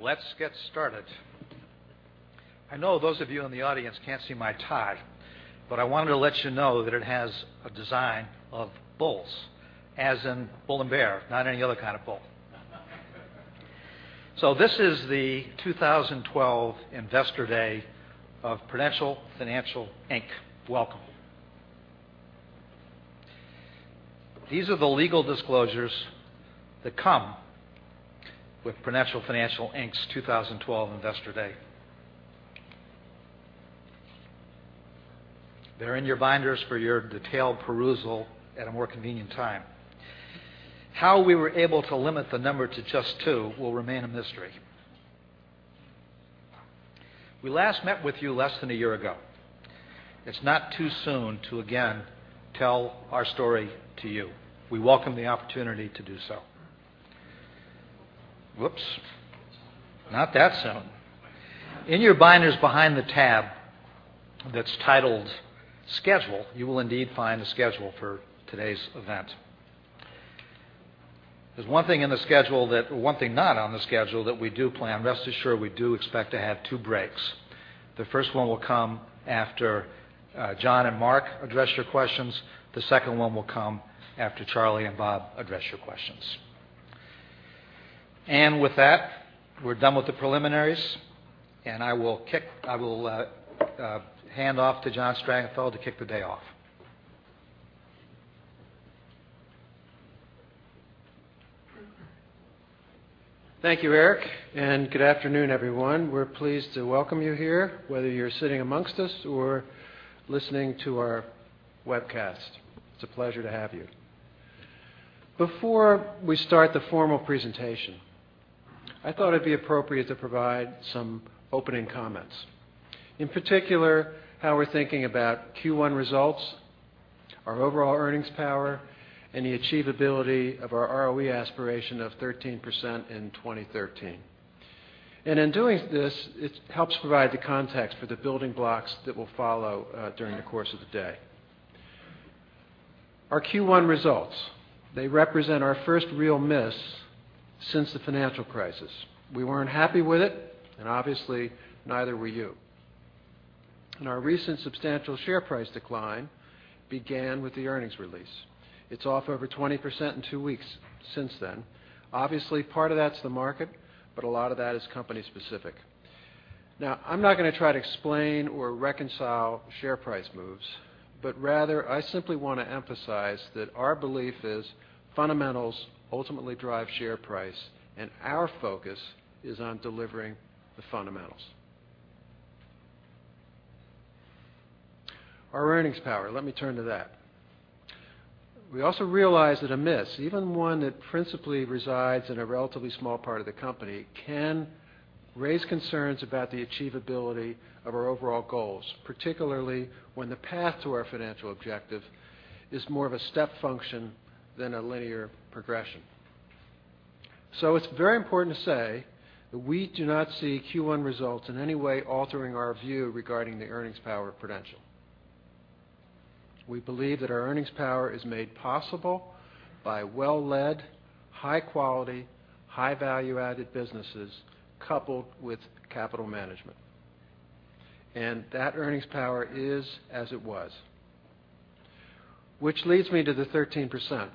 Let's get started. I know those of you in the audience can't see my tie, but I wanted to let you know that it has a design of bulls, as in bull and bear, not any other kind of bull. This is the 2012 Investor Day of Prudential Financial Inc. Welcome. These are the legal disclosures that come with Prudential Financial Inc.'s 2012 Investor Day. They're in your binders for your detailed perusal at a more convenient time. How we were able to limit the number to just two will remain a mystery. We last met with you less than a year ago. It's not too soon to, again, tell our story to you. We welcome the opportunity to do so. Whoops, not that soon. In your binders behind the tab that's titled Schedule, you will indeed find a schedule for today's event. There's one thing not on the schedule that we do plan. Rest assured, we do expect to have two breaks. The first one will come after John and Mark address your questions. The second one will come after Charlie and Bob address your questions. With that, we're done with the preliminaries, and I will hand off to John Strangfeld to kick the day off. Thank you, Eric, and good afternoon, everyone. We're pleased to welcome you here, whether you're sitting amongst us or listening to our webcast. It's a pleasure to have you. Before we start the formal presentation, I thought it'd be appropriate to provide some opening comments. In particular, how we're thinking about Q1 results, our overall earnings power, and the achievability of our ROE aspiration of 13% in 2013. In doing this, it helps provide the context for the building blocks that will follow during the course of the day. Our Q1 results, they represent our first real miss since the financial crisis. We weren't happy with it, and obviously, neither were you. Our recent substantial share price decline began with the earnings release. It's off over 20% in two weeks since then. Obviously, part of that's the market, but a lot of that is company specific. I'm not going to try to explain or reconcile share price moves, rather, I simply want to emphasize that our belief is fundamentals ultimately drive share price, our focus is on delivering the fundamentals. Our earnings power, let me turn to that. We also realize that a miss, even one that principally resides in a relatively small part of the company, can raise concerns about the achievability of our overall goals, particularly when the path to our financial objective is more of a step function than a linear progression. It's very important to say that we do not see Q1 results in any way altering our view regarding the earnings power of Prudential. We believe that our earnings power is made possible by well-led, high quality, high value-added businesses coupled with capital management, that earnings power is as it was, which leads me to the 13%.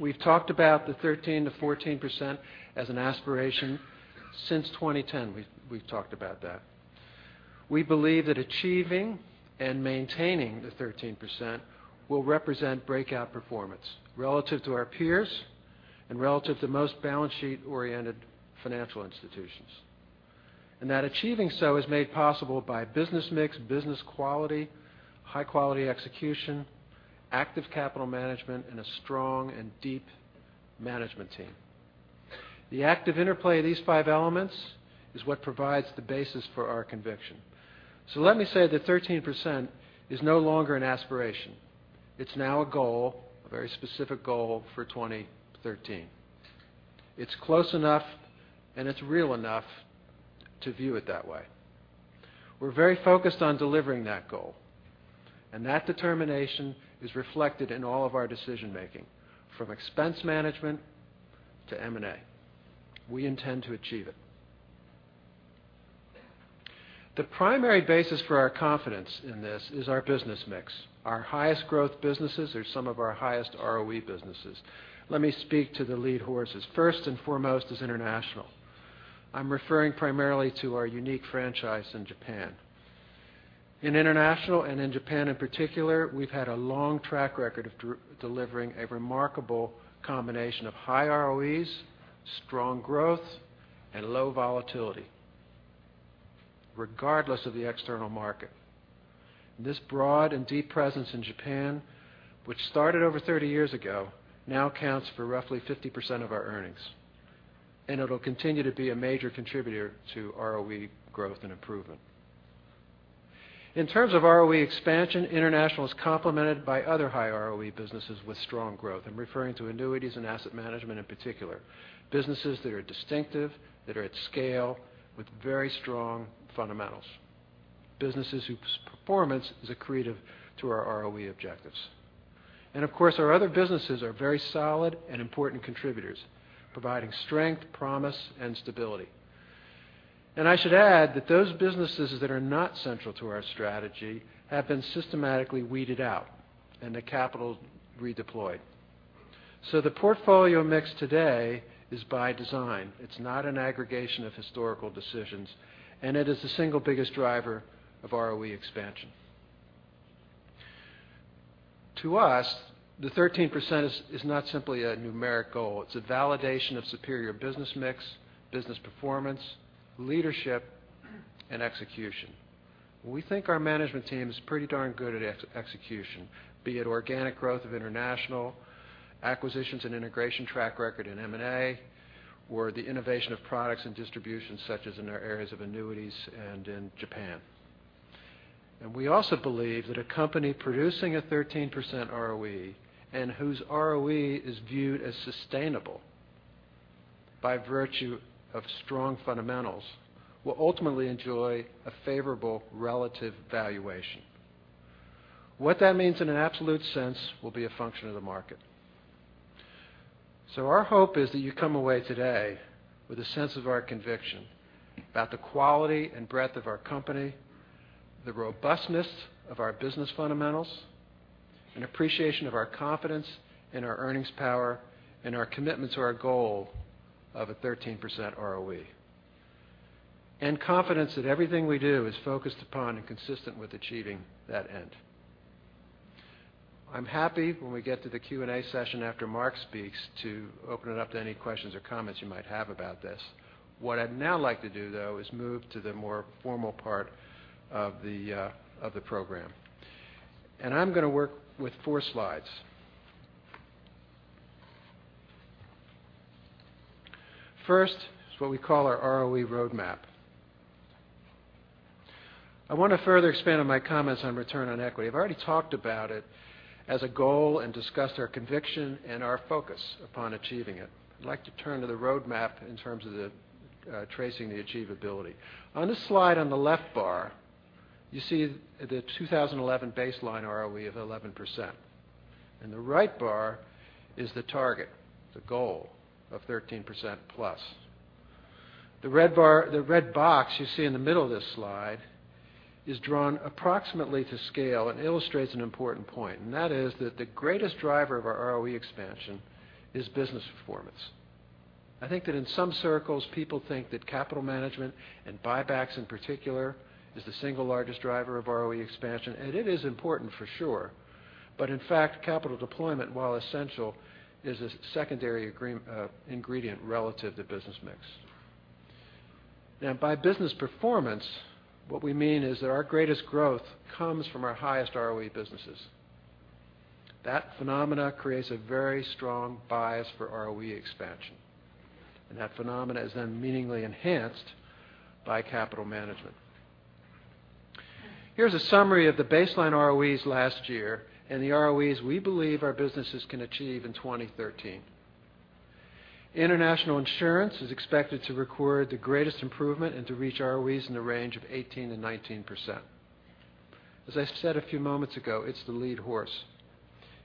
We've talked about the 13%-14% as an aspiration since 2010. We believe that achieving and maintaining the 13% will represent breakout performance relative to our peers and relative to most balance sheet-oriented financial institutions. That achieving so is made possible by business mix, business quality, high-quality execution, active capital management, and a strong and deep management team. The active interplay of these five elements is what provides the basis for our conviction. Let me say that 13% is no longer an aspiration. It's now a goal, a very specific goal for 2013. It's close enough and it's real enough to view it that way. We're very focused on delivering that goal, that determination is reflected in all of our decision making, from expense management to M&A. We intend to achieve it. The primary basis for our confidence in this is our business mix. Our highest growth businesses are some of our highest ROE businesses. Let me speak to the lead horses. First and foremost is international. I'm referring primarily to our unique franchise in Japan. In international, and in Japan in particular, we've had a long track record of delivering a remarkable combination of high ROEs, strong growth, and low volatility, regardless of the external market. This broad and deep presence in Japan, which started over 30 years ago, now accounts for roughly 50% of our earnings, it'll continue to be a major contributor to ROE growth and improvement. In terms of ROE expansion, international is complemented by other high ROE businesses with strong growth. I'm referring to annuities and asset management in particular. Businesses that are distinctive, that are at scale, with very strong fundamentals. Businesses whose performance is accretive to our ROE objectives. Of course, our other businesses are very solid and important contributors, providing strength, promise, and stability. I should add that those businesses that are not central to our strategy have been systematically weeded out, and the capital redeployed. The portfolio mix today is by design. It's not an aggregation of historical decisions, it is the single biggest driver of ROE expansion. To us, the 13% is not simply a numeric goal. It's a validation of superior business mix, business performance, leadership, and execution. We think our management team is pretty darn good at execution, be it organic growth of international acquisitions and integration track record in M&A, or the innovation of products and distribution, such as in our areas of annuities and in Japan. We also believe that a company producing a 13% ROE and whose ROE is viewed as sustainable by virtue of strong fundamentals will ultimately enjoy a favorable relative valuation. What that means in an absolute sense will be a function of the market. Our hope is that you come away today with a sense of our conviction about the quality and breadth of our company, the robustness of our business fundamentals, an appreciation of our confidence in our earnings power, and our commitment to our goal of a 13% ROE. Confidence that everything we do is focused upon and consistent with achieving that end. I'm happy when we get to the Q&A session after Mark Grier speaks to open it up to any questions or comments you might have about this. What I'd now like to do, though, is move to the more formal part of the program. I'm going to work with four slides. First is what we call our ROE roadmap. I want to further expand on my comments on return on equity. I've already talked about it as a goal and discussed our conviction and our focus upon achieving it. I'd like to turn to the roadmap in terms of tracing the achievability. On this slide on the left bar, you see the 2011 baseline ROE of 11%, and the right bar is the target, the goal of 13% plus. The red box you see in the middle of this slide is drawn approximately to scale and illustrates an important point. That is that the greatest driver of our ROE expansion is business performance. I think that in some circles, people think that capital management and buybacks, in particular, is the single largest driver of ROE expansion, and it is important for sure. In fact, capital deployment, while essential, is a secondary ingredient relative to business mix. By business performance, what we mean is that our greatest growth comes from our highest ROE businesses. That phenomena creates a very strong bias for ROE expansion, and that phenomena is then meaningly enhanced by capital management. Here's a summary of the baseline ROEs last year and the ROEs we believe our businesses can achieve in 2013. Prudential International Insurance is expected to record the greatest improvement and to reach ROEs in the range of 18%-19%. As I said a few moments ago, it's the lead horse.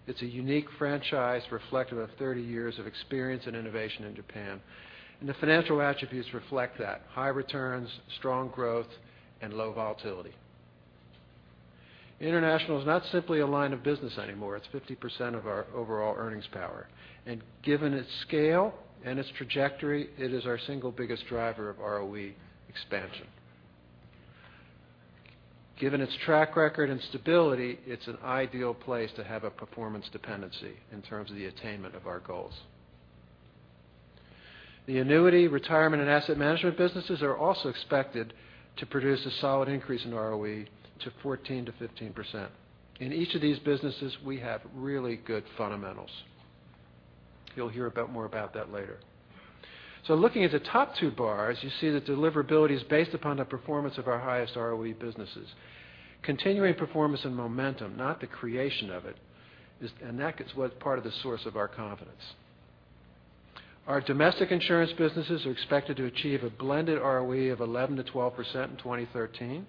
It's a unique franchise reflective of 30 years of experience and innovation in Japan. The financial attributes reflect that: high returns, strong growth, and low volatility. International is not simply a line of business anymore. It's 50% of our overall earnings power. Given its scale and its trajectory, it is our single biggest driver of ROE expansion. Given its track record and stability, it's an ideal place to have a performance dependency in terms of the attainment of our goals. The annuity, retirement, and asset management businesses are also expected to produce a solid increase in ROE to 14%-15%. In each of these businesses, we have really good fundamentals. You'll hear a bit more about that later. Looking at the top two bars, you see that deliverability is based upon the performance of our highest ROE businesses. Continuing performance and momentum, not the creation of it, and that is what part of the source of our confidence. Our domestic insurance businesses are expected to achieve a blended ROE of 11%-12% in 2013,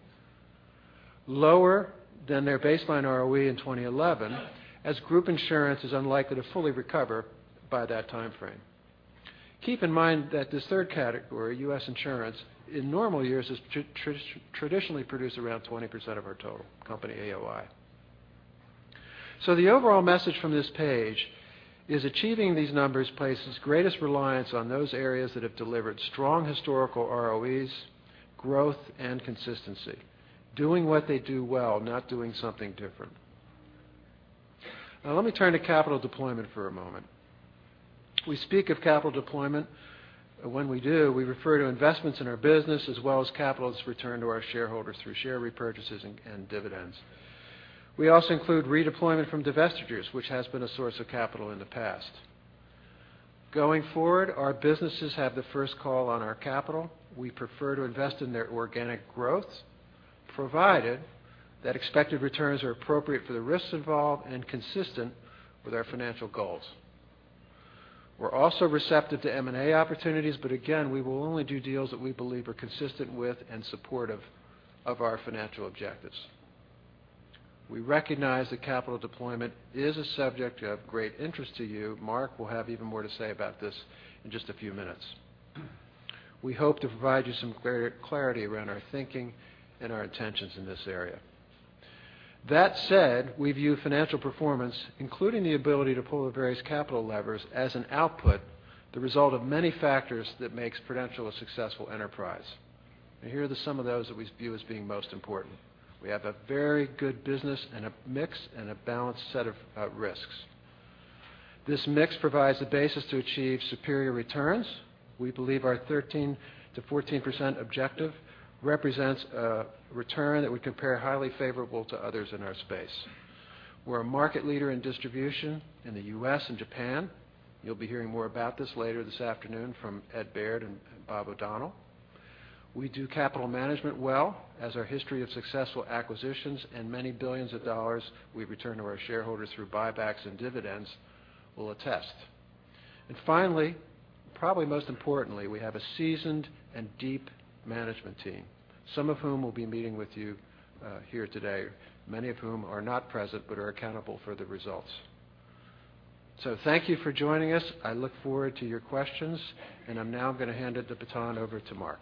lower than their baseline ROE in 2011, as group insurance is unlikely to fully recover by that timeframe. Keep in mind that this third category, U.S. insurance, in normal years, traditionally produce around 20% of our total company AOI. The overall message from this page is achieving these numbers places greatest reliance on those areas that have delivered strong historical ROEs, growth, and consistency. Doing what they do well, not doing something different. Let me turn to capital deployment for a moment. We speak of capital deployment. When we do, we refer to investments in our business as well as capital as return to our shareholders through share repurchases and dividends. We also include redeployment from divestitures, which has been a source of capital in the past. Going forward, our businesses have the first call on our capital. We prefer to invest in their organic growth, provided that expected returns are appropriate for the risks involved and consistent with our financial goals. We're also receptive to M&A opportunities, but again, we will only do deals that we believe are consistent with and supportive of our financial objectives. We recognize that capital deployment is a subject of great interest to you. Mark will have even more to say about this in just a few minutes. We hope to provide you some clarity around our thinking and our intentions in this area. That said, we view financial performance, including the ability to pull the various capital levers as an output, the result of many factors that makes Prudential a successful enterprise. Here are the some of those that we view as being most important. We have a very good business and a mix and a balanced set of risks. This mix provides the basis to achieve superior returns. We believe our 13%-14% objective represents a return that we compare highly favorable to others in our space. We're a market leader in distribution in the U.S. and Japan. You'll be hearing more about this later this afternoon from Ed Baird and Bob O'Donnell. We do capital management well, as our history of successful acquisitions and many billions of dollars we've returned to our shareholders through buybacks and dividends will attest. Finally, probably most importantly, we have a seasoned and deep management team, some of whom will be meeting with you here today, many of whom are not present but are accountable for the results. Thank you for joining us. I look forward to your questions, and I'm now going to hand it the baton over to Mark.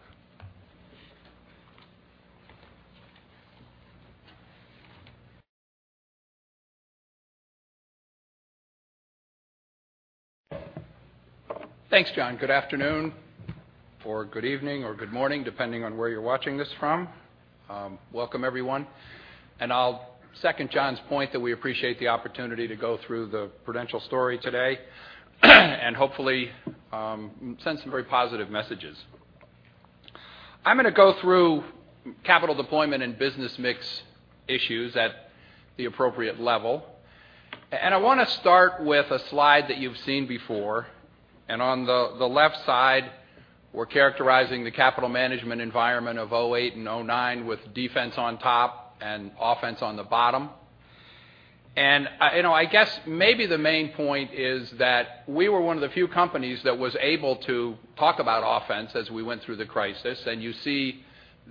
Thanks, John. Good afternoon, or good evening, or good morning, depending on where you're watching this from. Welcome, everyone. I'll second John's point that we appreciate the opportunity to go through the Prudential story today and hopefully send some very positive messages. I'm going to go through capital deployment and business mix issues at the appropriate level. I want to start with a slide that you've seen before. On the left side, we're characterizing the capital management environment of 2008 and 2009 with defense on top and offense on the bottom. I guess maybe the main point is that we were one of the few companies that was able to talk about offense as we went through the crisis, and you see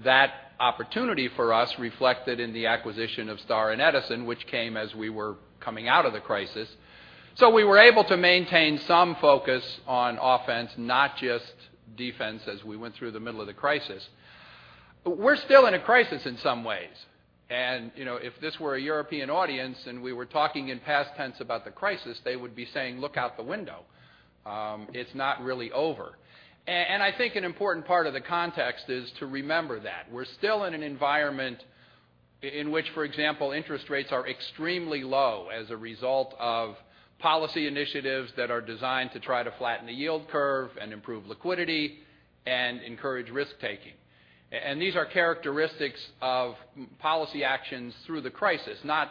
that opportunity for us reflected in the acquisition of Star and Edison, which came as we were coming out of the crisis. We were able to maintain some focus on offense, not just defense as we went through the middle of the crisis. We're still in a crisis in some ways. If this were a European audience and we were talking in past tense about the crisis, they would be saying, "Look out the window. It's not really over." I think an important part of the context is to remember that. We're still in an environment in which, for example, interest rates are extremely low as a result of policy initiatives that are designed to try to flatten the yield curve and improve liquidity and encourage risk-taking. These are characteristics of policy actions through the crisis, not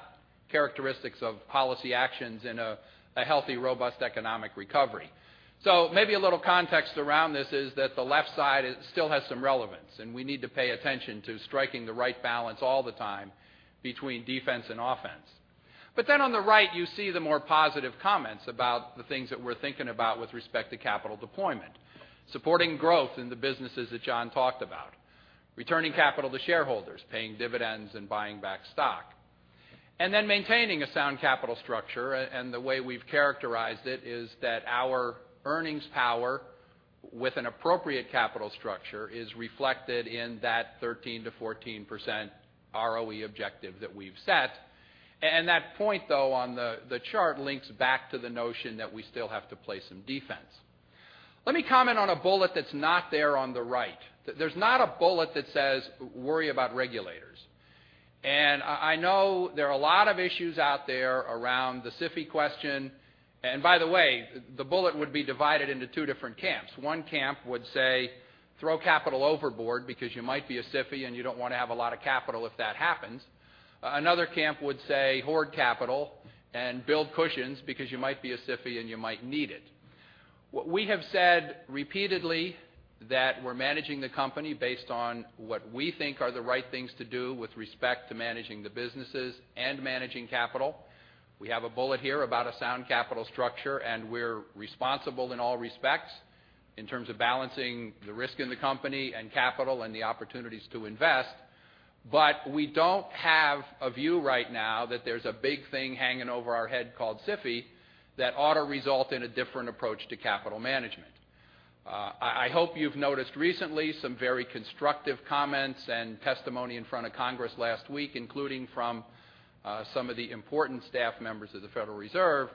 characteristics of policy actions in a healthy, robust economic recovery. Maybe a little context around this is that the left side still has some relevance, and we need to pay attention to striking the right balance all the time between defense and offense. On the right, you see the more positive comments about the things that we're thinking about with respect to capital deployment. Supporting growth in the businesses that John talked about, returning capital to shareholders, paying dividends and buying back stock. Maintaining a sound capital structure, and the way we've characterized it is that our earnings power with an appropriate capital structure is reflected in that 13%-14% ROE objective that we've set. That point, though, on the chart links back to the notion that we still have to play some defense. Let me comment on a bullet that's not there on the right. There's not a bullet that says worry about regulators. I know there are a lot of issues out there around the SIFI question. By the way, the bullet would be divided into two different camps. One camp would say, throw capital overboard because you might be a SIFI and you don't want to have a lot of capital if that happens. Another camp would say, hoard capital and build cushions because you might be a SIFI and you might need it. What we have said repeatedly that we're managing the company based on what we think are the right things to do with respect to managing the businesses and managing capital. We have a bullet here about a sound capital structure, and we're responsible in all respects in terms of balancing the risk in the company and capital and the opportunities to invest. We don't have a view right now that there's a big thing hanging over our head called SIFI that ought to result in a different approach to capital management. I hope you've noticed recently some very constructive comments and testimony in front of Congress last week, including from some of the important staff members of the Federal Reserve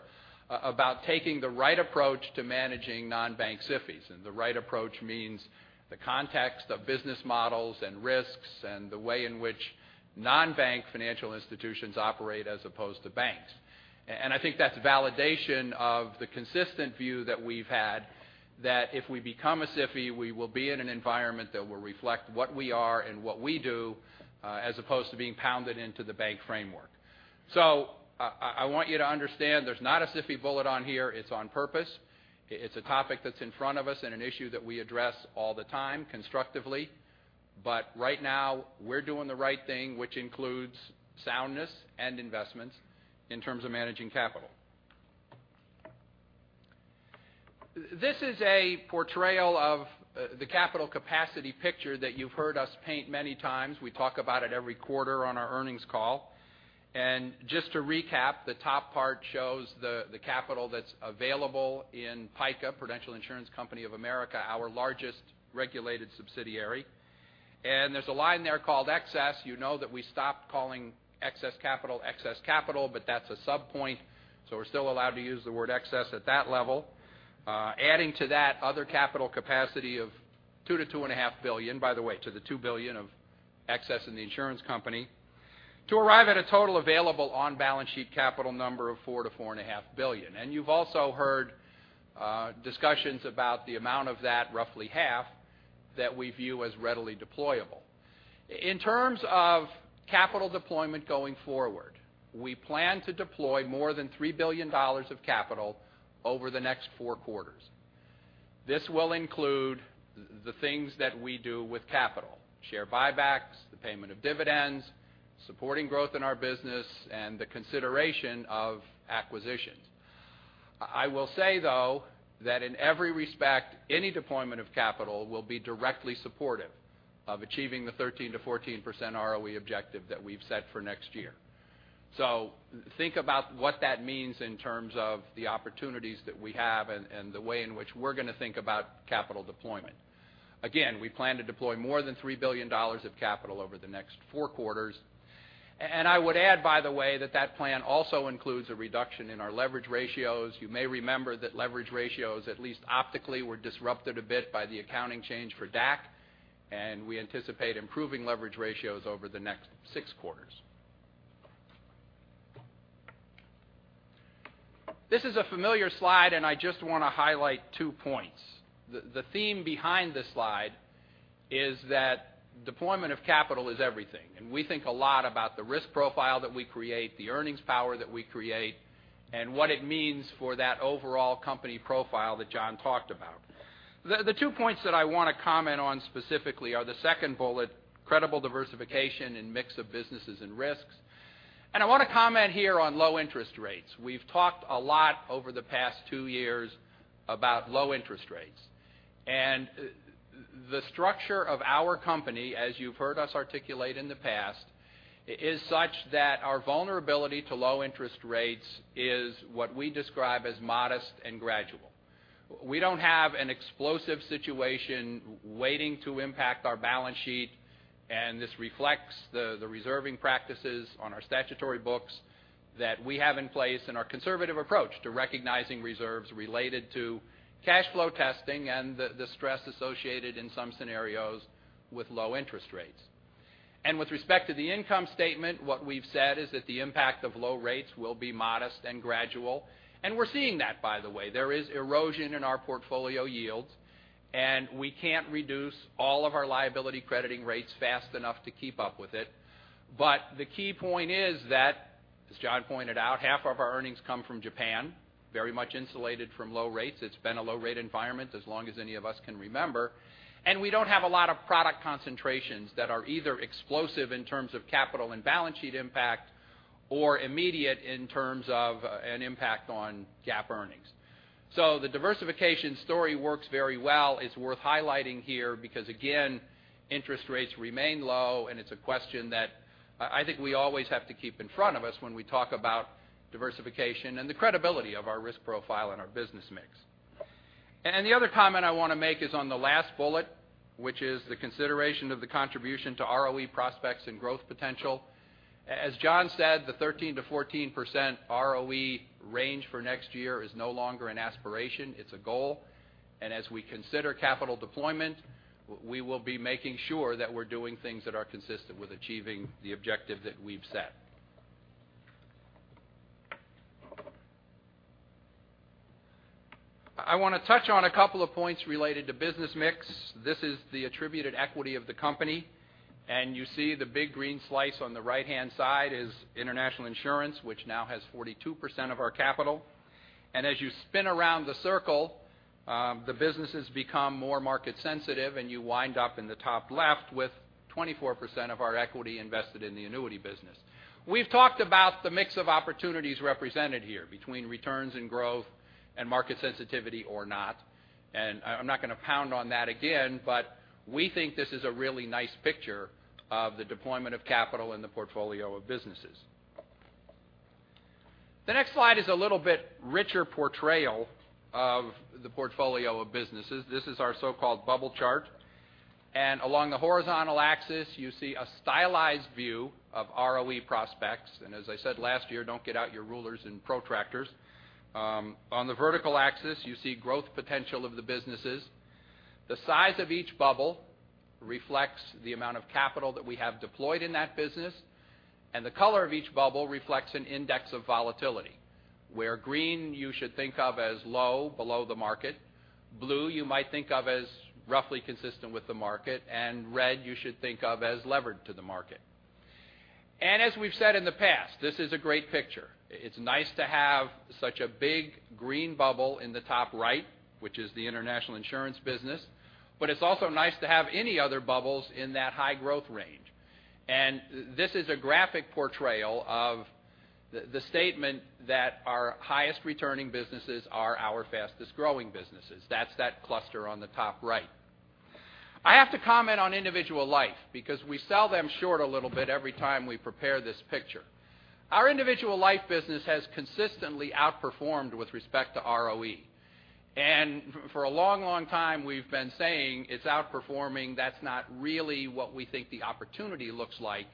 about taking the right approach to managing non-bank SIFIs. The right approach means the context of business models and risks and the way in which non-bank financial institutions operate as opposed to banks. I think that's validation of the consistent view that we've had that if we become a SIFI, we will be in an environment that will reflect what we are and what we do as opposed to being pounded into the bank framework. I want you to understand there's not a SIFI bullet on here. It's on purpose. It's a topic that's in front of us and an issue that we address all the time constructively. Right now we're doing the right thing, which includes soundness and investments in terms of managing capital. This is a portrayal of the capital capacity picture that you've heard us paint many times. We talk about it every quarter on our earnings call. Just to recap, the top part shows the capital that's available in PICA, Prudential Insurance Company of America, our largest regulated subsidiary. There's a line there called excess. You know that we stopped calling excess capital, excess capital, but that's a sub-point, so we're still allowed to use the word excess at that level. Adding to that other capital capacity of $2 billion-$2.5 billion, by the way, to the $2 billion of excess in the insurance company, to arrive at a total available on-balance sheet capital number of $4 billion-$4.5 billion. You've also heard discussions about the amount of that, roughly half, that we view as readily deployable. In terms of capital deployment going forward, we plan to deploy more than $3 billion of capital over the next four quarters. This will include the things that we do with capital, share buybacks, the payment of dividends, supporting growth in our business, and the consideration of acquisitions. I will say, though, that in every respect, any deployment of capital will be directly supportive of achieving the 13%-14% ROE objective that we've set for next year. Think about what that means in terms of the opportunities that we have and the way in which we're going to think about capital deployment. Again, we plan to deploy more than $3 billion of capital over the next four quarters. I would add, by the way, that that plan also includes a reduction in our leverage ratios. You may remember that leverage ratios, at least optically, were disrupted a bit by the accounting change for DAC, and we anticipate improving leverage ratios over the next six quarters. This is a familiar slide, I just want to highlight two points. The theme behind this slide is that deployment of capital is everything, and we think a lot about the risk profile that we create, the earnings power that we create, and what it means for that overall company profile that John talked about. The two points that I want to comment on specifically are the second bullet, credible diversification in mix of businesses and risks. I want to comment here on low interest rates. We've talked a lot over the past two years about low interest rates. The structure of our company, as you've heard us articulate in the past, is such that our vulnerability to low interest rates is what we describe as modest and gradual. We don't have an explosive situation waiting to impact our balance sheet, and this reflects the reserving practices on our statutory books that we have in place and our conservative approach to recognizing reserves related to cash flow testing and the stress associated in some scenarios with low interest rates. With respect to the income statement, what we've said is that the impact of low rates will be modest and gradual, and we're seeing that, by the way. There is erosion in our portfolio yields, and we can't reduce all of our liability crediting rates fast enough to keep up with it. The key point is that, as John pointed out, half of our earnings come from Japan, very much insulated from low rates. It's been a low rate environment as long as any of us can remember. We don't have a lot of product concentrations that are either explosive in terms of capital and balance sheet impact, or immediate in terms of an impact on GAAP earnings. The diversification story works very well. It's worth highlighting here because, again, interest rates remain low, and it's a question that I think we always have to keep in front of us when we talk about diversification and the credibility of our risk profile and our business mix. The other comment I want to make is on the last bullet, which is the consideration of the contribution to ROE prospects and growth potential. As John said, the 13%-14% ROE range for next year is no longer an aspiration, it's a goal. As we consider capital deployment, we will be making sure that we're doing things that are consistent with achieving the objective that we've set. I want to touch on a couple of points related to business mix. This is the attributed equity of the company, you see the big green slice on the right-hand side is International Insurance, which now has 42% of our capital. As you spin around the circle, the businesses become more market sensitive, and you wind up in the top left with 24% of our equity invested in the annuity business. We've talked about the mix of opportunities represented here between returns and growth and market sensitivity or not. I'm not going to pound on that again, but we think this is a really nice picture of the deployment of capital in the portfolio of businesses. The next slide is a little bit richer portrayal of the portfolio of businesses. This is our so-called bubble chart. Along the horizontal axis, you see a stylized view of ROE prospects. As I said last year, don't get out your rulers and protractors. On the vertical axis, you see growth potential of the businesses. The size of each bubble reflects the amount of capital that we have deployed in that business, and the color of each bubble reflects an index of volatility, where green you should think of as low, below the market, blue you might think of as roughly consistent with the market, and red you should think of as levered to the market. As we've said in the past, this is a great picture. It's nice to have such a big green bubble in the top right, which is the International Insurance business, but it's also nice to have any other bubbles in that high growth range. This is a graphic portrayal of the statement that our highest returning businesses are our fastest growing businesses. That's that cluster on the top right. I have to comment on individual life because we sell them short a little bit every time we prepare this picture. Our individual life business has consistently outperformed with respect to ROE. For a long time, we've been saying it's outperforming. That's not really what we think the opportunity looks like.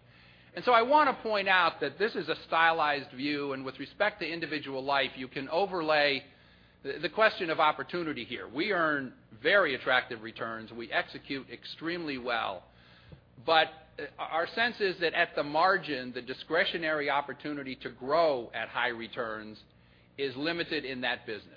I want to point out that this is a stylized view, and with respect to individual life, you can overlay the question of opportunity here. We earn very attractive returns. We execute extremely well. Our sense is that at the margin, the discretionary opportunity to grow at high returns is limited in that business.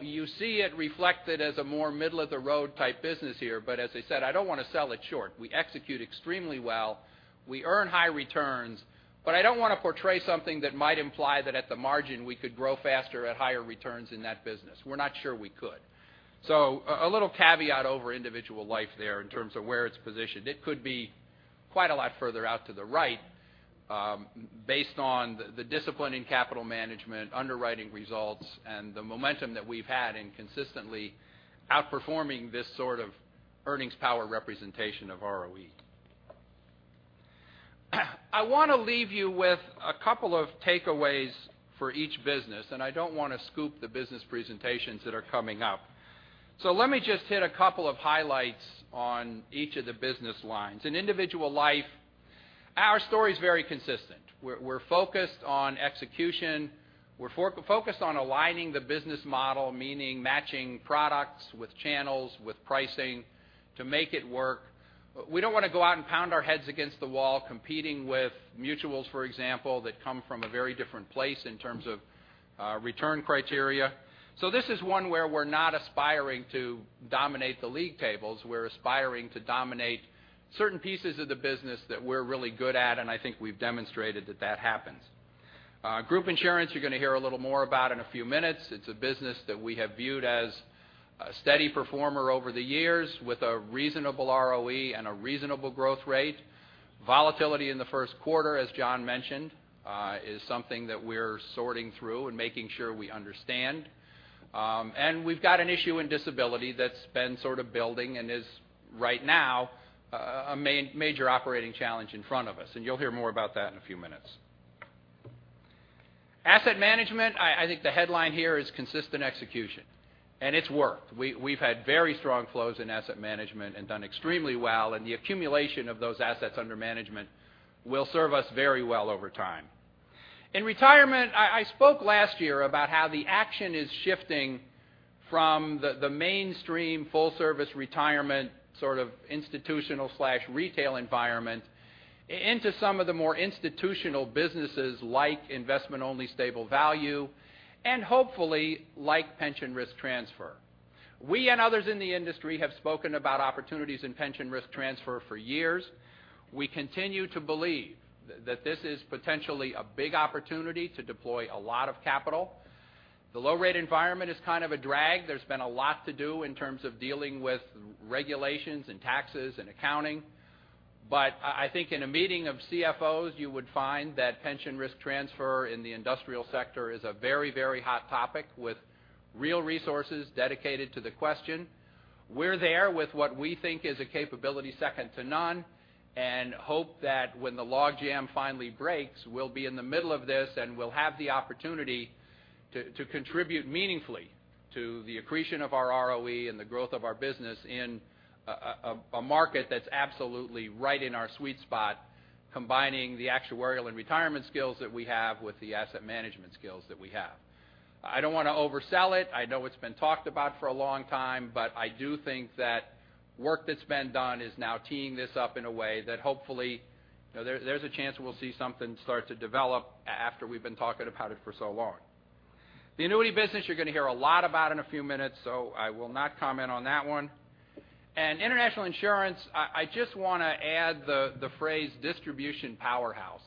You see it reflected as a more middle-of-the-road type business here. As I said, I don't want to sell it short. We execute extremely well. We earn high returns, I don't want to portray something that might imply that at the margin, we could grow faster at higher returns in that business. We're not sure we could. A little caveat over individual life there in terms of where it's positioned. It could be quite a lot further out to the right, based on the discipline in capital management, underwriting results, and the momentum that we've had in consistently outperforming this sort of earnings power representation of ROE. I want to leave you with a couple of takeaways for each business, I don't want to scoop the business presentations that are coming up. Let me just hit a couple of highlights on each of the business lines. In individual life, our story is very consistent. We're focused on execution. We're focused on aligning the business model, meaning matching products with channels, with pricing to make it work. We don't want to go out and pound our heads against the wall competing with mutuals, for example, that come from a very different place in terms of return criteria. This is one where we're not aspiring to dominate the league tables. We're aspiring to dominate certain pieces of the business that we're really good at, I think we've demonstrated that that happens. Group insurance, you're going to hear a little more about in a few minutes. It's a business that we have viewed as a steady performer over the years with a reasonable ROE and a reasonable growth rate. Volatility in the first quarter, as John mentioned, is something that we're sorting through and making sure we understand. We've got an issue in disability that's been sort of building and is right now a major operating challenge in front of us, you'll hear more about that in a few minutes. Asset management, I think the headline here is consistent execution, it's worked. We've had very strong flows in asset management done extremely well, the accumulation of those assets under management will serve us very well over time. In retirement, I spoke last year about how the action is shifting from the mainstream full-service retirement, sort of institutional/retail environment into some of the more institutional businesses like investment-only stable value and hopefully like pension risk transfer. We and others in the industry have spoken about opportunities in pension risk transfer for years. We continue to believe that this is potentially a big opportunity to deploy a lot of capital. The low rate environment is kind of a drag. There's been a lot to do in terms of dealing with regulations and taxes and accounting. I think in a meeting of CFOs, you would find that pension risk transfer in the industrial sector is a very hot topic with real resources dedicated to the question. We're there with what we think is a capability second to none and hope that when the logjam finally breaks, we'll be in the middle of this, and we'll have the opportunity to contribute meaningfully to the accretion of our ROE and the growth of our business in a market that's absolutely right in our sweet spot, combining the actuarial and retirement skills that we have with the asset management skills that we have. I don't want to oversell it. I know it's been talked about for a long time, but I do think that work that's been done is now teeing this up in a way that hopefully there's a chance we'll see something start to develop after we've been talking about it for so long. The annuity business you're going to hear a lot about in a few minutes, I will not comment on that one. International insurance, I just want to add the phrase distribution powerhouse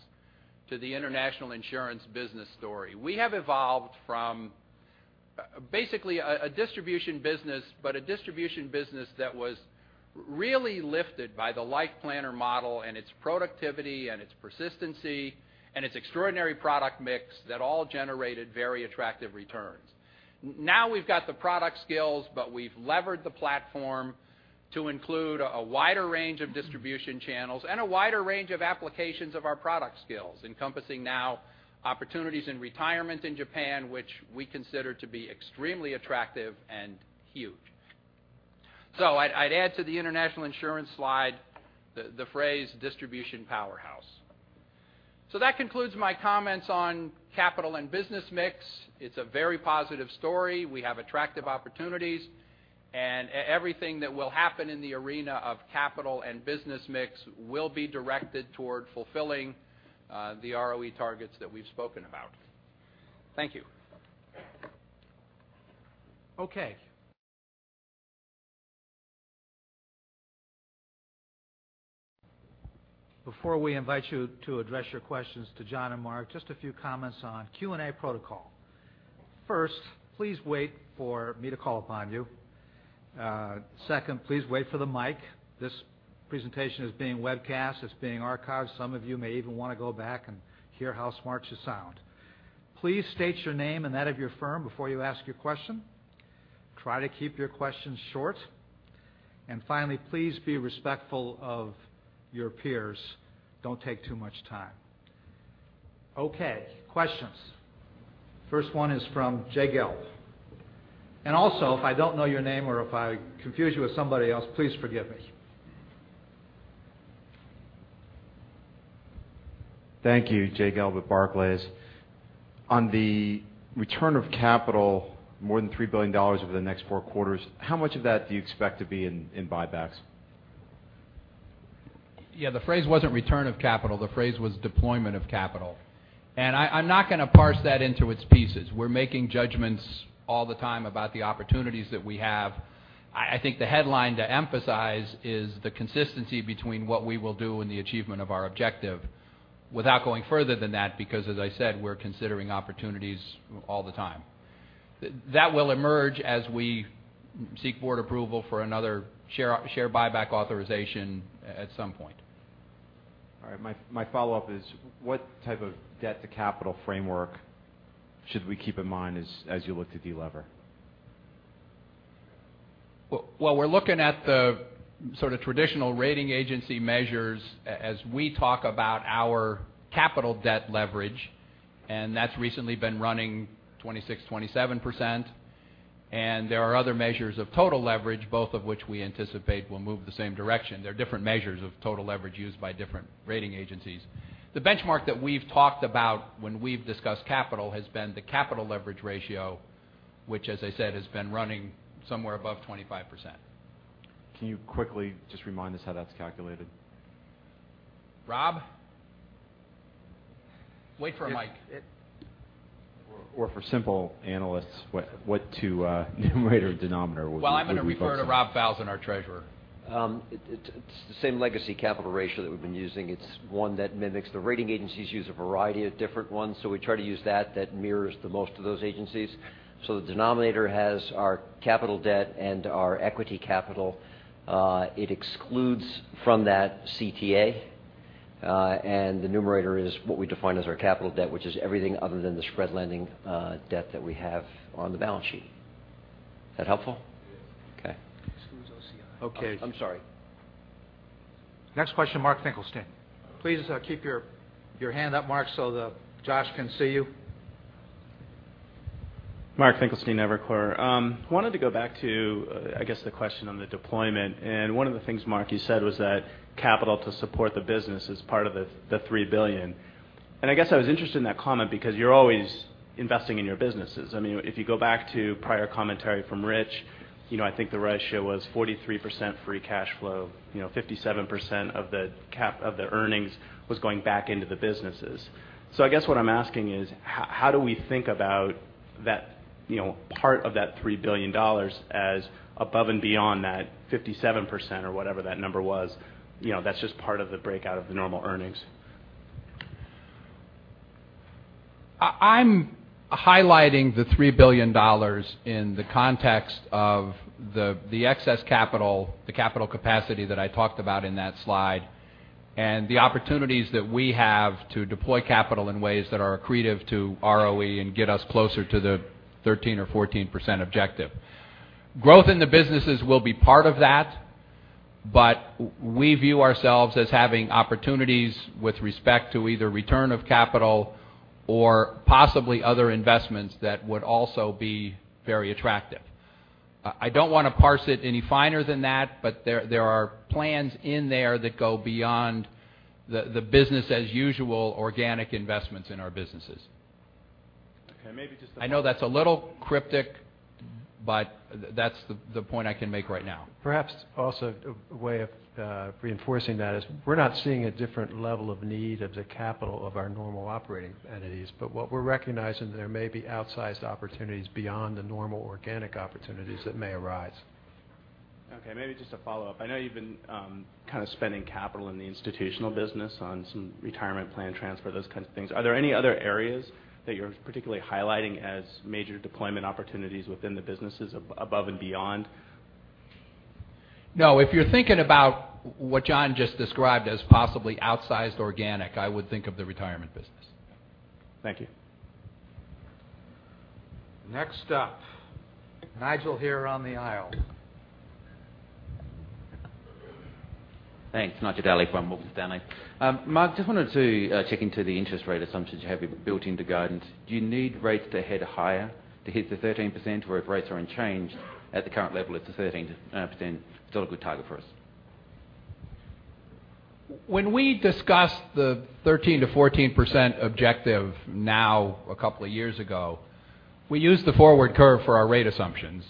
to the international insurance business story. We have evolved from basically a distribution business, but a distribution business that was really lifted by the Life Planner model and its productivity and its persistency and its extraordinary product mix that all generated very attractive returns. Now we've got the product skills, but we've levered the platform to include a wider range of distribution channels and a wider range of applications of our product skills, encompassing now opportunities in retirement in Japan, which we consider to be extremely attractive and huge. I'd add to the international insurance slide the phrase distribution powerhouse. That concludes my comments on capital and business mix. It's a very positive story. We have attractive opportunities, everything that will happen in the arena of capital and business mix will be directed toward fulfilling the ROE targets that we've spoken about. Thank you. Okay. Before we invite you to address your questions to John and Mark, just a few comments on Q&A protocol. First, please wait for me to call upon you. Second, please wait for the mic. This presentation is being webcast. It's being archived. Some of you may even want to go back and hear how smart you sound. Please state your name and that of your firm before you ask your question. Try to keep your questions short. Finally, please be respectful of your peers. Don't take too much time. Okay. Questions. First one is from Jay Gelb. Also, if I don't know your name or if I confuse you with somebody else, please forgive me. Thank you. Jay Gelb with Barclays. On the return of capital, more than $3 billion over the next four quarters, how much of that do you expect to be in buybacks? Yeah, the phrase wasn't return of capital, the phrase was deployment of capital. I'm not going to parse that into its pieces. We're making judgments all the time about the opportunities that we have. I think the headline to emphasize is the consistency between what we will do and the achievement of our objective without going further than that, because, as I said, we're considering opportunities all the time. That will emerge as we seek board approval for another share buyback authorization at some point. All right. My follow-up is, what type of debt-to-capital framework should we keep in mind as you look to delever? Well, we're looking at the sort of traditional rating agency measures as we talk about our capital debt leverage, and that's recently been running 26%, 27%. There are other measures of total leverage, both of which we anticipate will move the same direction. There are different measures of total leverage used by different rating agencies. The benchmark that we've talked about when we've discussed capital has been the capital leverage ratio, which, as I said, has been running somewhere above 25%. Can you quickly just remind us how that's calculated? Rob? Wait for a mic. For simple analysts, what numerator or denominator would we be focusing on? Well, I'm going to refer to Robert Falzon, our Treasurer. It's the same legacy capital ratio that we've been using. It's one that mimics. The rating agencies use a variety of different ones, we try to use that mirrors the most of those agencies. The denominator has our capital debt and our equity capital. It excludes from that CTA. The numerator is what we define as our capital debt, which is everything other than the spread lending debt that we have on the balance sheet. Is that helpful? It is. Okay. Exclude OCI. I'm sorry. Next question, Mark Finkelstein. Please keep your hand up, Mark, so that Josh can see you. Mark Finkelstein, Evercore. Wanted to go back to, I guess, the question on the deployment. One of the things, Mark, you said was that capital to support the business is part of the $3 billion. I guess I was interested in that comment because you're always investing in your businesses. If you go back to prior commentary from Rich, I think the ratio was 43% free cash flow, 57% of the earnings was going back into the businesses. I guess what I'm asking is, how do we think about part of that $3 billion as above and beyond that 57% or whatever that number was, that's just part of the breakout of the normal earnings? I'm highlighting the $3 billion in the context of the excess capital, the capital capacity that I talked about in that slide, and the opportunities that we have to deploy capital in ways that are accretive to ROE and get us closer to the 13% or 14% objective. Growth in the businesses will be part of that, but we view ourselves as having opportunities with respect to either return of capital or possibly other investments that would also be very attractive. I don't want to parse it any finer than that, but there are plans in there that go beyond the business as usual organic investments in our businesses. Okay. I know that's a little cryptic, that's the point I can make right now. Perhaps also a way of reinforcing that is we're not seeing a different level of need of the capital of our normal operating entities, what we're recognizing there may be outsized opportunities beyond the normal organic opportunities that may arise. Okay, maybe just a follow-up. I know you've been kind of spending capital in the institutional business on some retirement plan transfer, those kinds of things. Are there any other areas that you're particularly highlighting as major deployment opportunities within the businesses above and beyond? No. If you're thinking about what John just described as possibly outsized organic, I would think of the retirement business. Thank you. Next up, Nigel here on the aisle. Thanks. Nigel Dally from Morgan Stanley. Mark, just wanted to check into the interest rate assumptions you have built into guidance. Do you need rates to head higher to hit the 13%? Or if rates are unchanged at the current level, is the 13% still a good target for us? When we discussed the 13%-14% objective now a couple of years ago, we used the forward curve for our rate assumptions.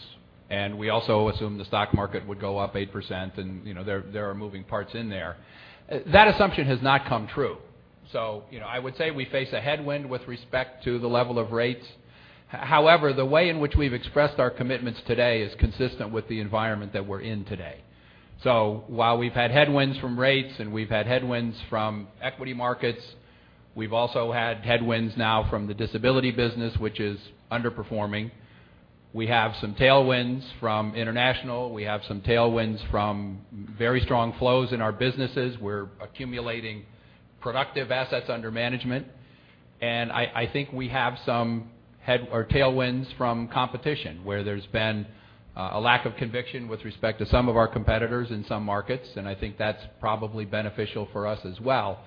There are moving parts in there. We also assumed the stock market would go up 8%. That assumption has not come true. I would say we face a headwind with respect to the level of rates. However, the way in which we've expressed our commitments today is consistent with the environment that we're in today. While we've had headwinds from rates and we've had headwinds from equity markets, we've also had headwinds now from the disability business, which is underperforming. We have some tailwinds from international. We have some tailwinds from very strong flows in our businesses. We're accumulating productive assets under management, I think we have some tailwinds from competition where there's been a lack of conviction with respect to some of our competitors in some markets, I think that's probably beneficial for us as well.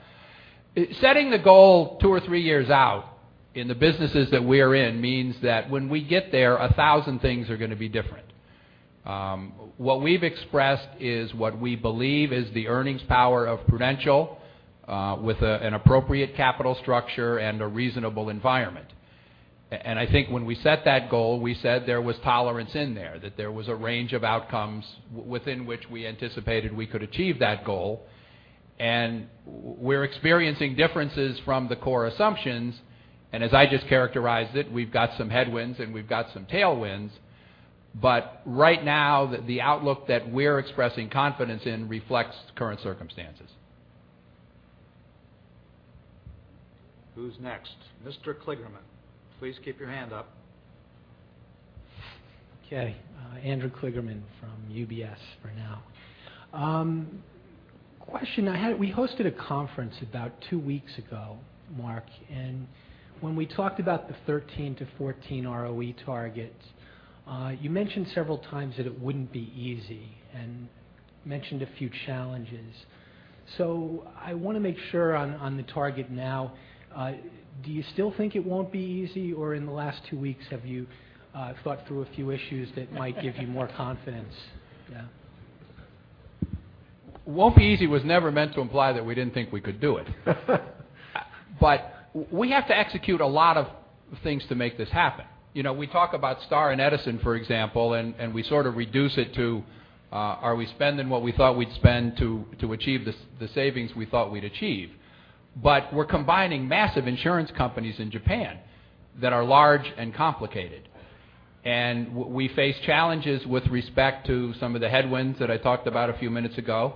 Setting the goal two or three years out in the businesses that we are in means that when we get there, 1,000 things are going to be different. What we've expressed is what we believe is the earnings power of Prudential with an appropriate capital structure and a reasonable environment. I think when we set that goal, we said there was tolerance in there, that there was a range of outcomes within which we anticipated we could achieve that goal, and we're experiencing differences from the core assumptions, and as I just characterized it, we've got some headwinds, and we've got some tailwinds. Right now, the outlook that we're expressing confidence in reflects current circumstances. Who's next? Mr. Kligerman, please keep your hand up. Okay. Andrew Kligerman from UBS for now. Question I had, we hosted a conference about 2 weeks ago, Mark, when we talked about the 13%-14% ROE target, you mentioned several times that it wouldn't be easy and mentioned a few challenges. I want to make sure on the target now, do you still think it won't be easy, or in the last 2 weeks, have you thought through a few issues that might give you more confidence? Yeah. Won't be easy was never meant to imply that we didn't think we could do it. We have to execute a lot of things to make this happen. We talk about Star and Edison, for example, and we sort of reduce it to, are we spending what we thought we'd spend to achieve the savings we thought we'd achieve? We're combining massive insurance companies in Japan that are large and complicated. We face challenges with respect to some of the headwinds that I talked about a few minutes ago.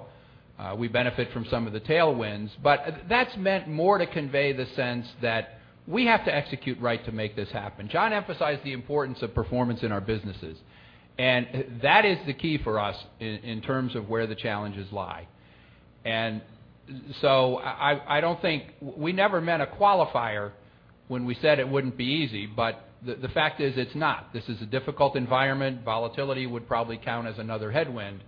We benefit from some of the tailwinds, but that's meant more to convey the sense that we have to execute right to make this happen. John emphasized the importance of performance in our businesses, and that is the key for us in terms of where the challenges lie. I don't think we never met a qualifier when we said it wouldn't be easy, but the fact is it's not. This is a difficult environment. Volatility would probably count as another headwind.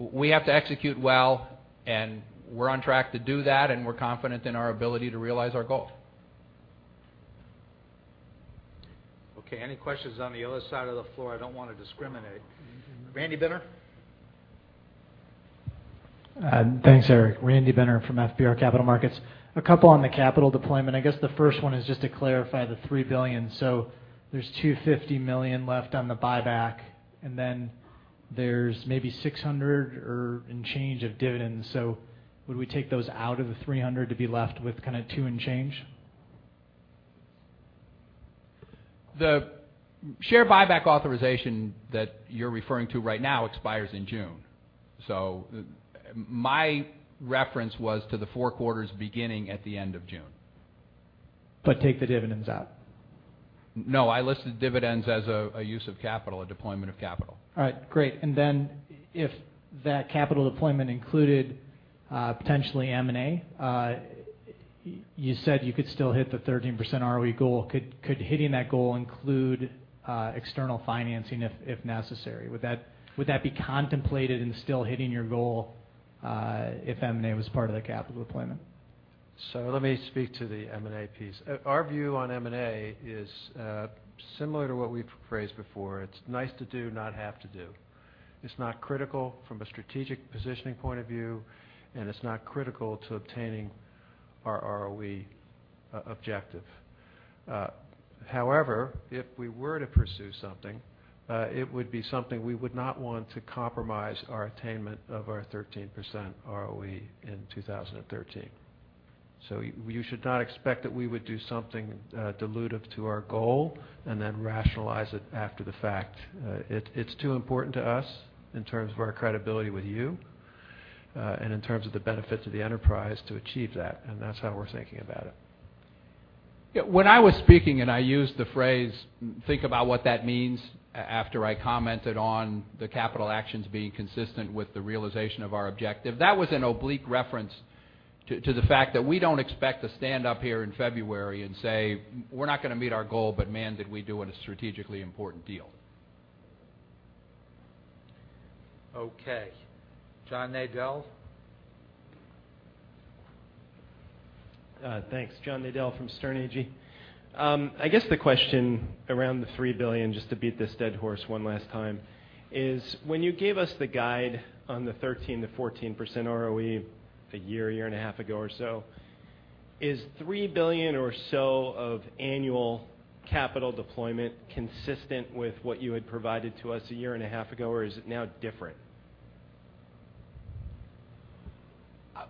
We have to execute well, and we're on track to do that, and we're confident in our ability to realize our goal. Okay. Any questions on the other side of the floor? I don't want to discriminate. Randy Binner? Thanks, Eric. Randy Binner from FBR Capital Markets. A couple on the capital deployment. I guess the first one is just to clarify the $3 billion. There's $250 million left on the buyback, and then there's maybe [$600 million] and change of dividends. Would we take those out of the $300 to be left with kind of $2 and change? The share buyback authorization that you're referring to right now expires in June. My reference was to the four quarters beginning at the end of June. Take the dividends out. No, I listed dividends as a use of capital, a deployment of capital. All right, great. Then if that capital deployment included potentially M&A, you said you could still hit the 13% ROE goal. Could hitting that goal include external financing if necessary? Would that be contemplated in still hitting your goal if M&A was part of the capital deployment? Let me speak to the M&A piece. Our view on M&A is similar to what we've phrased before. It's nice to do, not have to do. It's not critical from a strategic positioning point of view, and it's not critical to obtaining our ROE objective. However, if we were to pursue something, it would be something we would not want to compromise our attainment of our 13% ROE in 2013. You should not expect that we would do something dilutive to our goal and then rationalize it after the fact. It's too important to us in terms of our credibility with you, and in terms of the benefit to the enterprise to achieve that, and that's how we're thinking about it. When I was speaking and I used the phrase, "Think about what that means," after I commented on the capital actions being consistent with the realization of our objective, that was an oblique reference to the fact that we don't expect to stand up here in February and say, "We're not going to meet our goal, but man, did we do a strategically important deal. Okay. John Nadel? Thanks. John Nadel from Sterne, Agee & Leach. I guess the question around the $3 billion, just to beat this dead horse one last time, is when you gave us the guide on the 13%-14% ROE a year and a half ago or so. Is $3 billion or so of annual capital deployment consistent with what you had provided to us a year and a half ago, or is it now different?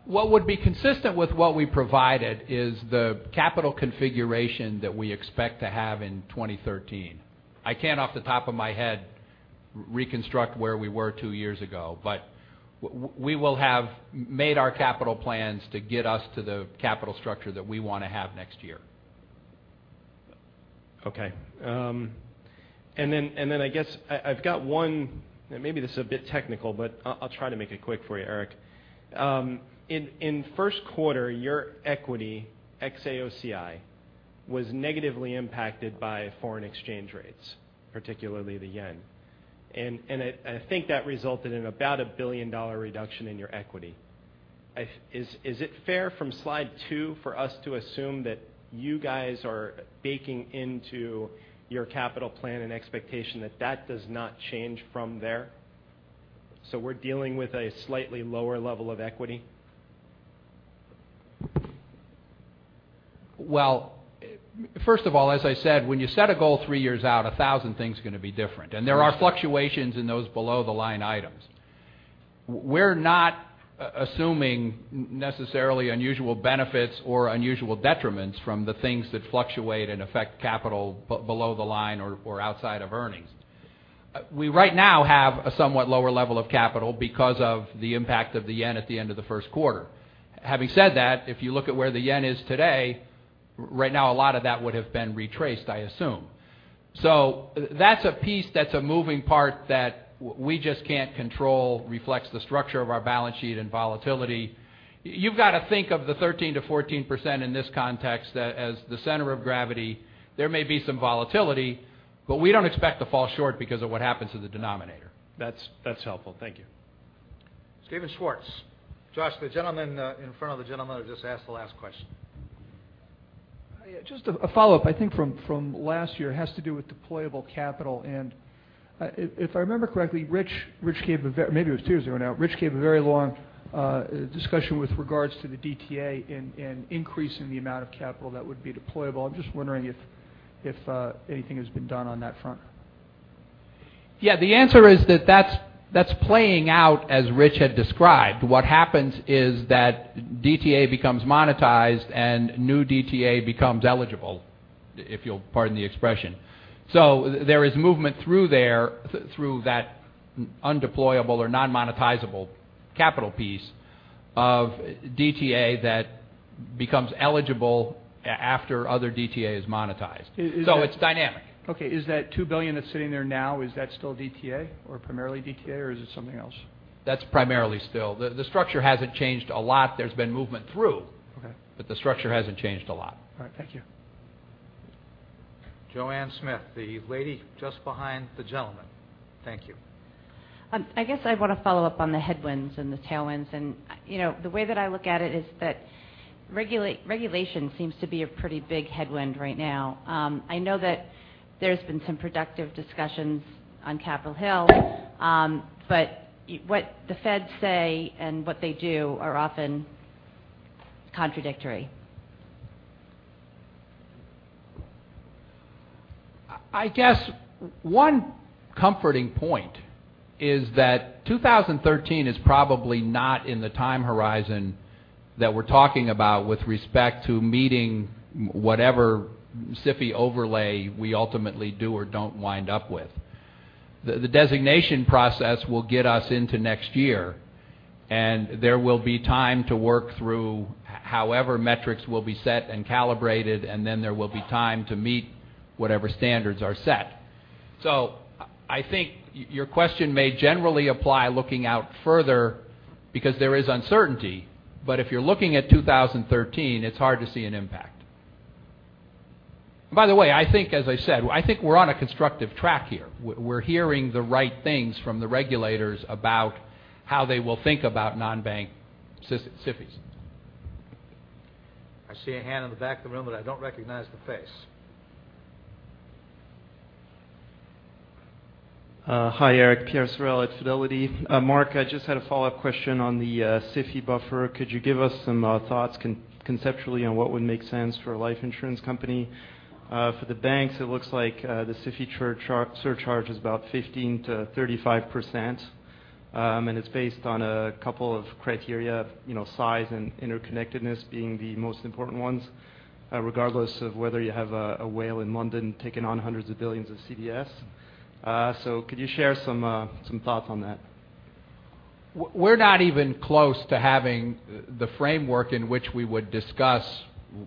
What would be consistent with what we provided is the capital configuration that we expect to have in 2013. I can't, off the top of my head, reconstruct where we were two years ago, but we will have made our capital plans to get us to the capital structure that we want to have next year. Okay. Then, I guess, I've got one, and maybe this is a bit technical, but I'll try to make it quick for you, Eric. In first quarter, your equity, ex-AOCI, was negatively impacted by foreign exchange rates, particularly the yen. I think that resulted in about a $1 billion reduction in your equity. Is it fair from slide two for us to assume that you guys are baking into your capital plan an expectation that that does not change from there, we're dealing with a slightly lower level of equity? Well, first of all, as I said, when you set a goal three years out, a thousand things are going to be different. Understood. There are fluctuations in those below the line items. We're not assuming necessarily unusual benefits or unusual detriments from the things that fluctuate and affect capital below the line or outside of earnings. We right now have a somewhat lower level of capital because of the impact of the yen at the end of the first quarter. Having said that, if you look at where the yen is today, right now, a lot of that would have been retraced, I assume. That's a piece that's a moving part that we just can't control, reflects the structure of our balance sheet and volatility. You've got to think of the 13%-14% in this context as the center of gravity. There may be some volatility, we don't expect to fall short because of what happens to the denominator. That's helpful. Thank you. Stephen Schwartz. Josh, the gentleman in front of the gentleman who just asked the last question. Just a follow-up, I think from last year. It has to do with deployable capital. If I remember correctly, maybe it was two years ago now, Rich gave a very long discussion with regards to the DTA and increasing the amount of capital that would be deployable. I'm just wondering if anything has been done on that front. Yeah, the answer is that's playing out as Rich had described. What happens is that DTA becomes monetized, and new DTA becomes eligible, if you'll pardon the expression. There is movement through that undeployable or non-monetizable capital piece of DTA that becomes eligible after other DTA is monetized. Is that- It's dynamic. Okay. Is that $2 billion that's sitting there now, is that still DTA or primarily DTA, or is it something else? That's primarily still. The structure hasn't changed a lot. There's been movement through. Okay. The structure hasn't changed a lot. All right, thank you. Joanne Smith, the lady just behind the gentleman. Thank you. I guess I want to follow up on the headwinds and the tailwinds. The way that I look at it is that regulation seems to be a pretty big headwind right now. I know that there's been some productive discussions on Capitol Hill. What the Feds say and what they do are often contradictory. I guess one comforting point is that 2013 is probably not in the time horizon that we're talking about with respect to meeting whatever SIFI overlay we ultimately do or don't wind up with. The designation process will get us into next year, and there will be time to work through however metrics will be set and calibrated, then there will be time to meet whatever standards are set. I think your question may generally apply looking out further because there is uncertainty, but if you're looking at 2013, it's hard to see an impact. By the way, as I said, I think we're on a constructive track here. We're hearing the right things from the regulators about how they will think about non-bank SIFIs. I see a hand in the back of the room, but I don't recognize the face. Hi, Eric. Pierre Sorelle at Fidelity. Mark, I just had a follow-up question on the SIFI buffer. Could you give us some thoughts conceptually on what would make sense for a life insurance company? For the banks, it looks like the SIFI surcharge is about 15%-35%, and it's based on a couple of criteria, size and interconnectedness being the most important ones, regardless of whether you have a whale in London taking on hundreds of billions of CDS. Could you share some thoughts on that? We're not even close to having the framework in which we would discuss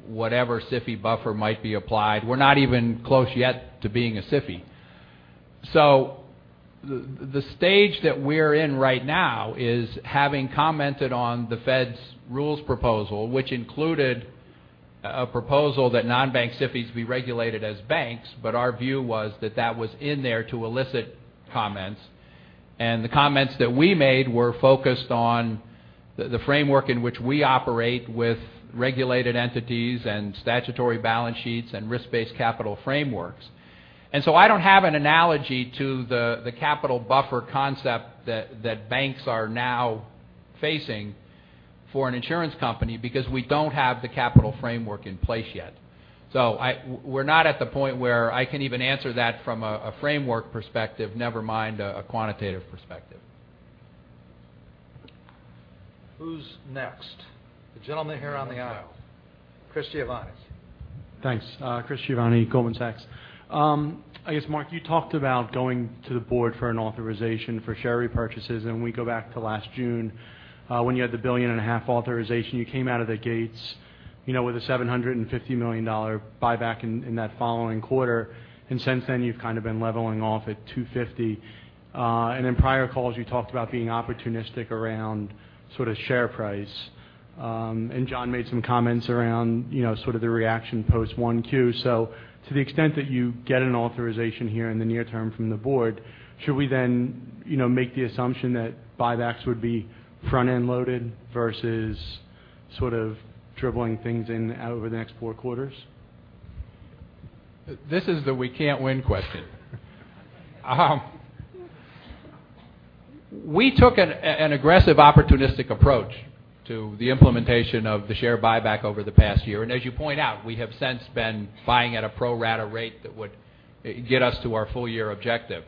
whatever SIFI buffer might be applied. We're not even close yet to being a SIFI. The stage that we're in right now is having commented on the Fed's rules proposal, which included a proposal that non-bank SIFIs be regulated as banks, but our view was that that was in there to elicit comments. The comments that we made were focused on the framework in which we operate with regulated entities and statutory balance sheets and risk-based capital frameworks. I don't have an analogy to the capital buffer concept that banks are now facing. For an insurance company because we don't have the capital framework in place yet. We're not at the point where I can even answer that from a framework perspective, never mind a quantitative perspective. Who's next? The gentleman here on the aisle. Chris Giovanni. Thanks. Chris Giovanni, Goldman Sachs. I guess, Mark, you talked about going to the board for an authorization for share repurchases. We go back to last June when you had the $1.5 billion authorization. You came out of the gates with a $750 million buyback in that following quarter. Since then, you've been leveling off at $250 million. In prior calls, you talked about being opportunistic around sort of share price. John made some comments around sort of the reaction post 1Q. To the extent that you get an authorization here in the near term from the board, should we then make the assumption that buybacks would be front-end loaded versus sort of dribbling things in over the next four quarters? This is the we can't win question. We took an aggressive, opportunistic approach to the implementation of the share buyback over the past year. As you point out, we have since been buying at a pro rata rate that would get us to our full-year objective.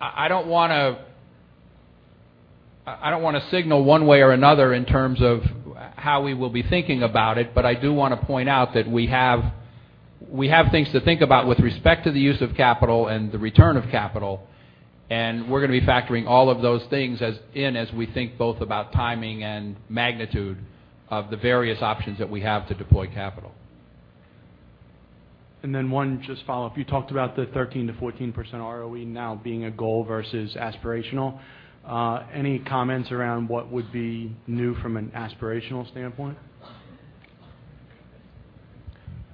I don't want to signal one way or another in terms of how we will be thinking about it. I do want to point out that we have things to think about with respect to the use of capital and the return of capital. We're going to be factoring all of those things in as we think both about timing and magnitude of the various options that we have to deploy capital. Then one just follow-up. You talked about the 13%-14% ROE now being a goal versus aspirational. Any comments around what would be new from an aspirational standpoint?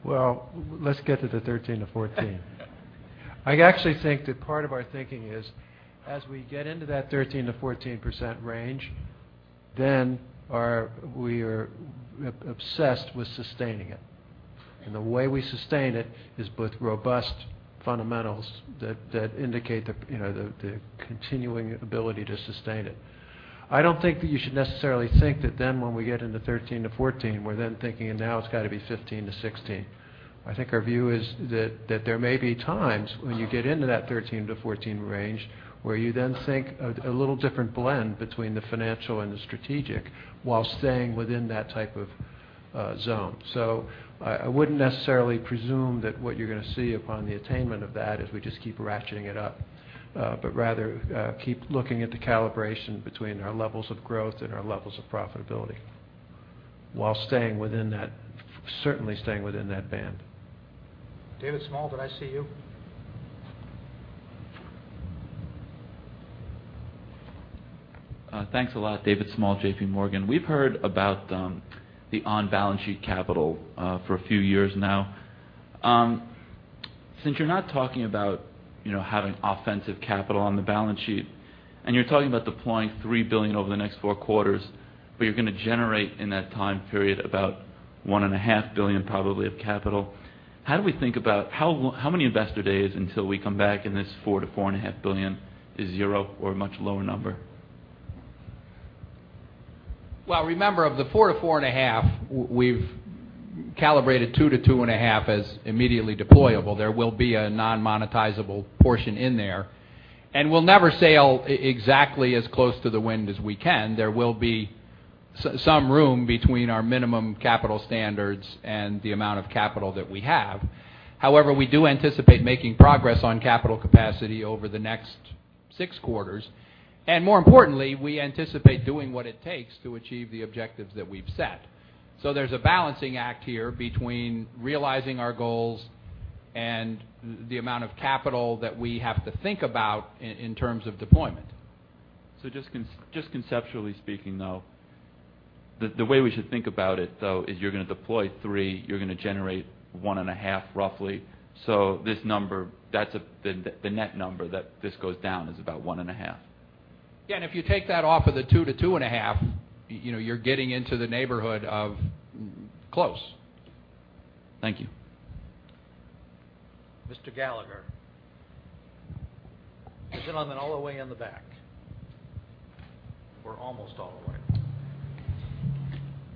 Well, let's get to the 13-14. I actually think that part of our thinking is as we get into that 13%-14% range, we are obsessed with sustaining it. The way we sustain it is with robust fundamentals that indicate the continuing ability to sustain it. I don't think that you should necessarily think that when we get into 13-14, we're then thinking, now it's got to be 15-16. I think our view is that there may be times when you get into that 13-14 range where you then think a little different blend between the financial and the strategic while staying within that type of zone. I wouldn't necessarily presume that what you're going to see upon the attainment of that is we just keep ratcheting it up, rather keep looking at the calibration between our levels of growth and our levels of profitability while certainly staying within that band. David Small, did I see you? Thanks a lot. David Small, J.P. Morgan. We've heard about the on-balance sheet capital for a few years now. Since you're not talking about having offensive capital on the balance sheet, you're talking about deploying $3 billion over the next four quarters, you're going to generate in that time period about $1.5 billion probably of capital. How do we think about how many investor days until we come back and this $4 billion-$4.5 billion is zero or a much lower number? Remember, of the four to four and a half, we've calibrated two to two and a half as immediately deployable. There will be a non-monetizable portion in there. We'll never sail exactly as close to the wind as we can. There will be some room between our minimum capital standards and the amount of capital that we have. However, we do anticipate making progress on capital capacity over the next 6 quarters. More importantly, we anticipate doing what it takes to achieve the objectives that we've set. There's a balancing act here between realizing our goals and the amount of capital that we have to think about in terms of deployment. Just conceptually speaking, though, the way we should think about it, though, is you're going to deploy three, you're going to generate one and a half, roughly. This number, that's the net number that this goes down is about one and a half. Yeah, if you take that off of the two to two and a half, you're getting into the neighborhood of close. Thank you. Mr. Gallagher. The gentleman all the way in the back, or almost all the way.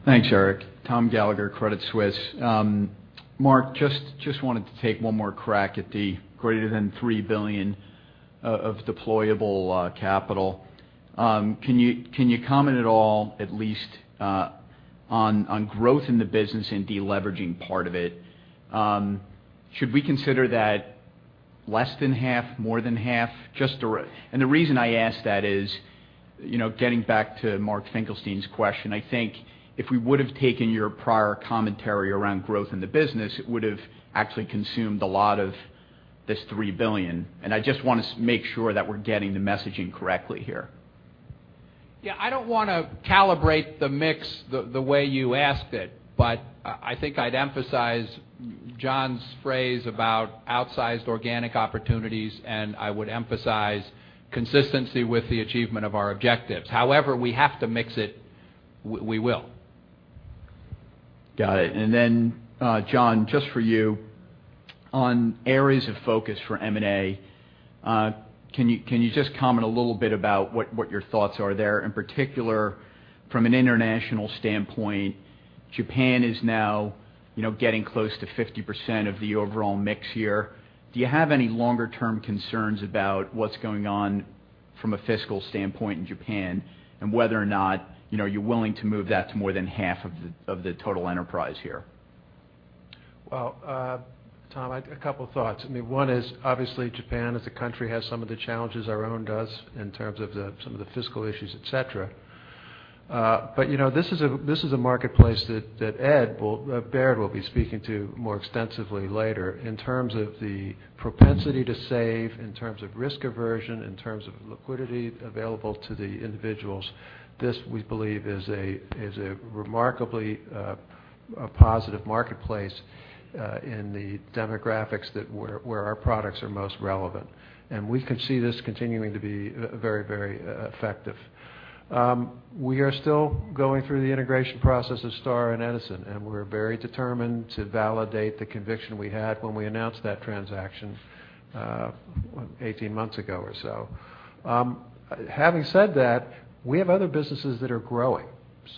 Thanks, Eric. Tom Gallagher, Credit Suisse. Mark, just wanted to take one more crack at the greater than $3 billion of deployable capital. Can you comment at all, at least on growth in the business and deleveraging part of it? Should we consider that less than half, more than half? The reason I ask that is, getting back to Mark Finkelstein's question, I think if we would have taken your prior commentary around growth in the business, it would have actually consumed a lot of this $3 billion. I just want to make sure that we're getting the messaging correctly here. Yeah, I don't want to calibrate the mix the way you asked it, but I think I'd emphasize John's phrase about outsized organic opportunities. I would emphasize consistency with the achievement of our objectives. However we have to mix it, we will. Got it. John, just for you, on areas of focus for M&A, can you just comment a little bit about what your thoughts are there? In particular, from an international standpoint, Japan is now getting close to 50% of the overall mix here. Do you have any longer-term concerns about what's going on from a fiscal standpoint in Japan and whether or not you're willing to move that to more than half of the total enterprise here? Well, Tom, a couple thoughts. One is, obviously, Japan as a country has some of the challenges our own does in terms of some of the fiscal issues, et cetera. This is a marketplace that Ed Baird will be speaking to more extensively later in terms of the propensity to save, in terms of risk aversion, in terms of liquidity available to the individuals. This, we believe, is a remarkably positive marketplace in the demographics where our products are most relevant. We can see this continuing to be very effective. We are still going through the integration process of Starr and Edison, and we're very determined to validate the conviction we had when we announced that transaction 18 months ago or so. Having said that, we have other businesses that are growing.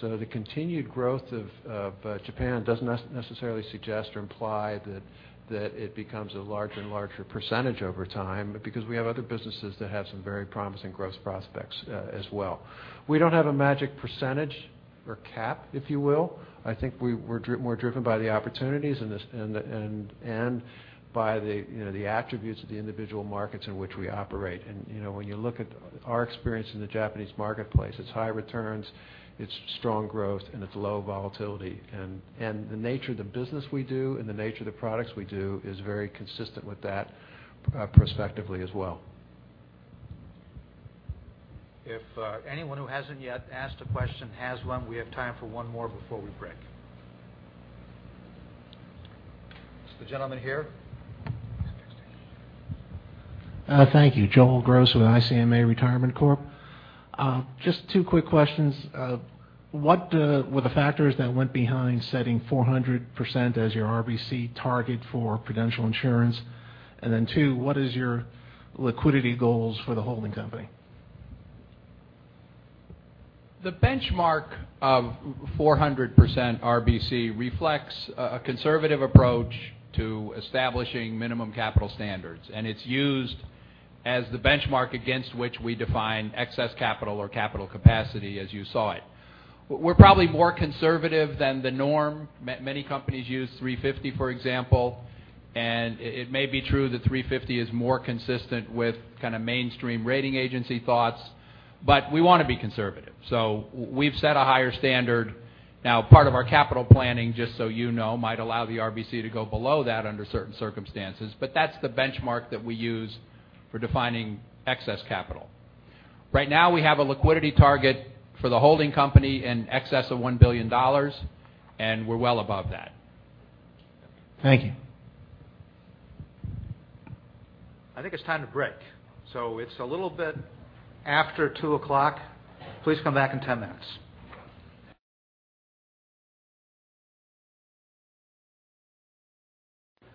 The continued growth of Japan doesn't necessarily suggest or imply that it becomes a larger and larger percentage over time, because we have other businesses that have some very promising growth prospects as well. We don't have a magic percentage or cap, if you will. I think we're more driven by the opportunities and by the attributes of the individual markets in which we operate. When you look at our experience in the Japanese marketplace, it's high returns, it's strong growth, and it's low volatility. The nature of the business we do and the nature of the products we do is very consistent with that perspectively as well. If anyone who hasn't yet asked a question has one, we have time for one more before we break. It's the gentleman here. Thank you. Joel Gross with ICMA Retirement Corp. Just two quick questions. What were the factors that went behind setting 400% as your RBC target for Prudential Insurance? Two, what is your liquidity goals for the holding company? The benchmark of 400% RBC reflects a conservative approach to establishing minimum capital standards. It's used as the benchmark against which we define excess capital or capital capacity as you saw it. We're probably more conservative than the norm. Many companies use 350, for example, and it may be true that 350 is more consistent with mainstream rating agency thoughts, but we want to be conservative. We've set a higher standard. Part of our capital planning, just so you know, might allow the RBC to go below that under certain circumstances, but that's the benchmark that we use for defining excess capital. Right now, we have a liquidity target for the holding company in excess of $1 billion, and we're well above that. Thank you. I think it's time to break. It's a little bit after 2:00 P.M. Please come back in 10 minutes.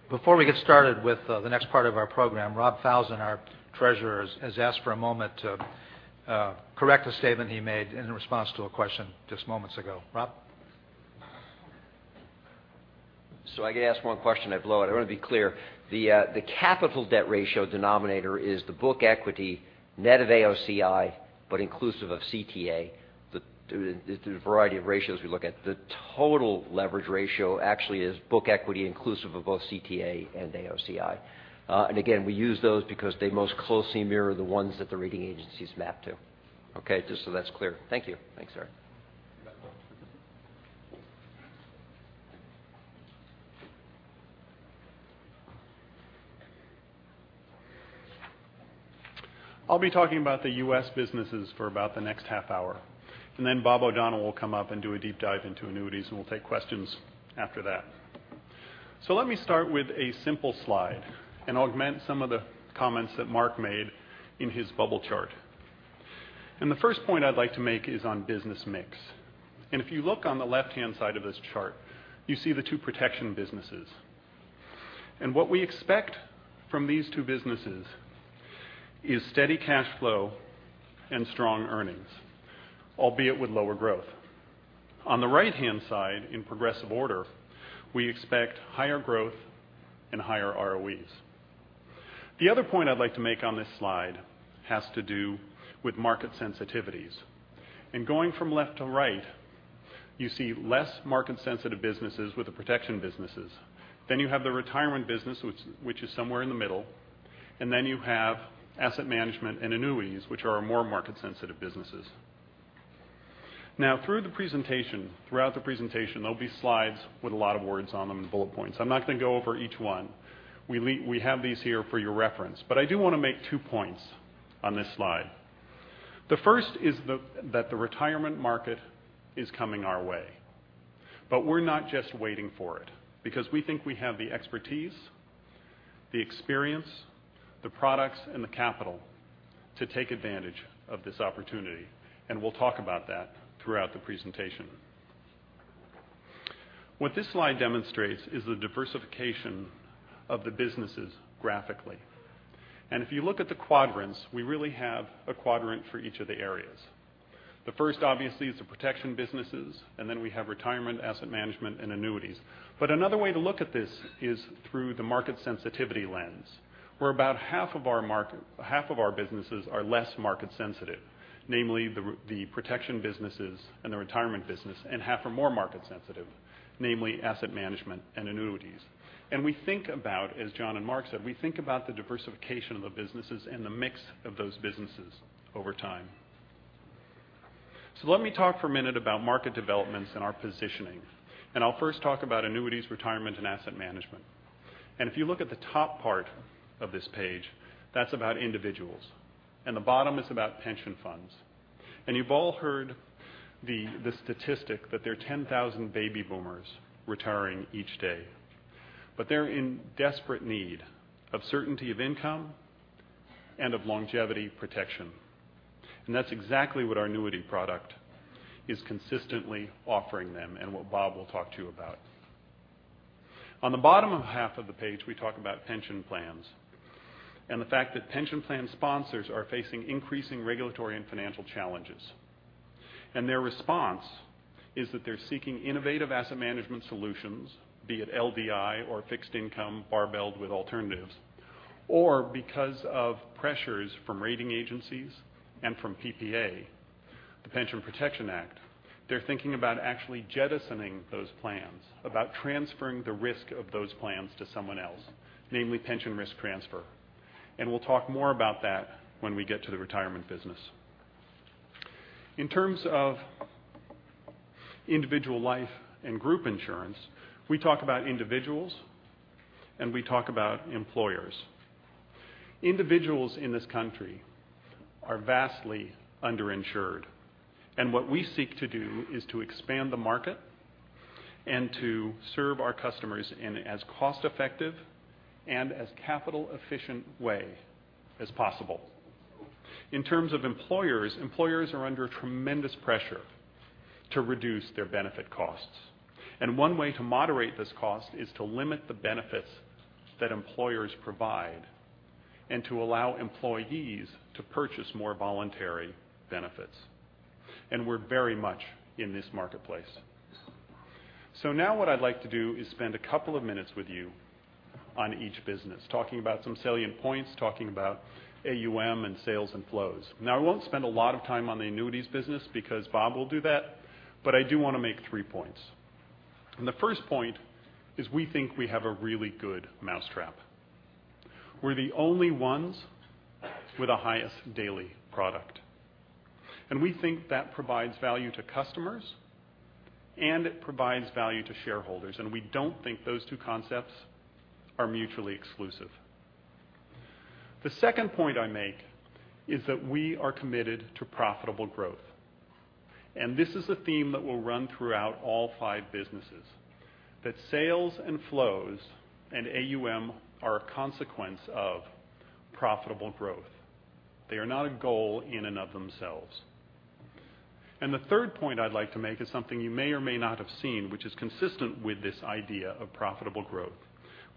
Before we get started with the next part of our program, Rob Falzon, our treasurer, has asked for a moment to correct a statement he made in response to a question just moments ago. Rob? I get asked one question, I blow it. I want to be clear. The capital debt ratio denominator is the book equity net of AOCI, but inclusive of CTA. There's a variety of ratios we look at. The total leverage ratio actually is book equity inclusive of both CTA and AOCI. Again, we use those because they most closely mirror the ones that the rating agencies map to. Just so that's clear. Thank you. Thanks, sir. I'll be talking about the U.S. businesses for about the next half hour, then Bob O'Donnell will come up and do a deep dive into annuities, and we'll take questions after that. Let me start with a simple slide and augment some of the comments that Mark made in his bubble chart. The first point I'd like to make is on business mix. If you look on the left-hand side of this chart, you see the two protection businesses. What we expect from these two businesses is steady cash flow and strong earnings, albeit with lower growth. On the right-hand side, in progressive order, we expect higher growth and higher ROEs. The other point I'd like to make on this slide has to do with market sensitivities. Going from left to right, you see less market-sensitive businesses with the protection businesses. You have the retirement business, which is somewhere in the middle. You have asset management and annuities, which are our more market-sensitive businesses. Throughout the presentation, there'll be slides with a lot of words on them and bullet points. I'm not going to go over each one. We have these here for your reference. I do want to make two points on this slide. The first is that the retirement market is coming our way, but we're not just waiting for it because we think we have the expertise, the experience, the products, and the capital to take advantage of this opportunity, and we'll talk about that throughout the presentation. What this slide demonstrates is the diversification of the businesses graphically. If you look at the quadrants, we really have a quadrant for each of the areas. The first, obviously, is the protection businesses, we have retirement, asset management, and annuities. Another way to look at this is through the market sensitivity lens, where about half of our businesses are less market sensitive. Namely, the protection businesses and the retirement business, and half are more market sensitive, namely asset management and annuities. We think about, as John and Mark said, we think about the diversification of the businesses and the mix of those businesses over time. Let me talk for a minute about market developments and our positioning, I'll first talk about annuities, retirement, and asset management. If you look at the top part of this page, that's about individuals, and the bottom is about pension funds. You've all heard the statistic that there are 10,000 baby boomers retiring each day, but they're in desperate need of certainty of income and of longevity protection. That's exactly what our annuity product is consistently offering them, and what Bob will talk to you about. On the bottom half of the page, we talk about pension plans and the fact that pension plan sponsors are facing increasing regulatory and financial challenges. Their response is that they're seeking innovative asset management solutions, be it LDI or fixed income barbelled with alternatives, or because of pressures from rating agencies and from PPA, the Pension Protection Act, they're thinking about actually jettisoning those plans, about transferring the risk of those plans to someone else, namely pension risk transfer. We'll talk more about that when we get to the retirement business. In terms of individual life and group insurance, we talk about individuals and we talk about employers. Individuals in this country are vastly underinsured, and what we seek to do is to expand the market and to serve our customers in as cost-effective and as capital-efficient way as possible. In terms of employers are under tremendous pressure to reduce their benefit costs. One way to moderate this cost is to limit the benefits that employers provide and to allow employees to purchase more voluntary benefits. We're very much in this marketplace. Now what I'd like to do is spend a couple of minutes with you on each business, talking about some salient points, talking about AUM and sales and flows. I won't spend a lot of time on the annuities business because Bob will do that, but I do want to make three points. The first point is we think we have a really good mousetrap. We're the only ones with the Highest Daily product. We think that provides value to customers and it provides value to shareholders, and we don't think those two concepts are mutually exclusive. The second point I make is that we are committed to profitable growth. This is a theme that will run throughout all five businesses, that sales and flows and AUM are a consequence of profitable growth. They are not a goal in and of themselves. The third point I'd like to make is something you may or may not have seen, which is consistent with this idea of profitable growth.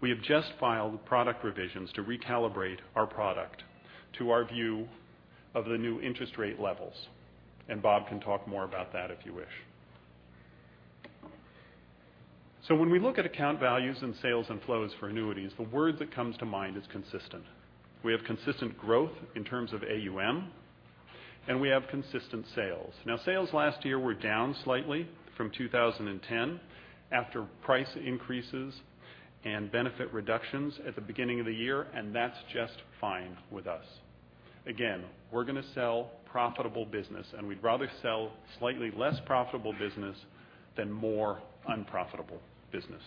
We have just filed product revisions to recalibrate our product to our view of the new interest rate levels, and Bob can talk more about that if you wish. When we look at account values and sales and flows for annuities, the word that comes to mind is consistent. We have consistent growth in terms of AUM, and we have consistent sales. Sales last year were down slightly from 2010 after price increases and benefit reductions at the beginning of the year, and that's just fine with us. Again, we're going to sell profitable business, and we'd rather sell slightly less profitable business than more unprofitable business.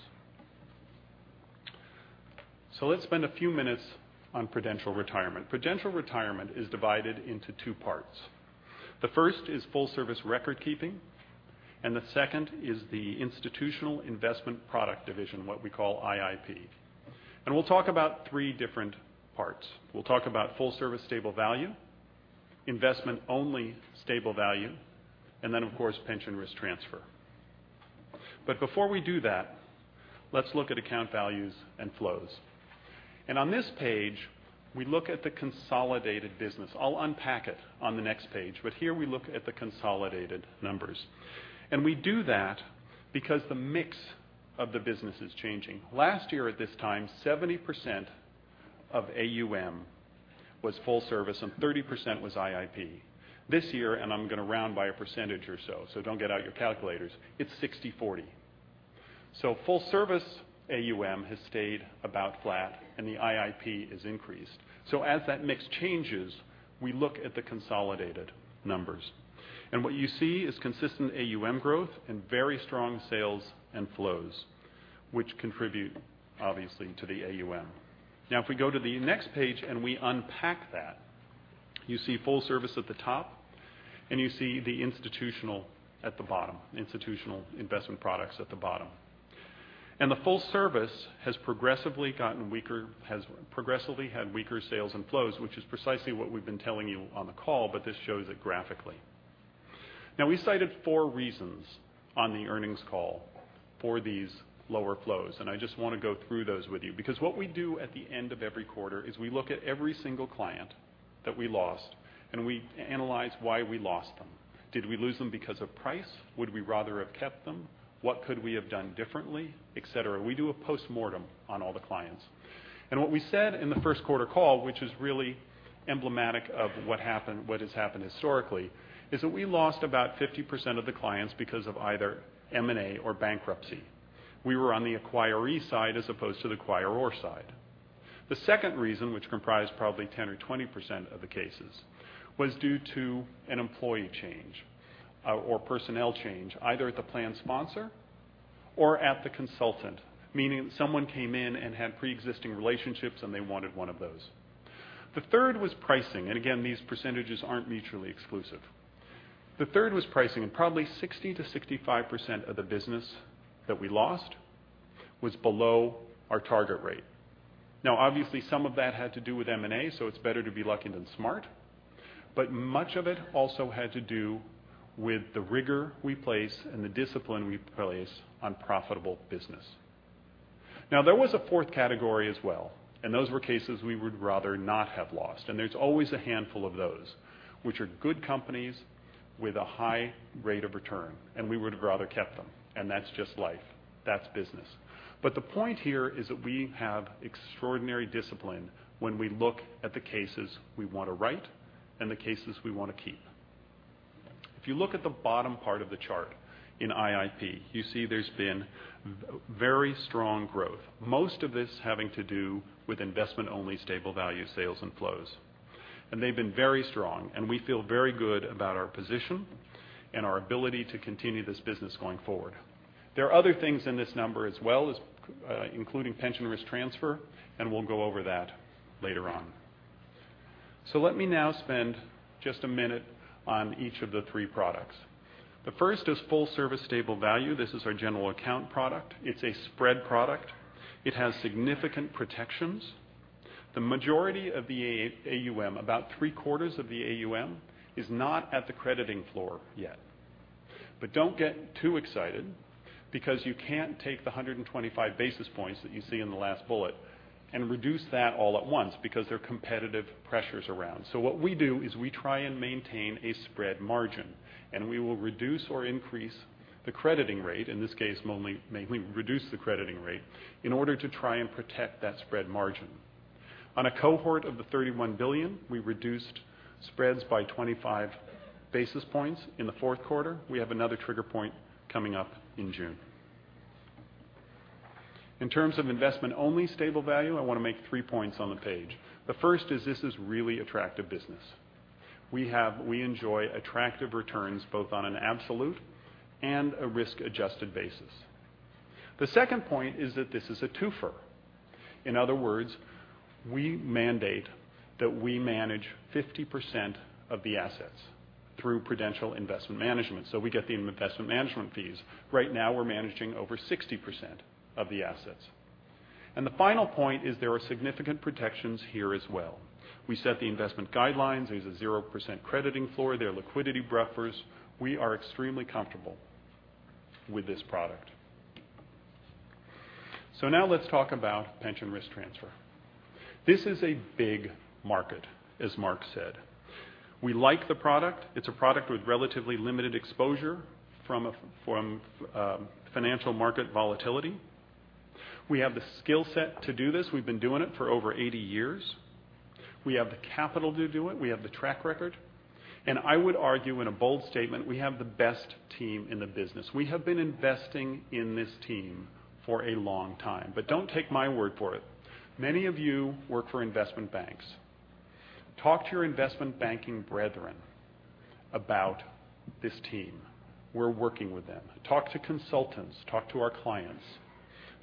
Let's spend a few minutes on Prudential Retirement. Prudential Retirement is divided into two parts. The first is full service record keeping, and the second is the Institutional Investment Product division, what we call IIP. We'll talk about three different parts. We'll talk about full service stable value, investment-only stable value, and of course, pension risk transfer. Before we do that, let's look at account values and flows. On this page, we look at the consolidated business. I'll unpack it on the next page, here we look at the consolidated numbers. We do that because the mix of the business is changing. Last year at this time, 70% of AUM was full service and 30% was IIP. This year, I'm going to round by a percentage or so don't get out your calculators, it's 60/40. Full service AUM has stayed about flat and the IIP has increased. As that mix changes, we look at the consolidated numbers. What you see is consistent AUM growth and very strong sales and flows, which contribute, obviously, to the AUM. If we go to the next page and we unpack that. You see full service at the top, and you see the institutional at the bottom, institutional investment products at the bottom. The full service has progressively had weaker sales and flows, which is precisely what we've been telling you on the call, but this shows it graphically. We cited four reasons on the earnings call for these lower flows, and I just want to go through those with you because what we do at the end of every quarter is we look at every single client that we lost, and we analyze why we lost them. Did we lose them because of price? Would we rather have kept them? What could we have done differently? Et cetera. We do a postmortem on all the clients. What we said in the first quarter call, which is really emblematic of what has happened historically, is that we lost about 50% of the clients because of either M&A or bankruptcy. We were on the acquiree side as opposed to the acquirer side. The second reason, which comprised probably 10% or 20% of the cases, was due to an employee change or personnel change, either at the plan sponsor or at the consultant, meaning someone came in and had preexisting relationships and they wanted one of those. The third was pricing. Again, these percentages aren't mutually exclusive. The third was pricing. Probably 60%-65% of the business that we lost was below our target rate. Obviously, some of that had to do with M&A, so it's better to be lucky than smart, but much of it also had to do with the rigor we place and the discipline we place on profitable business. There was a fourth category as well. Those were cases we would rather not have lost. There's always a handful of those, which are good companies with a high rate of return. We would have rather kept them, and that's just life. That's business. The point here is that we have extraordinary discipline when we look at the cases we want to write and the cases we want to keep. If you look at the bottom part of the chart in IIP, you see there's been very strong growth, most of this having to do with investment-only stable value sales and flows. They've been very strong. We feel very good about our position and our ability to continue this business going forward. There are other things in this number as well, including pension risk transfer. We'll go over that later on. Let me now spend just a minute on each of the three products. The first is full service stable value. This is our general account product. It's a spread product. It has significant protections. The majority of the AUM, about three-quarters of the AUM, is not at the crediting floor yet. Don't get too excited because you can't take the 125 basis points that you see in the last bullet and reduce that all at once because there are competitive pressures around. What we do is we try and maintain a spread margin, and we will reduce or increase the crediting rate, in this case, mainly reduce the crediting rate, in order to try and protect that spread margin. On a cohort of the $31 billion, we reduced spreads by 25 basis points in the fourth quarter. We have another trigger point coming up in June. In terms of investment-only stable value, I want to make three points on the page. The first is this is really attractive business. We enjoy attractive returns both on an absolute and a risk-adjusted basis. The second point is that this is a twofer. In other words, we mandate that we manage 50% of the assets through Prudential Investment Management, so we get the investment management fees. Right now, we're managing over 60% of the assets. The final point is there are significant protections here as well. We set the investment guidelines. There's a 0% crediting floor. There are liquidity buffers. We are extremely comfortable with this product. Now let's talk about pension risk transfer. This is a big market, as Mark said. We like the product. It's a product with relatively limited exposure from financial market volatility. We have the skill set to do this. We've been doing it for over 80 years. We have the capital to do it. We have the track record. I would argue in a bold statement, we have the best team in the business. We have been investing in this team for a long time. Don't take my word for it. Many of you work for investment banks. Talk to your investment banking brethren about this team. We're working with them. Talk to consultants. Talk to our clients.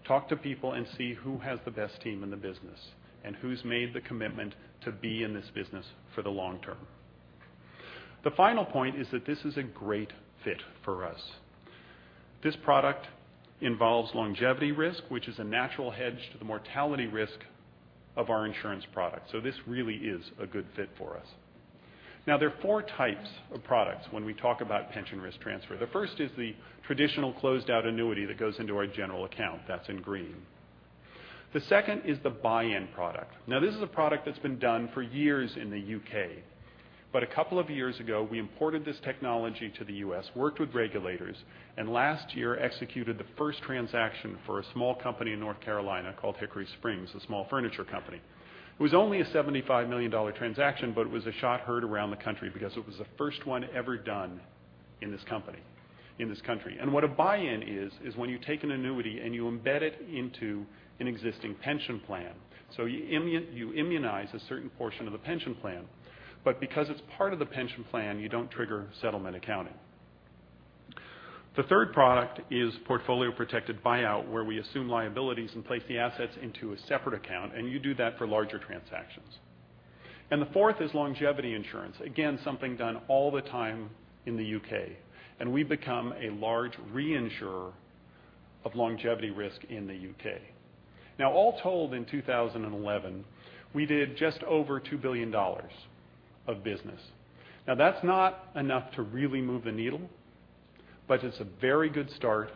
Talk to people and see who has the best team in the business and who's made the commitment to be in this business for the long term. The final point is that this is a great fit for us. This product involves longevity risk, which is a natural hedge to the mortality risk of our insurance product. This really is a good fit for us. Now, there are four types of products when we talk about pension risk transfer. The first is the traditional closed-out annuity that goes into our general account. That's in green. The second is the buy-in product. Now, this is a product that's been done for years in the U.K. A couple of years ago, we imported this technology to the U.S., worked with regulators, and last year executed the first transaction for a small company in North Carolina called Hickory Springs, a small furniture company. It was only a $75 million transaction, but it was a shot heard around the country because it was the first one ever done in this country. What a buy-in is when you take an annuity and you embed it into an existing pension plan. You immunize a certain portion of the pension plan. Because it's part of the pension plan, you don't trigger settlement accounting. The third product is portfolio protected buyout, where we assume liabilities and place the assets into a separate account, and you do that for larger transactions. The fourth is longevity insurance. Again, something done all the time in the U.K., and we've become a large reinsurer of longevity risk in the U.K. All told, in 2011, we did just over $2 billion of business. That's not enough to really move the needle, but it's a very good start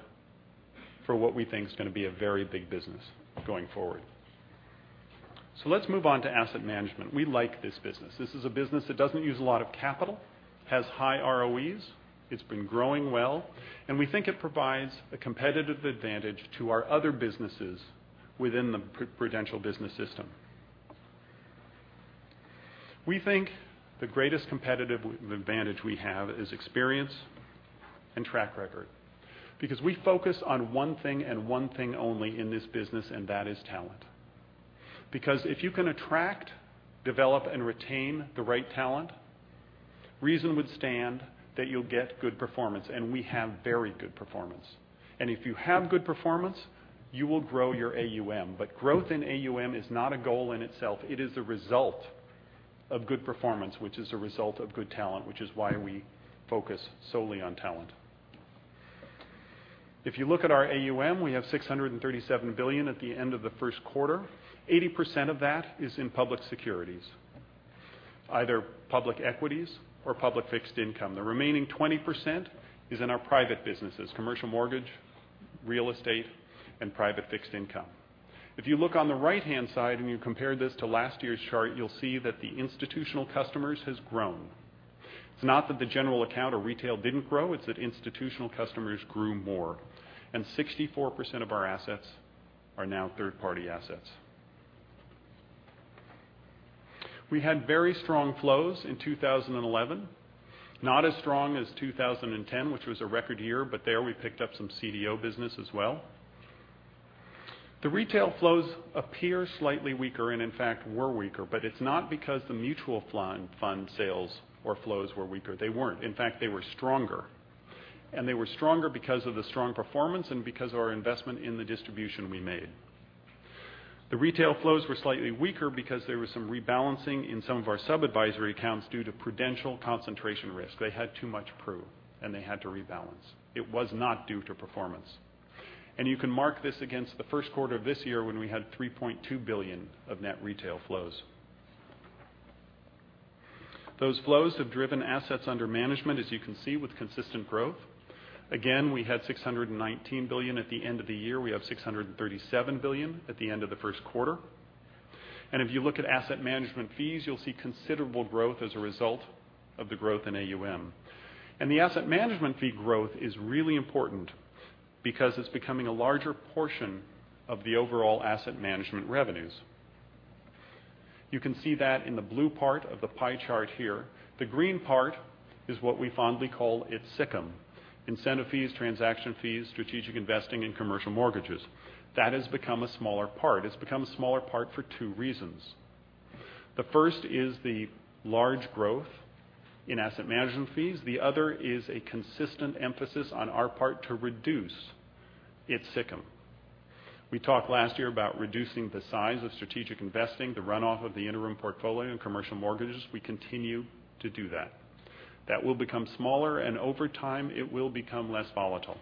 for what we think is going to be a very big business going forward. Let's move on to asset management. We like this business. This is a business that doesn't use a lot of capital, has high ROEs, it's been growing well, and we think it provides a competitive advantage to our other businesses within the Prudential business system. We think the greatest competitive advantage we have is experience and track record, because we focus on one thing and one thing only in this business, and that is talent. If you can attract, develop, and retain the right talent, reason would stand that you'll get good performance, and we have very good performance. If you have good performance, you will grow your AUM. Growth in AUM is not a goal in itself. It is a result of good performance, which is a result of good talent, which is why we focus solely on talent. If you look at our AUM, we have $637 billion at the end of the first quarter. 80% of that is in public securities, either public equities or public fixed income. The remaining 20% is in our private businesses, commercial mortgage, real estate, and private fixed income. If you look on the right-hand side and you compare this to last year's chart, you'll see that the institutional customers has grown. It's not that the general account or retail didn't grow, it's that institutional customers grew more, 64% of our assets are now third-party assets. We had very strong flows in 2011, not as strong as 2010, which was a record year, but there we picked up some CDO business as well. The retail flows appear slightly weaker and in fact were weaker, but it's not because the mutual fund sales or flows were weaker. They weren't. In fact, they were stronger, and they were stronger because of the strong performance and because of our investment in the distribution we made. The retail flows were slightly weaker because there was some rebalancing in some of our sub-advisory accounts due to Prudential concentration risk. They had too much Pru, and they had to rebalance. It was not due to performance. You can mark this against the first quarter of this year when we had $3.2 billion of net retail flows. Those flows have driven assets under management, as you can see, with consistent growth. We had $619 billion at the end of the year. We have $637 billion at the end of the first quarter. If you look at asset management fees, you'll see considerable growth as a result of the growth in AUM. The asset management fee growth is really important because it's becoming a larger portion of the overall asset management revenues. You can see that in the blue part of the pie chart here. The green part is what we fondly call ITSICM, incentive fees, transaction fees, strategic investing, and commercial mortgages. That has become a smaller part. It's become a smaller part for two reasons. The first is the large growth in asset management fees. The other is a consistent emphasis on our part to reduce ITSICM. We talked last year about reducing the size of strategic investing, the runoff of the interim portfolio and commercial mortgages. We continue to do that. That will become smaller, and over time, it will become less volatile.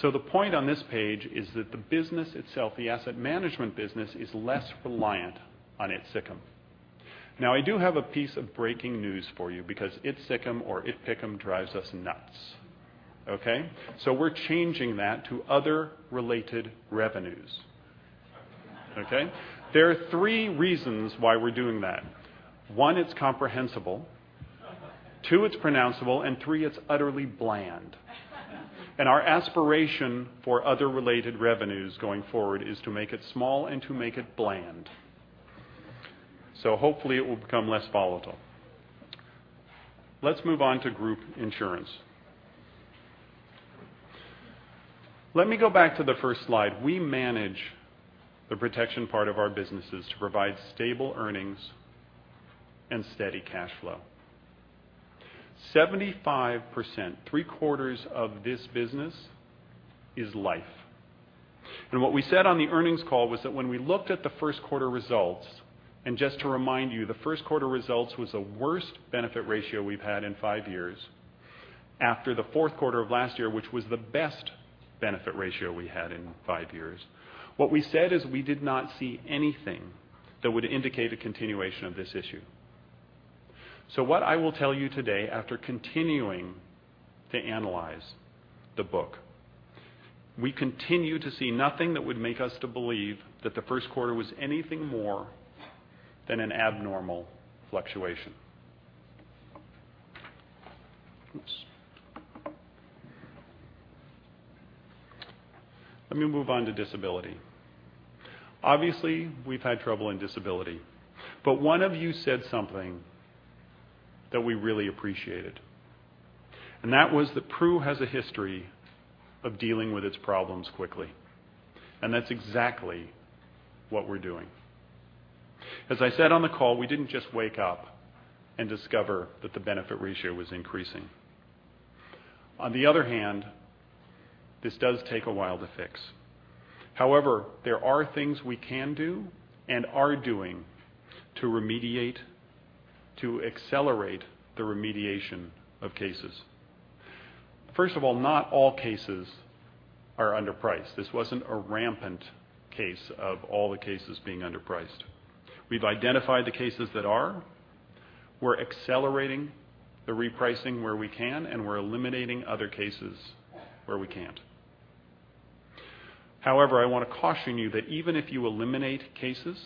The point on this page is that the business itself, the asset management business, is less reliant on ITSICM. I do have a piece of breaking news for you because ITSICM or ITPICM drives us nuts. Okay. We're changing that to other related revenues. Okay. There are three reasons why we're doing that. One, it's comprehensible, two, it's pronounceable, and three, it's utterly bland. Our aspiration for other related revenues going forward is to make it small and to make it bland. Hopefully, it will become less volatile. Let's move on to group insurance. Let me go back to the first slide. We manage the protection part of our businesses to provide stable earnings and steady cash flow. 75%, three-quarters of this business is life. What we said on the earnings call was that when we looked at the first quarter results, and just to remind you, the first quarter results was the worst benefit ratio we've had in five years after the fourth quarter of last year, which was the best benefit ratio we had in five years. What we said is we did not see anything that would indicate a continuation of this issue. What I will tell you today, after continuing to analyze the book, we continue to see nothing that would make us to believe that the first quarter was anything more than an abnormal fluctuation. Oops. Let me move on to disability. Obviously, we've had trouble in disability, one of you said something that we really appreciated, and that was that Pru has a history of dealing with its problems quickly, and that's exactly what we're doing. As I said on the call, we didn't just wake up and discover that the benefit ratio was increasing. On the other hand, this does take a while to fix. There are things we can do and are doing to remediate, to accelerate the remediation of cases. First of all, not all cases are underpriced. This wasn't a rampant case of all the cases being underpriced. We've identified the cases that are, we're accelerating the repricing where we can, and we're eliminating other cases where we can't. I want to caution you that even if you eliminate cases,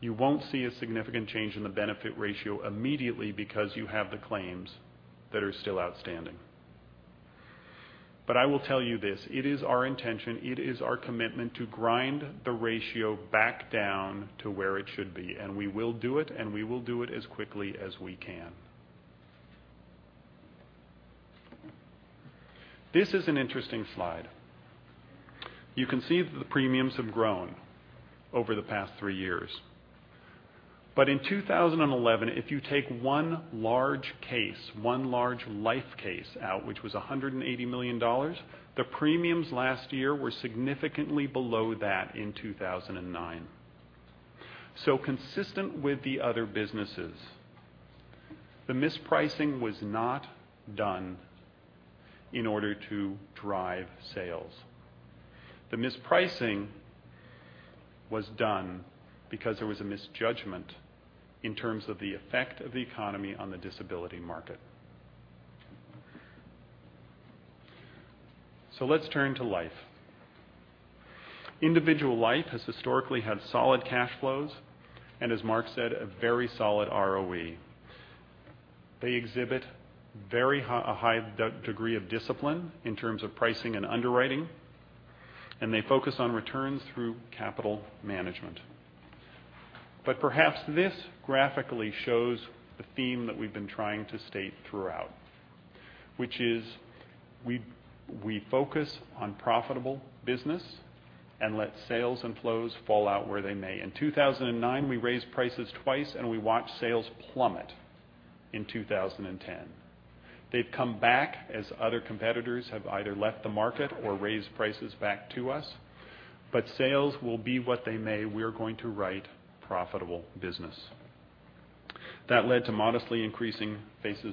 you won't see a significant change in the benefit ratio immediately because you have the claims that are still outstanding. I will tell you this, it is our intention, it is our commitment to grind the ratio back down to where it should be, and we will do it as quickly as we can. This is an interesting slide. You can see that the premiums have grown over the past three years. In 2011, if you take one large case, one large life case out, which was $180 million, the premiums last year were significantly below that in 2009. Consistent with the other businesses, the mispricing was not done in order to drive sales. The mispricing was done because there was a misjudgment in terms of the effect of the economy on the disability market. Let's turn to life. Individual life has historically had solid cash flows, and as Mark said, a very solid ROE. They exhibit a very high degree of discipline in terms of pricing and underwriting, and they focus on returns through capital management. Perhaps this graphically shows the theme that we've been trying to state throughout, which is we focus on profitable business and let sales and flows fall out where they may. In 2009, we raised prices twice, we watched sales plummet in 2010. They've come back as other competitors have either left the market or raised prices back to us. Sales will be what they may, we're going to write profitable business. That led to modestly increasing face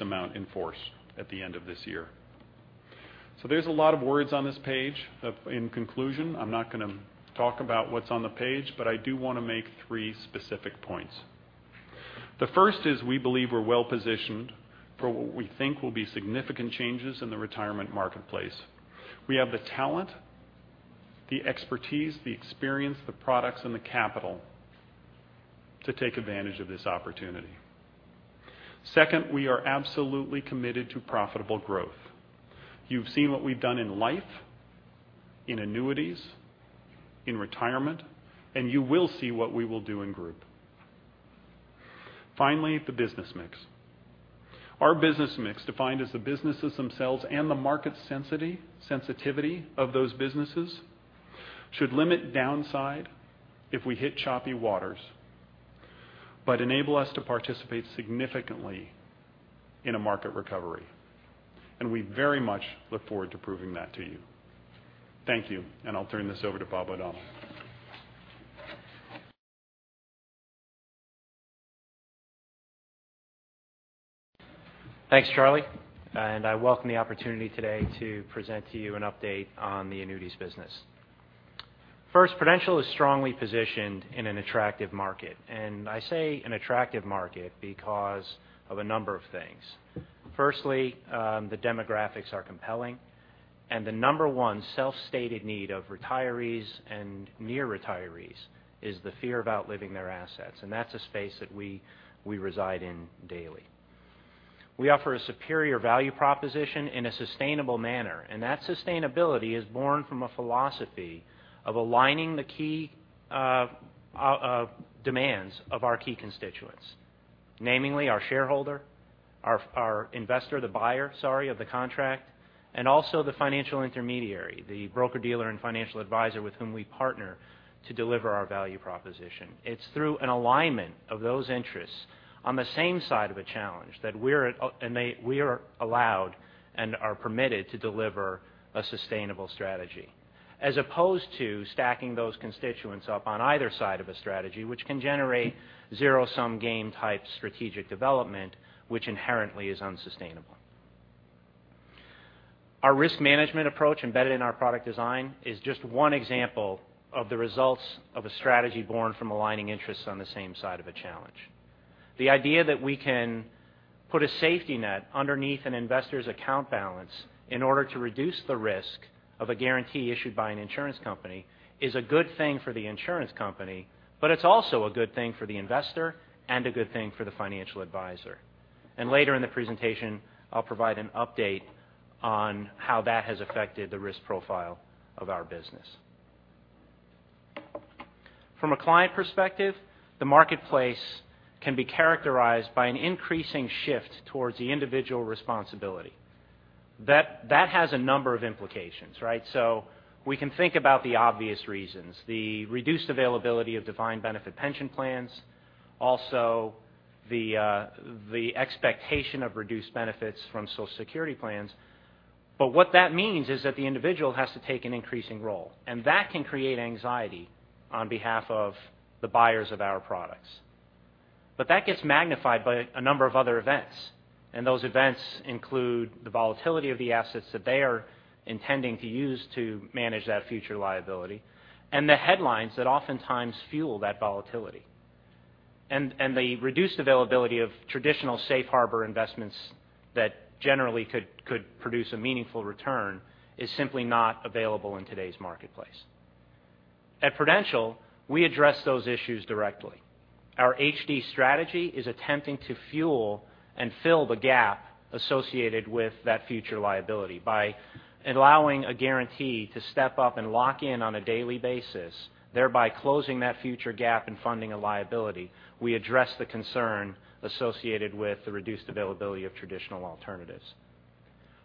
amount in force at the end of this year. There's a lot of words on this page. In conclusion, I'm not going to talk about what's on the page, but I do want to make three specific points. The first is we believe we're well positioned for what we think will be significant changes in the retirement marketplace. We have the talent, the expertise, the experience, the products, and the capital to take advantage of this opportunity. Second, we are absolutely committed to profitable growth. You've seen what we've done in life, in annuities, in retirement, and you will see what we will do in group. Finally, the business mix. Our business mix, defined as the businesses themselves and the market sensitivity of those businesses, should limit downside if we hit choppy waters but enable us to participate significantly in a market recovery. We very much look forward to proving that to you. Thank you, and I'll turn this over to Bob O'Donnell. Thanks, Charlie. I welcome the opportunity today to present to you an update on the annuities business. First, Prudential is strongly positioned in an attractive market. I say an attractive market because of a number of things. Firstly, the demographics are compelling, the number one self-stated need of retirees and near retirees is the fear of outliving their assets, that's a space that we reside in daily. We offer a superior value proposition in a sustainable manner, that sustainability is born from a philosophy of aligning the key demands of our key constituents, namingly our shareholder, our investor, the buyer, sorry, of the contract, also the financial intermediary, the broker dealer, and financial advisor with whom we partner to deliver our value proposition. It's through an alignment of those interests on the same side of a challenge that we are allowed and are permitted to deliver a sustainable strategy. As opposed to stacking those constituents up on either side of a strategy, which can generate zero-sum game type strategic development, which inherently is unsustainable. Our risk management approach embedded in our product design is just one example of the results of a strategy born from aligning interests on the same side of a challenge. The idea that we can put a safety net underneath an investor's account balance in order to reduce the risk of a guarantee issued by an insurance company is a good thing for the insurance company, but it's also a good thing for the investor and a good thing for the financial advisor. Later in the presentation, I'll provide an update on how that has affected the risk profile of our business. From a client perspective, the marketplace can be characterized by an increasing shift towards the individual responsibility. That has a number of implications, right? We can think about the obvious reasons, the reduced availability of defined benefit pension plans, also the expectation of reduced benefits from Social Security plans. What that means is that the individual has to take an increasing role, and that can create anxiety on behalf of the buyers of our products. That gets magnified by a number of other events, and those events include the volatility of the assets that they are intending to use to manage that future liability, and the headlines that oftentimes fuel that volatility. The reduced availability of traditional safe harbor investments that generally could produce a meaningful return is simply not available in today's marketplace. At Prudential, we address those issues directly. Our HD strategy is attempting to fuel and fill the gap associated with that future liability by allowing a guarantee to step up and lock in on a daily basis, thereby closing that future gap in funding a liability. We address the concern associated with the reduced availability of traditional alternatives.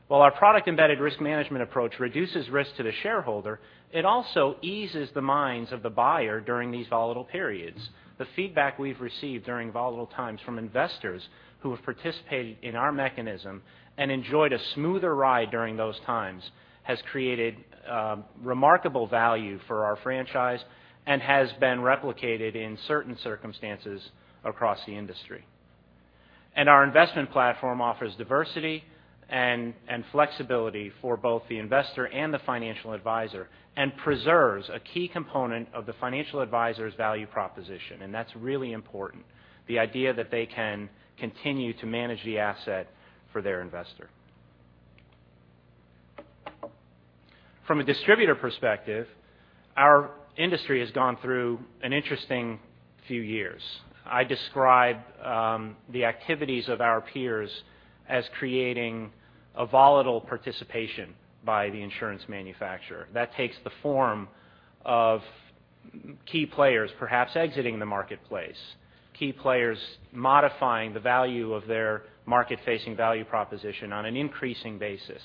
While our product-embedded risk management approach reduces risk to the shareholder, it also eases the minds of the buyer during these volatile periods. The feedback we've received during volatile times from investors who have participated in our mechanism and enjoyed a smoother ride during those times has created remarkable value for our franchise and has been replicated in certain circumstances across the industry. Our investment platform offers diversity and flexibility for both the investor and the financial advisor, and preserves a key component of the financial advisor's value proposition, and that's really important, the idea that they can continue to manage the asset for their investor. From a distributor perspective, our industry has gone through an interesting few years. I describe the activities of our peers as creating a volatile participation by the insurance manufacturer. That takes the form of key players perhaps exiting the marketplace, key players modifying the value of their market-facing value proposition on an increasing basis.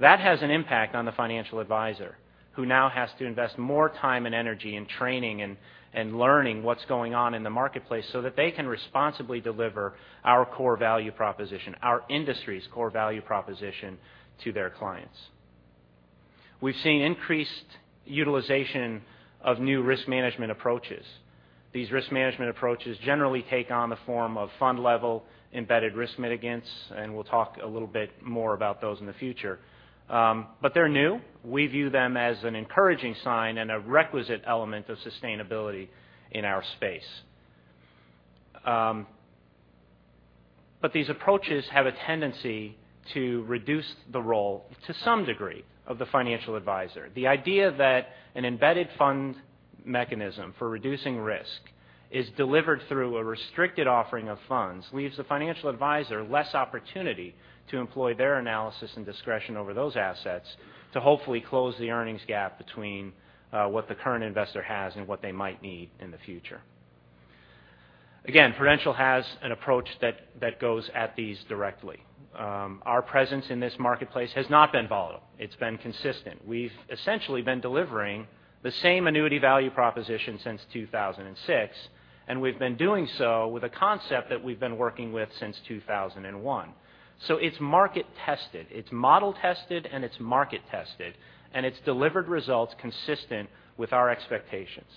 That has an impact on the financial advisor, who now has to invest more time and energy in training and learning what's going on in the marketplace so that they can responsibly deliver our core value proposition, our industry's core value proposition to their clients. We've seen increased utilization of new risk management approaches. These risk management approaches generally take on the form of fund level embedded risk mitigants. We'll talk a little bit more about those in the future. They're new. We view them as an encouraging sign and a requisite element of sustainability in our space. These approaches have a tendency to reduce the role, to some degree, of the financial advisor. The idea that an embedded fund mechanism for reducing risk is delivered through a restricted offering of funds leaves the financial advisor less opportunity to employ their analysis and discretion over those assets to hopefully close the earnings gap between what the current investor has and what they might need in the future. Again, Prudential has an approach that goes at these directly. Our presence in this marketplace has not been volatile. It's been consistent. We've essentially been delivering the same annuity value proposition since 2006. We've been doing so with a concept that we've been working with since 2001. It's market tested, it's model tested, and it's market tested, and it's delivered results consistent with our expectations.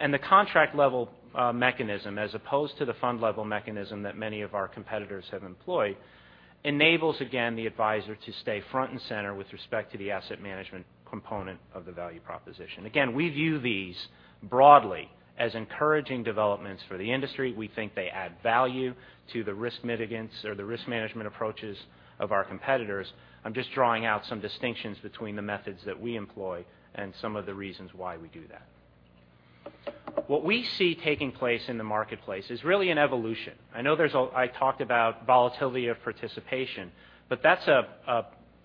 The contract level mechanism, as opposed to the fund level mechanism that many of our competitors have employed, enables, again, the advisor to stay front and center with respect to the asset management component of the value proposition. Again, we view these broadly as encouraging developments for the industry. We think they add value to the risk mitigants or the risk management approaches of our competitors. I'm just drawing out some distinctions between the methods that we employ and some of the reasons why we do that. What we see taking place in the marketplace is really an evolution. I know I talked about volatility of participation. That's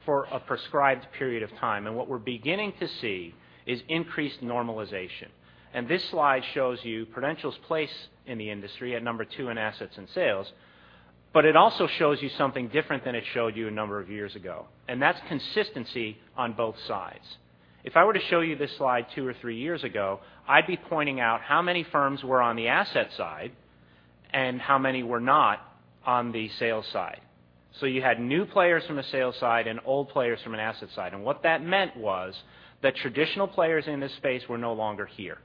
for a prescribed period of time. What we're beginning to see is increased normalization. This slide shows you Prudential's place in the industry at number 2 in assets and sales, but it also shows you something different than it showed you a number of years ago, and that's consistency on both sides. If I were to show you this slide two or three years ago, I'd be pointing out how many firms were on the asset side and how many were not on the sales side. You had new players from the sales side and old players from an asset side. What that meant was that traditional players in this space were no longer here.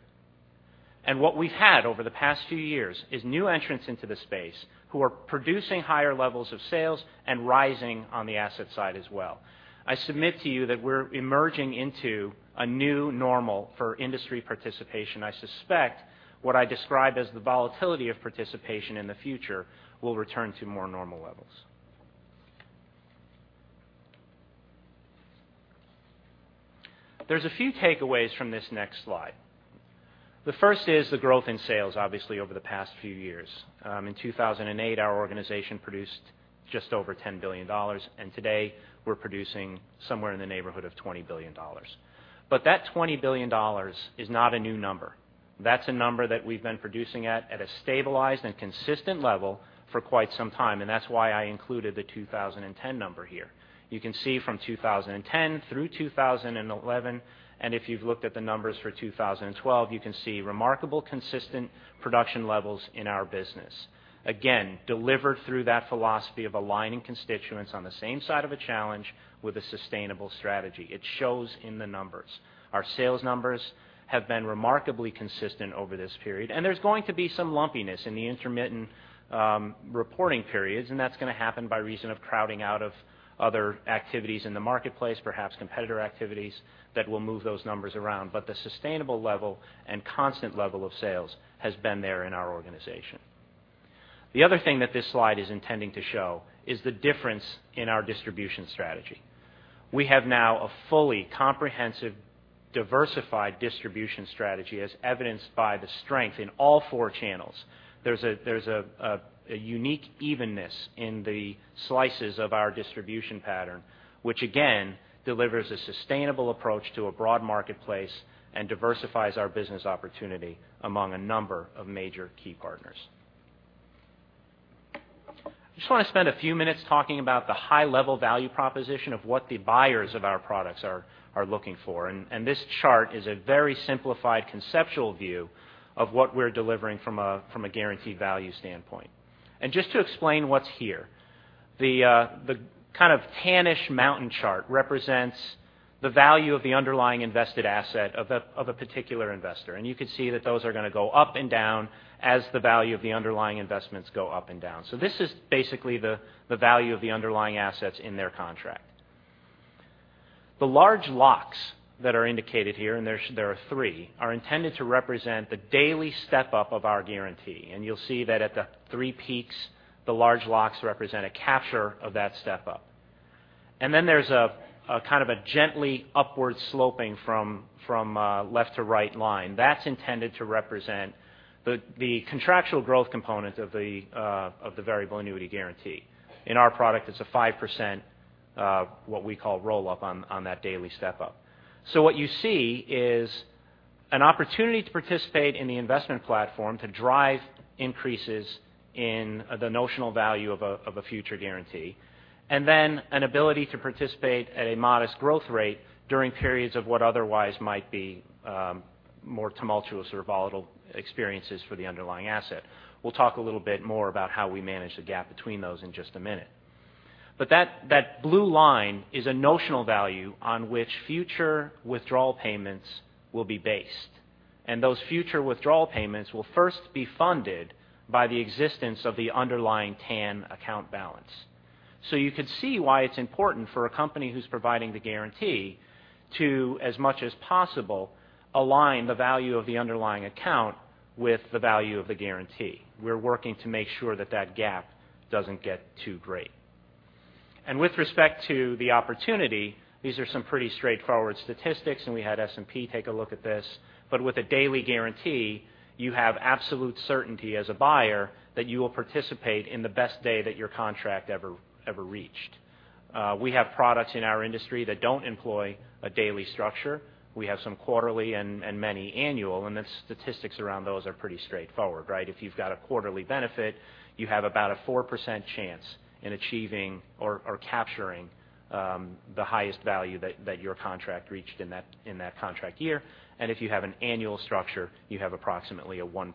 What we've had over the past few years is new entrants into the space who are producing higher levels of sales and rising on the asset side as well. I submit to you that we're emerging into a new normal for industry participation. I suspect what I describe as the volatility of participation in the future will return to more normal levels. There's a few takeaways from this next slide. The first is the growth in sales, obviously, over the past few years. In 2008, our organization produced just over $10 billion. Today we're producing somewhere in the neighborhood of $20 billion. That $20 billion is not a new number. That's a number that we've been producing at a stabilized and consistent level for quite some time. That's why I included the 2010 number here. You can see from 2010 through 2011. If you've looked at the numbers for 2012, you can see remarkable consistent production levels in our business. Again, delivered through that philosophy of aligning constituents on the same side of a challenge with a sustainable strategy. It shows in the numbers. Our sales numbers have been remarkably consistent over this period. There's going to be some lumpiness in the intermittent reporting periods. That's going to happen by reason of crowding out of other activities in the marketplace, perhaps competitor activities that will move those numbers around. The sustainable level and constant level of sales has been there in our organization. The other thing that this slide is intending to show is the difference in our distribution strategy. We have now a fully comprehensive, diversified distribution strategy, as evidenced by the strength in all four channels. There's a unique evenness in the slices of our distribution pattern, which again, delivers a sustainable approach to a broad marketplace and diversifies our business opportunity among a number of major key partners. I just want to spend a few minutes talking about the high level value proposition of what the buyers of our products are looking for. This chart is a very simplified conceptual view of what we're delivering from a guaranteed value standpoint. Just to explain what's here, the tannish mountain chart represents the value of the underlying invested asset of a particular investor. You could see that those are going to go up and down as the value of the underlying investments go up and down. This is basically the value of the underlying assets in their contract. The large locks that are indicated here, and there are three, are intended to represent the daily step-up of our guarantee. You'll see that at the three peaks, the large locks represent a capture of that step-up. Then there's a gently upward sloping from left to right line. That's intended to represent the contractual growth component of the variable annuity guarantee. In our product, it's a 5% what we call roll-up on that daily step-up. What you see is an opportunity to participate in the investment platform to drive increases in the notional value of a future guarantee, and then an ability to participate at a modest growth rate during periods of what otherwise might be more tumultuous or volatile experiences for the underlying asset. We'll talk a little bit more about how we manage the gap between those in just a minute. That blue line is a notional value on which future withdrawal payments will be based, and those future withdrawal payments will first be funded by the existence of the underlying tan account balance. You could see why it's important for a company who's providing the guarantee to, as much as possible, align the value of the underlying account with the value of the guarantee. We're working to make sure that that gap doesn't get too great. With respect to the opportunity, these are some pretty straightforward statistics, and we had S&P take a look at this. With a daily guarantee, you have absolute certainty as a buyer that you will participate in the best day that your contract ever reached. We have products in our industry that don't employ a daily structure. We have some quarterly and many annual, the statistics around those are pretty straightforward, right? If you've got a quarterly benefit, you have about a 4% chance in achieving or capturing the highest value that your contract reached in that contract year. If you have an annual structure, you have approximately a 1%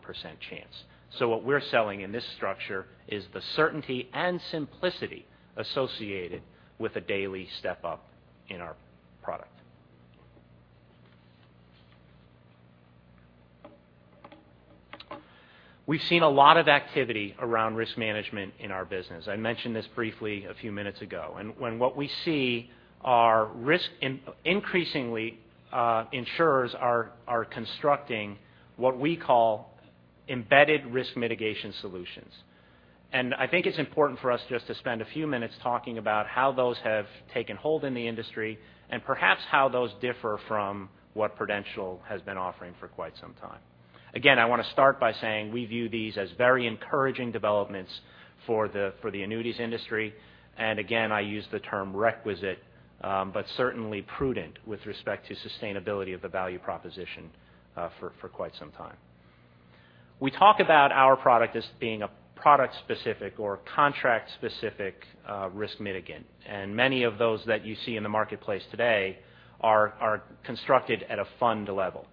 chance. What we're selling in this structure is the certainty and simplicity associated with a daily step-up in our product. We've seen a lot of activity around risk management in our business. I mentioned this briefly a few minutes ago. What we see are increasingly insurers are constructing what we call embedded risk mitigation solutions. I think it's important for us just to spend a few minutes talking about how those have taken hold in the industry and perhaps how those differ from what Prudential has been offering for quite some time. Again, I want to start by saying we view these as very encouraging developments for the annuities industry. Again, I use the term requisite, but certainly prudent with respect to sustainability of the value proposition for quite some time. We talk about our product as being a product specific or contract specific risk mitigant. Many of those that you see in the marketplace today are constructed at a fund level.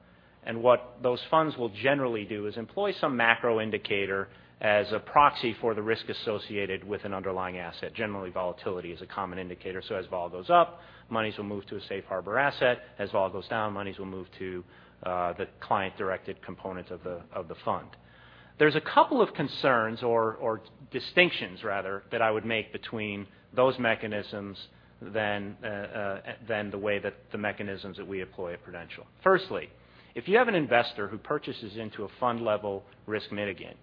What those funds will generally do is employ some macro indicator as a proxy for the risk associated with an underlying asset. Generally, volatility is a common indicator. As vol goes up, monies will move to a safe harbor asset. As vol goes down, monies will move to the client-directed component of the fund. There's a couple of concerns or distinctions rather, that I would make between those mechanisms than the way that the mechanisms that we employ at Prudential. Firstly, if you have an investor who purchases into a fund level risk mitigant,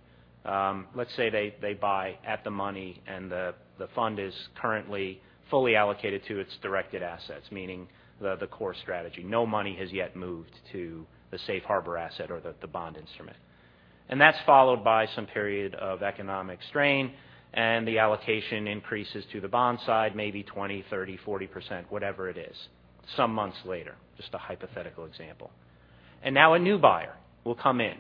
let's say they buy at the money and the fund is currently fully allocated to its directed assets, meaning the core strategy. No money has yet moved to the safe harbor asset or the bond instrument. That's followed by some period of economic strain, and the allocation increases to the bond side, maybe 20, 30, 40%, whatever it is, some months later. Just a hypothetical example. Now a new buyer will come in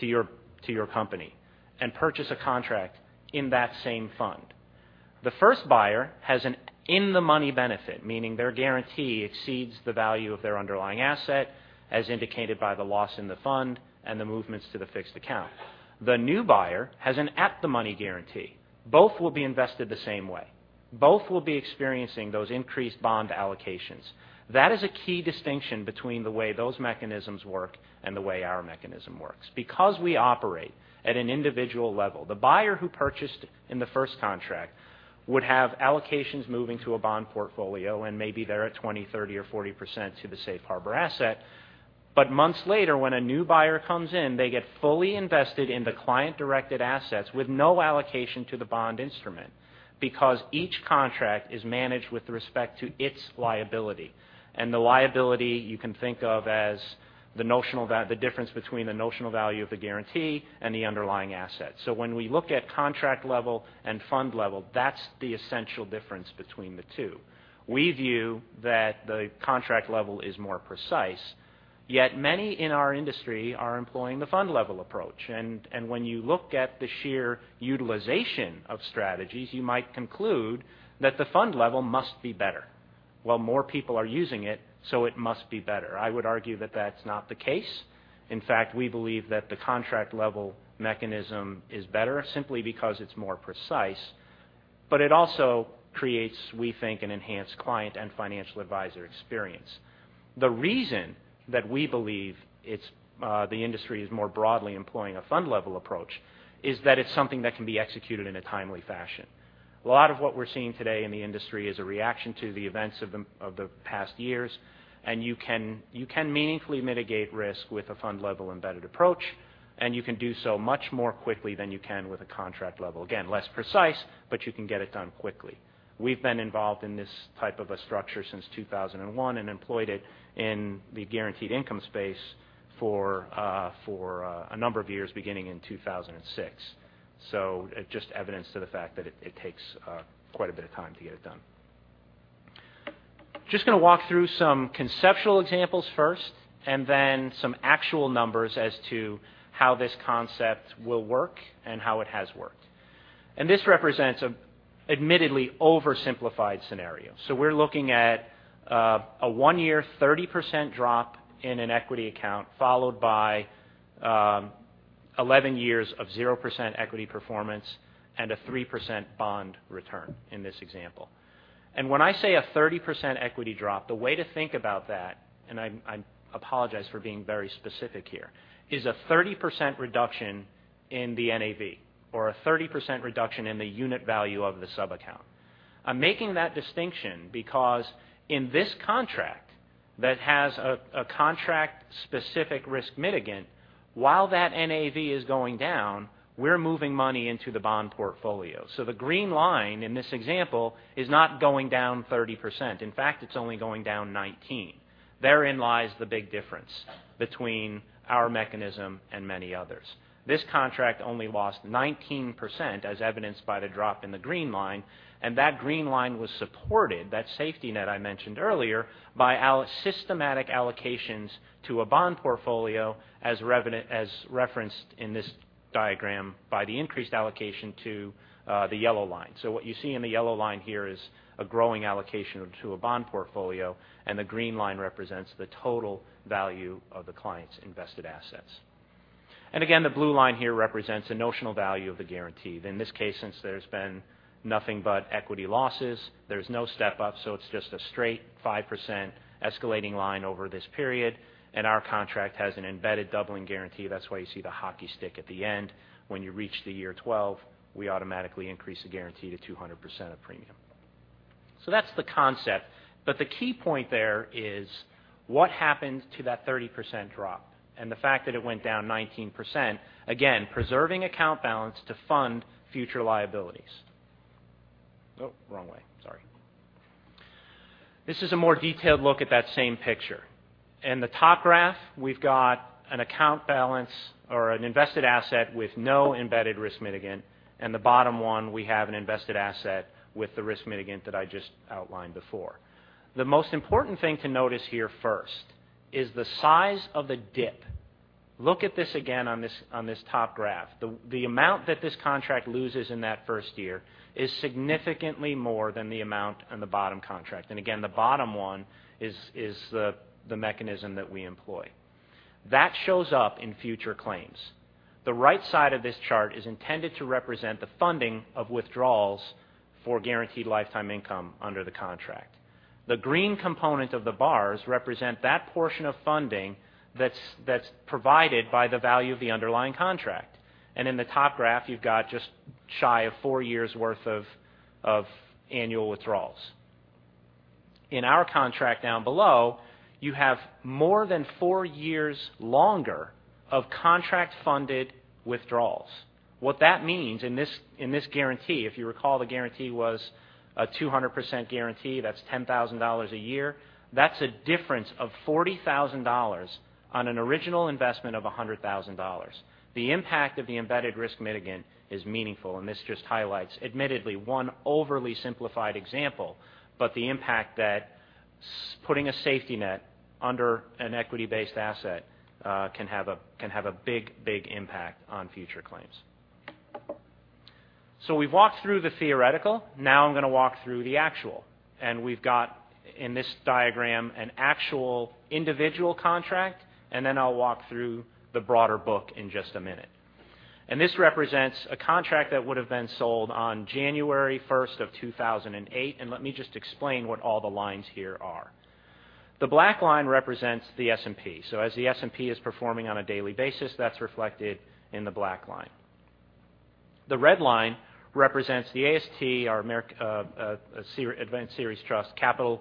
to your company and purchase a contract in that same fund. The first buyer has an in-the-money benefit, meaning their guarantee exceeds the value of their underlying asset, as indicated by the loss in the fund and the movements to the fixed account. The new buyer has an at-the-money guarantee. Both will be invested the same way. Both will be experiencing those increased bond allocations. That is a key distinction between the way those mechanisms work and the way our mechanism works. Because we operate at an individual level, the buyer who purchased in the first contract would have allocations moving to a bond portfolio, and maybe they're at 20, 30 or 40% to the safe harbor asset. Months later, when a new buyer comes in, they get fully invested in the client-directed assets with no allocation to the bond instrument because each contract is managed with respect to its liability. The liability you can think of as the difference between the notional value of the guarantee and the underlying asset. When we look at contract level and fund level, that's the essential difference between the two. We view that the contract level is more precise, yet many in our industry are employing the fund level approach. When you look at the sheer utilization of strategies, you might conclude that the fund level must be better. More people are using it, so it must be better. I would argue that that's not the case. In fact, we believe that the contract level mechanism is better simply because it's more precise. It also creates, we think, an enhanced client and financial advisor experience. The reason that we believe the industry is more broadly employing a fund level approach is that it's something that can be executed in a timely fashion. A lot of what we're seeing today in the industry is a reaction to the events of the past years, and you can meaningfully mitigate risk with a fund level embedded approach, and you can do so much more quickly than you can with a contract level. Again, less precise, but you can get it done quickly. We've been involved in this type of a structure since 2001 and employed it in the guaranteed income space for a number of years, beginning in 2006. Just evidence to the fact that it takes quite a bit of time to get it done. Just going to walk through some conceptual examples first and then some actual numbers as to how this concept will work and how it has worked. This represents an admittedly oversimplified scenario. We're looking at a 1-year, 30% drop in an equity account followed by 11 years of 0% equity performance and a 3% bond return in this example. When I say a 30% equity drop, the way to think about that, and I apologize for being very specific here, is a 30% reduction in the NAV or a 30% reduction in the unit value of the subaccount. I'm making that distinction because in this contract that has a contract-specific risk mitigant, while that NAV is going down, we're moving money into the bond portfolio. The green line in this example is not going down 30%. In fact, it's only going down 19%. Therein lies the big difference between our mechanism and many others. This contract only lost 19%, as evidenced by the drop in the green line, and that green line was supported, that safety net I mentioned earlier, by our systematic allocations to a bond portfolio as referenced in this diagram by the increased allocation to the yellow line. What you see in the yellow line here is a growing allocation to a bond portfolio, and the green line represents the total value of the client's invested assets. Again, the blue line here represents the notional value of the guarantee. In this case, since there's been nothing but equity losses, there's no step up, so it's just a straight 5% escalating line over this period. Our contract has an embedded doubling guarantee. That's why you see the hockey stick at the end. When you reach year 12, we automatically increase the guarantee to 200% of premium. That's the concept. The key point there is what happened to that 30% drop and the fact that it went down 19%. Again, preserving account balance to fund future liabilities. Wrong way. Sorry. This is a more detailed look at that same picture. In the top graph, we've got an account balance or an invested asset with no embedded risk mitigant, and the bottom one, we have an invested asset with the risk mitigant that I just outlined before. The most important thing to notice here first is the size of the dip. Look at this again on this top graph. The amount that this contract loses in that first year is significantly more than the amount on the bottom contract. Again, the bottom one is the mechanism that we employ. That shows up in future claims. The right side of this chart is intended to represent the funding of withdrawals for guaranteed lifetime income under the contract. The green component of the bars represent that portion of funding that's provided by the value of the underlying contract. In the top graph, you've got just shy of four years' worth of annual withdrawals. In our contract down below, you have more than four years longer of contract-funded withdrawals. What that means in this guarantee, if you recall, the guarantee was a 200% guarantee. That's $10,000 a year. That's a difference of $40,000 on an original investment of $100,000. The impact of the embedded risk mitigant is meaningful, and this just highlights, admittedly, one overly simplified example. The impact that putting a safety net under an equity-based asset can have a big impact on future claims. We've walked through the theoretical. Now I'm going to walk through the actual, and we've got in this diagram an actual individual contract, and then I'll walk through the broader book in just a minute. This represents a contract that would have been sold on January 1st of 2008. Let me just explain what all the lines here are. The black line represents the S&P. As the S&P is performing on a daily basis, that's reflected in the black line. The red line represents the AST, our Advanced Series Trust capital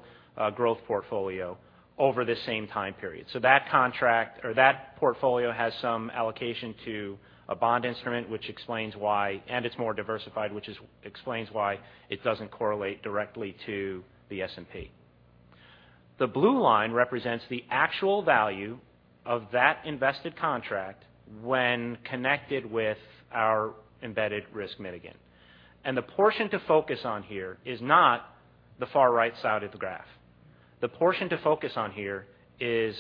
growth portfolio over the same time period. That contract or that portfolio has some allocation to a bond instrument, and it's more diversified, which explains why it doesn't correlate directly to the S&P. The blue line represents the actual value of that invested contract when connected with our embedded risk mitigant. The portion to focus on here is not the far right side of the graph. The portion to focus on here is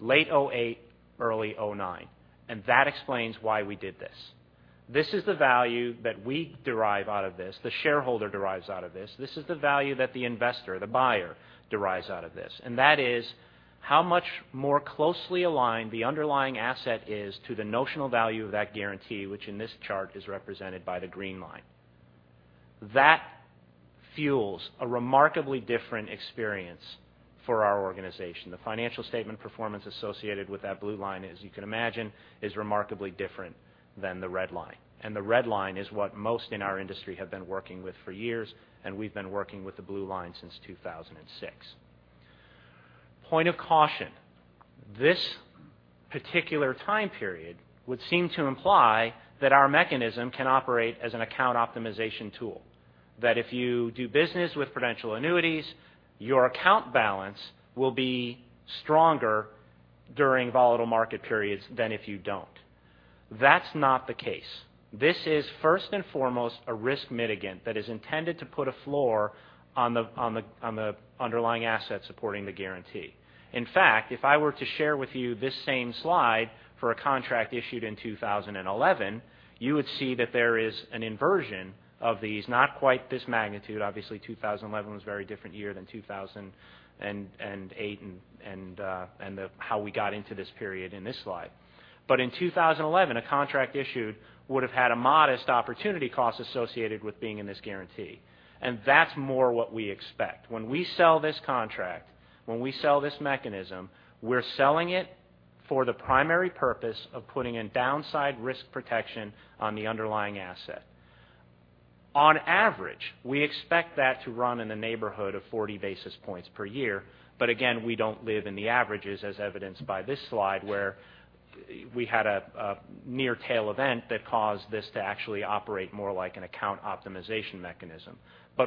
late 2008, early 2009, and that explains why we did this. This is the value that we derive out of this, the shareholder derives out of this. This is the value that the investor, the buyer, derives out of this, and that is how much more closely aligned the underlying asset is to the notional value of that guarantee, which in this chart is represented by the green line. That fuels a remarkably different experience for our organization. The financial statement performance associated with that blue line, as you can imagine, is remarkably different than the red line. The red line is what most in our industry have been working with for years, and we've been working with the blue line since 2006. Point of caution. This particular time period would seem to imply that our mechanism can operate as an account optimization tool. That if you do business with Prudential Annuities, your account balance will be stronger during volatile market periods than if you don't. That's not the case. This is first and foremost a risk mitigant that is intended to put a floor on the underlying asset supporting the guarantee. In fact, if I were to share with you this same slide for a contract issued in 2011, you would see that there is an inversion of these. Not quite this magnitude. Obviously, 2011 was a very different year than 2008 and how we got into this period in this slide. In 2011, a contract issued would have had a modest opportunity cost associated with being in this guarantee, and that's more what we expect. When we sell this contract, when we sell this mechanism, we're selling it for the primary purpose of putting in downside risk protection on the underlying asset. On average, we expect that to run in the neighborhood of 40 basis points per year. Again, we don't live in the averages, as evidenced by this slide, where we had a near tail event that caused this to actually operate more like an account optimization mechanism.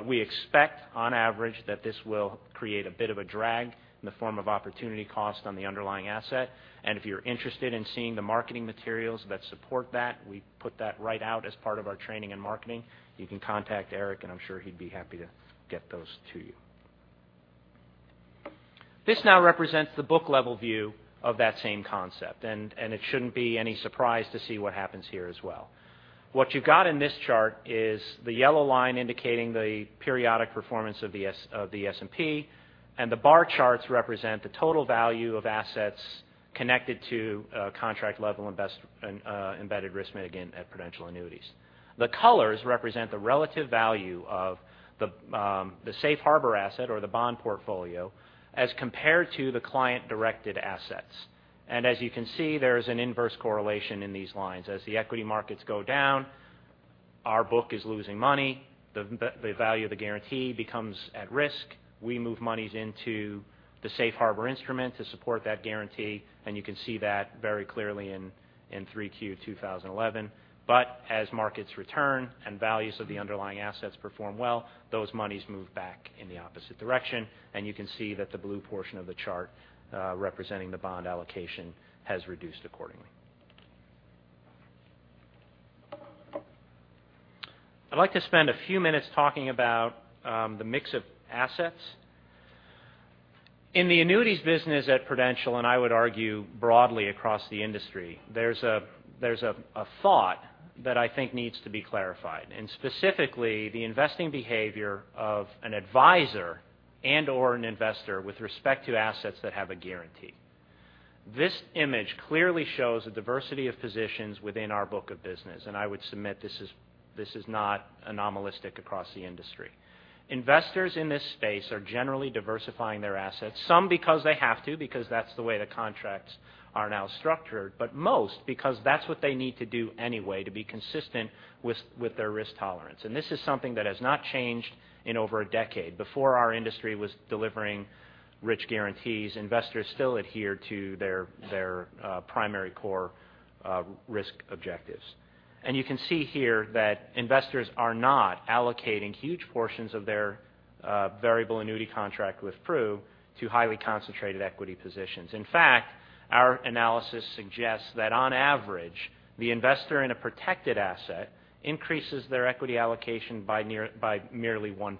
We expect on average that this will create a bit of a drag in the form of opportunity cost on the underlying asset. If you're interested in seeing the marketing materials that support that, we put that right out as part of our training and marketing. You can contact Eric, and I'm sure he'd be happy to get those to you. This now represents the book level view of that same concept. It shouldn't be any surprise to see what happens here as well. What you've got in this chart is the yellow line indicating the periodic performance of the S&P, and the bar charts represent the total value of assets connected to contract level embedded risk mitigant at Prudential Annuities. The colors represent the relative value of the safe harbor asset or the bond portfolio as compared to the client-directed assets. As you can see, there is an inverse correlation in these lines. As the equity markets go down, our book is losing money. The value of the guarantee becomes at risk. We move monies into the safe harbor instrument to support that guarantee, and you can see that very clearly in 3Q 2011. As markets return and values of the underlying assets perform well, those monies move back in the opposite direction. You can see that the blue portion of the chart, representing the bond allocation, has reduced accordingly. I'd like to spend a few minutes talking about the mix of assets. In the annuities business at Prudential, and I would argue broadly across the industry, there's a thought that I think needs to be clarified, and specifically the investing behavior of an advisor and/or an investor with respect to assets that have a guarantee. This image clearly shows a diversity of positions within our book of business, and I would submit this is not anomalistic across the industry. Investors in this space are generally diversifying their assets, some because they have to, because that's the way the contracts are now structured. Because that's what they need to do anyway to be consistent with their risk tolerance. This is something that has not changed in over a decade. Before our industry was delivering rich guarantees, investors still adhered to their primary core risk objectives. You can see here that investors are not allocating huge portions of their variable annuity contract with Pru to highly concentrated equity positions. In fact, our analysis suggests that on average, the investor in a protected asset increases their equity allocation by merely 1%.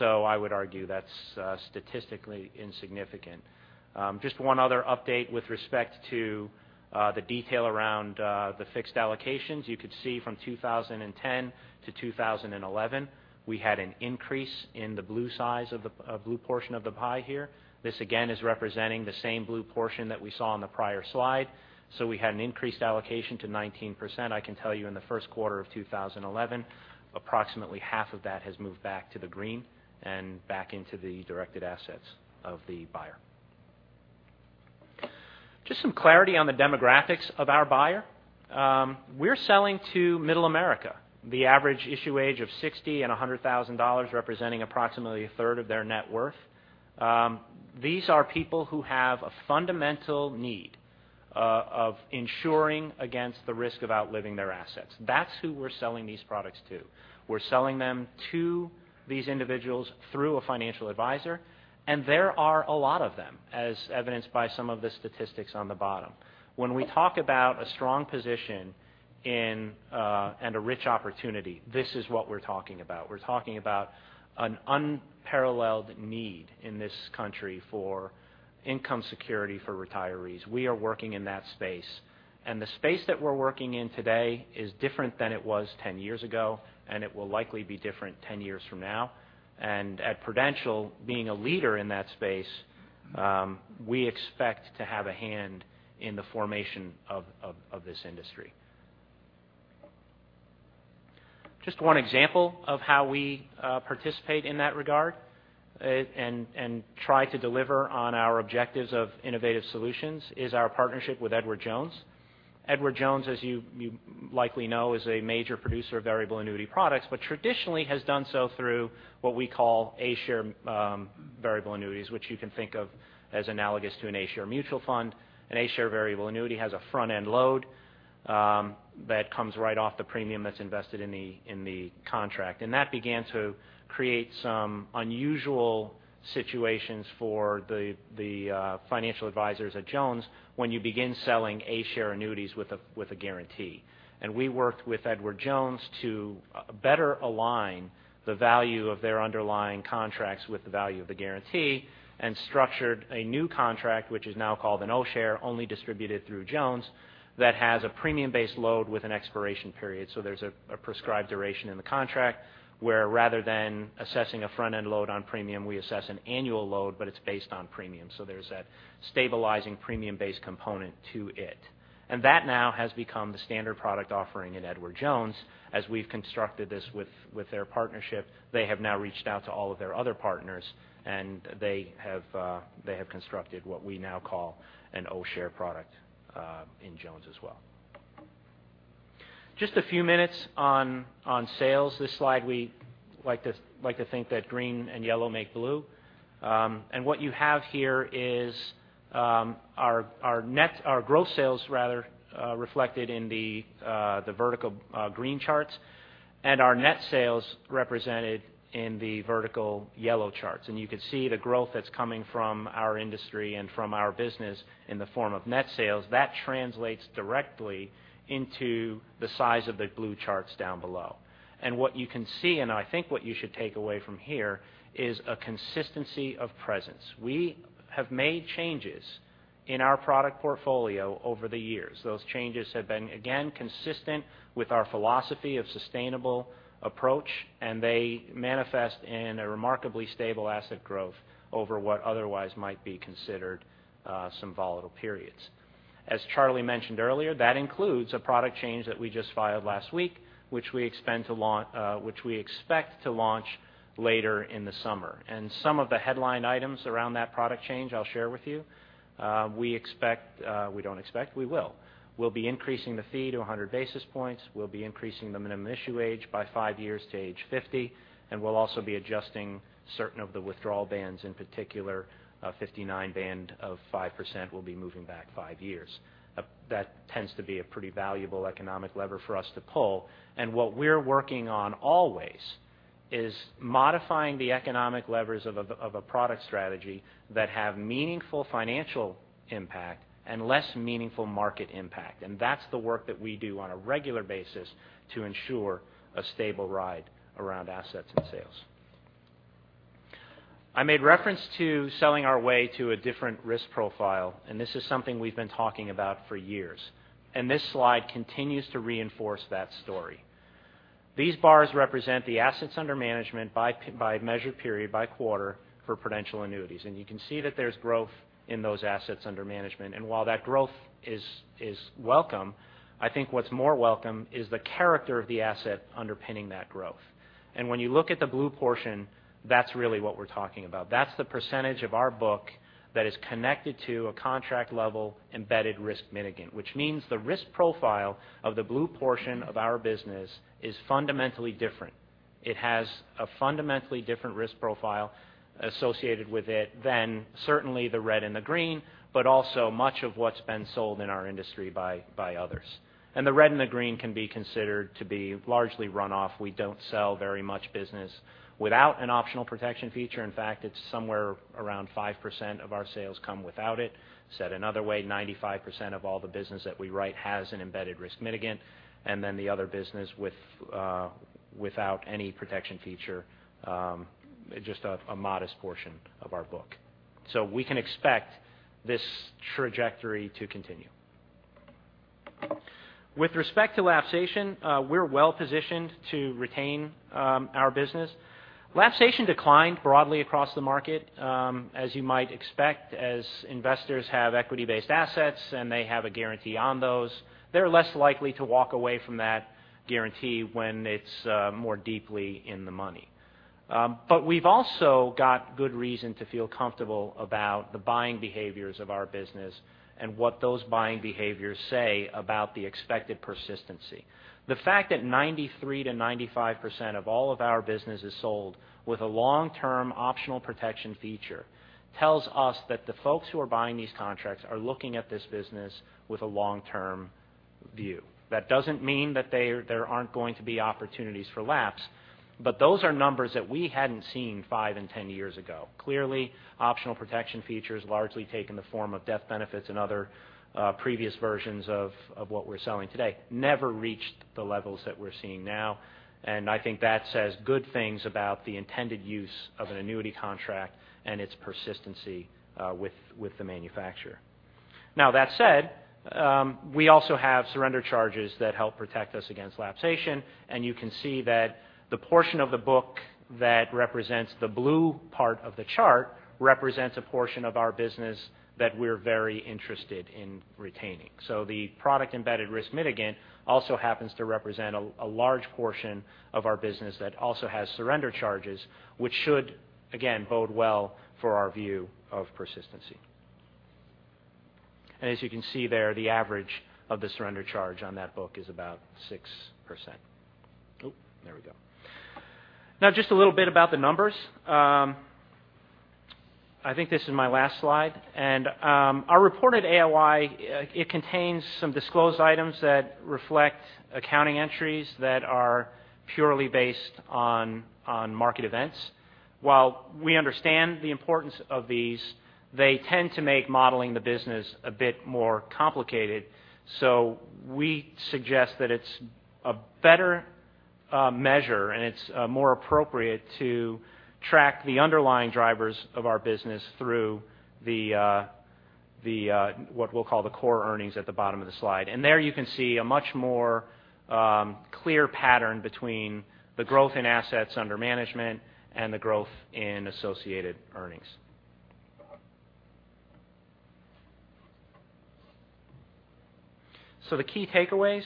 I would argue that's statistically insignificant. Just one other update with respect to the detail around the fixed allocations. You could see from 2010 to 2011, we had an increase in the blue portion of the pie here. This again is representing the same blue portion that we saw on the prior slide. We had an increased allocation to 19%, I can tell you, in the first quarter of 2011. Approximately half of that has moved back to the green and back into the directed assets of the buyer. Just some clarity on the demographics of our buyer. We're selling to Middle America, the average issue age of 60 and $100,000, representing approximately a third of their net worth. These are people who have a fundamental need of insuring against the risk of outliving their assets. That's who we're selling these products to. We're selling them to these individuals through a financial advisor. There are a lot of them, as evidenced by some of the statistics on the bottom. When we talk about a strong position and a rich opportunity, this is what we're talking about. We're talking about an unparalleled need in this country for income security for retirees. We are working in that space. The space that we're working in today is different than it was 10 years ago. It will likely be different 10 years from now. At Prudential, being a leader in that space, we expect to have a hand in the formation of this industry. Just one example of how we participate in that regard and try to deliver on our objectives of innovative solutions is our partnership with Edward Jones. Edward Jones, as you likely know, is a major producer of variable annuity products. Traditionally has done so through what we call A-share variable annuities, which you can think of as analogous to an A-share mutual fund. An A-share variable annuity has a front-end load that comes right off the premium that's invested in the contract. That began to create some unusual situations for the financial advisors at Jones when you begin selling A-share annuities with a guarantee. We worked with Edward Jones to better align the value of their underlying contracts with the value of the guarantee and structured a new contract, which is now called an O-share, only distributed through Jones, that has a premium-based load with an expiration period. There's a prescribed duration in the contract where rather than assessing a front-end load on premium, we assess an annual load. It's based on premium. There's that stabilizing premium-based component to it. That now has become the standard product offering at Edward Jones. As we've constructed this with their partnership, they have now reached out to all of their other partners, and they have constructed what we now call an O-share product in Jones as well. Just a few minutes on sales. This slide, we like to think that green and yellow make blue. What you have here is our growth sales reflected in the vertical green charts and our net sales represented in the vertical yellow charts. You can see the growth that's coming from our industry and from our business in the form of net sales. That translates directly into the size of the blue charts down below. What you can see, and I think what you should take away from here, is a consistency of presence. We have made changes in our product portfolio over the years. Those changes have been, again, consistent with our philosophy of sustainable approach, and they manifest in a remarkably stable asset growth over what otherwise might be considered some volatile periods. As Charlie mentioned earlier, that includes a product change that we just filed last week, which we expect to launch later in the summer. Some of the headline items around that product change I'll share with you. We will be increasing the fee to 100 basis points. We'll be increasing the minimum issue age by five years to age 50, and we'll also be adjusting certain of the withdrawal bands. In particular, a 59 band of 5% will be moving back five years. That tends to be a pretty valuable economic lever for us to pull. What we're working on always is modifying the economic levers of a product strategy that have meaningful financial impact and less meaningful market impact. That's the work that we do on a regular basis to ensure a stable ride around assets and sales. I made reference to selling our way to a different risk profile, and this is something we've been talking about for years, and this slide continues to reinforce that story. These bars represent the assets under management by measure period by quarter for Prudential Annuities. You can see that there's growth in those assets under management. While that growth is welcome, I think what's more welcome is the character of the asset underpinning that growth. When you look at the blue portion, that's really what we're talking about. That's the percentage of our book that is connected to a contract level embedded risk mitigant, which means the risk profile of the blue portion of our business is fundamentally different. It has a fundamentally different risk profile associated with it than certainly the red and the green, but also much of what's been sold in our industry by others. The red and the green can be considered to be largely run off. We don't sell very much business without an optional protection feature. In fact, it's somewhere around 5% of our sales come without it. Said another way, 95% of all the business that we write has an embedded risk mitigant, and then the other business without any protection feature, just a modest portion of our book. We can expect this trajectory to continue. With respect to lapsation, we're well-positioned to retain our business. Lapsation declined broadly across the market, as you might expect, as investors have equity-based assets, and they have a guarantee on those. They're less likely to walk away from that guarantee when it's more deeply in the money. We've also got good reason to feel comfortable about the buying behaviors of our business and what those buying behaviors say about the expected persistency. The fact that 93%-95% of all of our business is sold with a long-term optional protection feature tells us that the folks who are buying these contracts are looking at this business with a long-term view. That doesn't mean that there aren't going to be opportunities for lapse, but those are numbers that we hadn't seen five and 10 years ago. Clearly, optional protection features largely take in the form of death benefits and other previous versions of what we're selling today never reached the levels that we're seeing now, and I think that says good things about the intended use of an annuity contract and its persistency with the manufacturer. That said, we also have surrender charges that help protect us against lapsation, and you can see that the portion of the book that represents the blue part of the chart represents a portion of our business that we're very interested in retaining. The product-embedded risk mitigant also happens to represent a large portion of our business that also has surrender charges, which should, again, bode well for our view of persistency. As you can see there, the average of the surrender charge on that book is about 6%. There we go. Just a little bit about the numbers. I think this is my last slide. Our reported AOI, it contains some disclosed items that reflect accounting entries that are purely based on market events. While we understand the importance of these, they tend to make modeling the business a bit more complicated. We suggest that it's a better measure, and it's more appropriate to track the underlying drivers of our business through what we'll call the core earnings at the bottom of the slide. There you can see a much more clear pattern between the growth in assets under management and the growth in associated earnings. The key takeaways.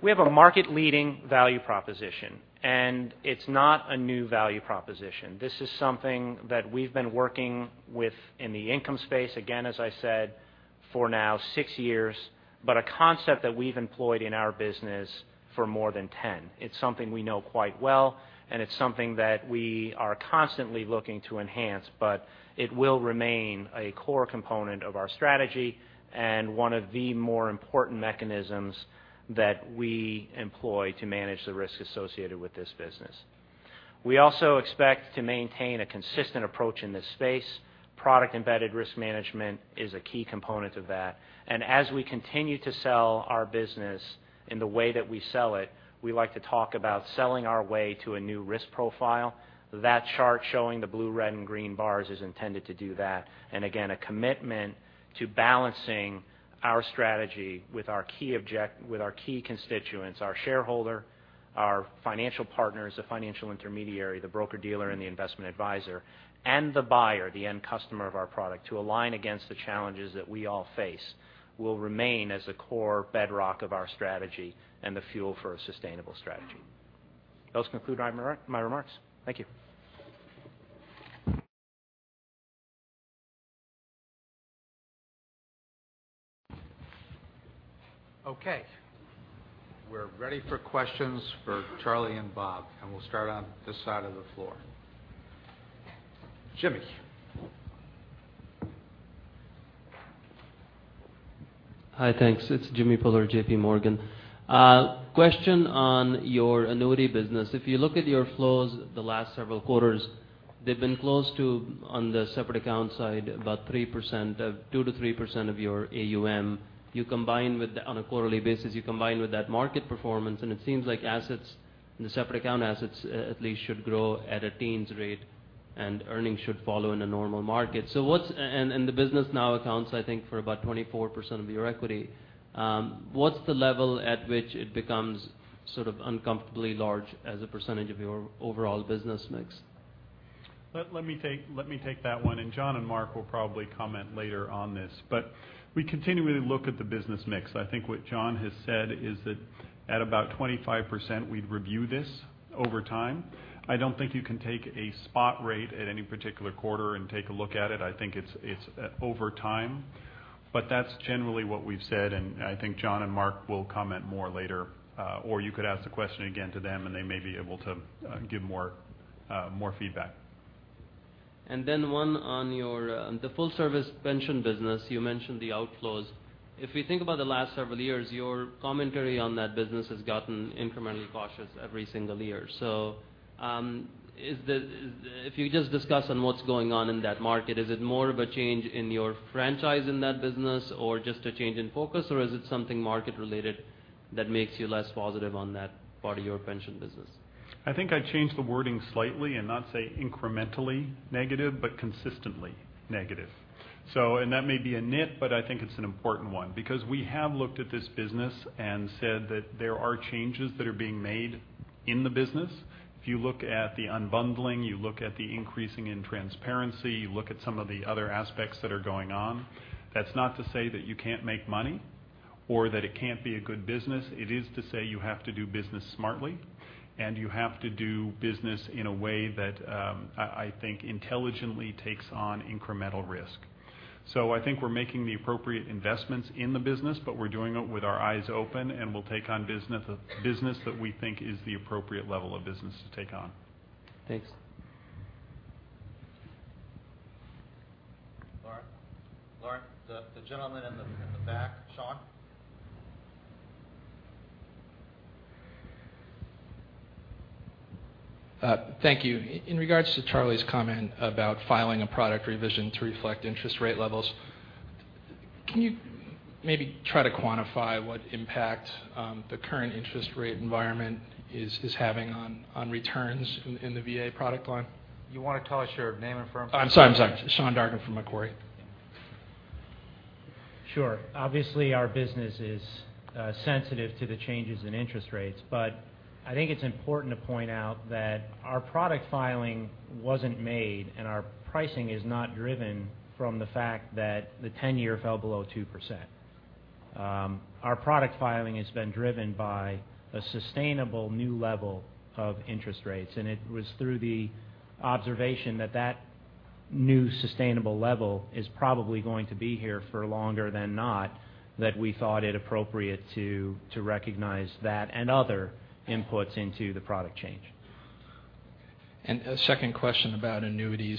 We have a market-leading value proposition, and it's not a new value proposition. This is something that we've been working with in the income space, again, as I said, for now six years, but a concept that we've employed in our business for more than 10. It's something we know quite well, and it's something that we are constantly looking to enhance, but it will remain a core component of our strategy and one of the more important mechanisms that we employ to manage the risk associated with this business. We also expect to maintain a consistent approach in this space. Product-embedded risk management is a key component of that. As we continue to sell our business in the way that we sell it, we like to talk about selling our way to a new risk profile. That chart showing the blue, red, and green bars is intended to do that. Again, a commitment to balancing our strategy with our key constituents, our shareholder, our financial partners, the financial intermediary, the broker-dealer, and the investment advisor, and the buyer, the end customer of our product, to align against the challenges that we all face will remain as a core bedrock of our strategy and the fuel for a sustainable strategy. Those conclude my remarks. Thank you. Okay, we're ready for questions for Charlie and Bob, we'll start on this side of the floor. Jimmy. Hi, thanks. It's Jamminder Bhullar, J.P. Morgan. Question on your annuity business. If you look at your flows the last several quarters, they've been close to, on the separate account side, about 2%-3% of your AUM. On a quarterly basis, you combine with that market performance, it seems like the separate account assets at least should grow at a teens rate, and earnings should follow in a normal market. The business now accounts, I think, for about 24% of your equity. What's the level at which it becomes sort of uncomfortably large as a percentage of your overall business mix? Let me take that one, John and Mark will probably comment later on this. We continually look at the business mix. I think what John has said is that at about 25%, we'd review this over time. I don't think you can take a spot rate at any particular quarter and take a look at it. I think it's over time. That's generally what we've said, I think John and Mark will comment more later. You could ask the question again to them, they may be able to give more feedback. One on the full-service pension business. You mentioned the outflows. If we think about the last several years, your commentary on that business has gotten incrementally cautious every single year. If you just discuss on what's going on in that market, is it more of a change in your franchise in that business or just a change in focus, or is it something market related? That makes you less positive on that part of your pension business. I think I'd change the wording slightly and not say incrementally negative, but consistently negative. That may be a nitpick, but I think it's an important one because we have looked at this business and said that there are changes that are being made in the business. If you look at the unbundling, you look at the increasing in transparency, you look at some of the other aspects that are going on. That's not to say that you can't make money or that it can't be a good business. It is to say you have to do business smartly, and you have to do business in a way that I think intelligently takes on incremental risk. I think we're making the appropriate investments in the business, but we're doing it with our eyes open, and we'll take on business that we think is the appropriate level of business to take on. Thanks. Lauren. The gentleman in the back, Sean. Thank you. In regards to Charlie's comment about filing a product revision to reflect interest rate levels, can you maybe try to quantify what impact the current interest rate environment is having on returns in the VA product line? You want to tell us your name and firm? I'm sorry, Sean Dargan from Macquarie. Sure. Obviously, our business is sensitive to the changes in interest rates, but I think it's important to point out that our product filing wasn't made and our pricing is not driven from the fact that the 10-year fell below 2%. Our product filing has been driven by a sustainable new level of interest rates, and it was through the observation that that new sustainable level is probably going to be here for longer than not, that we thought it appropriate to recognize that and other inputs into the product change. A second question about annuities.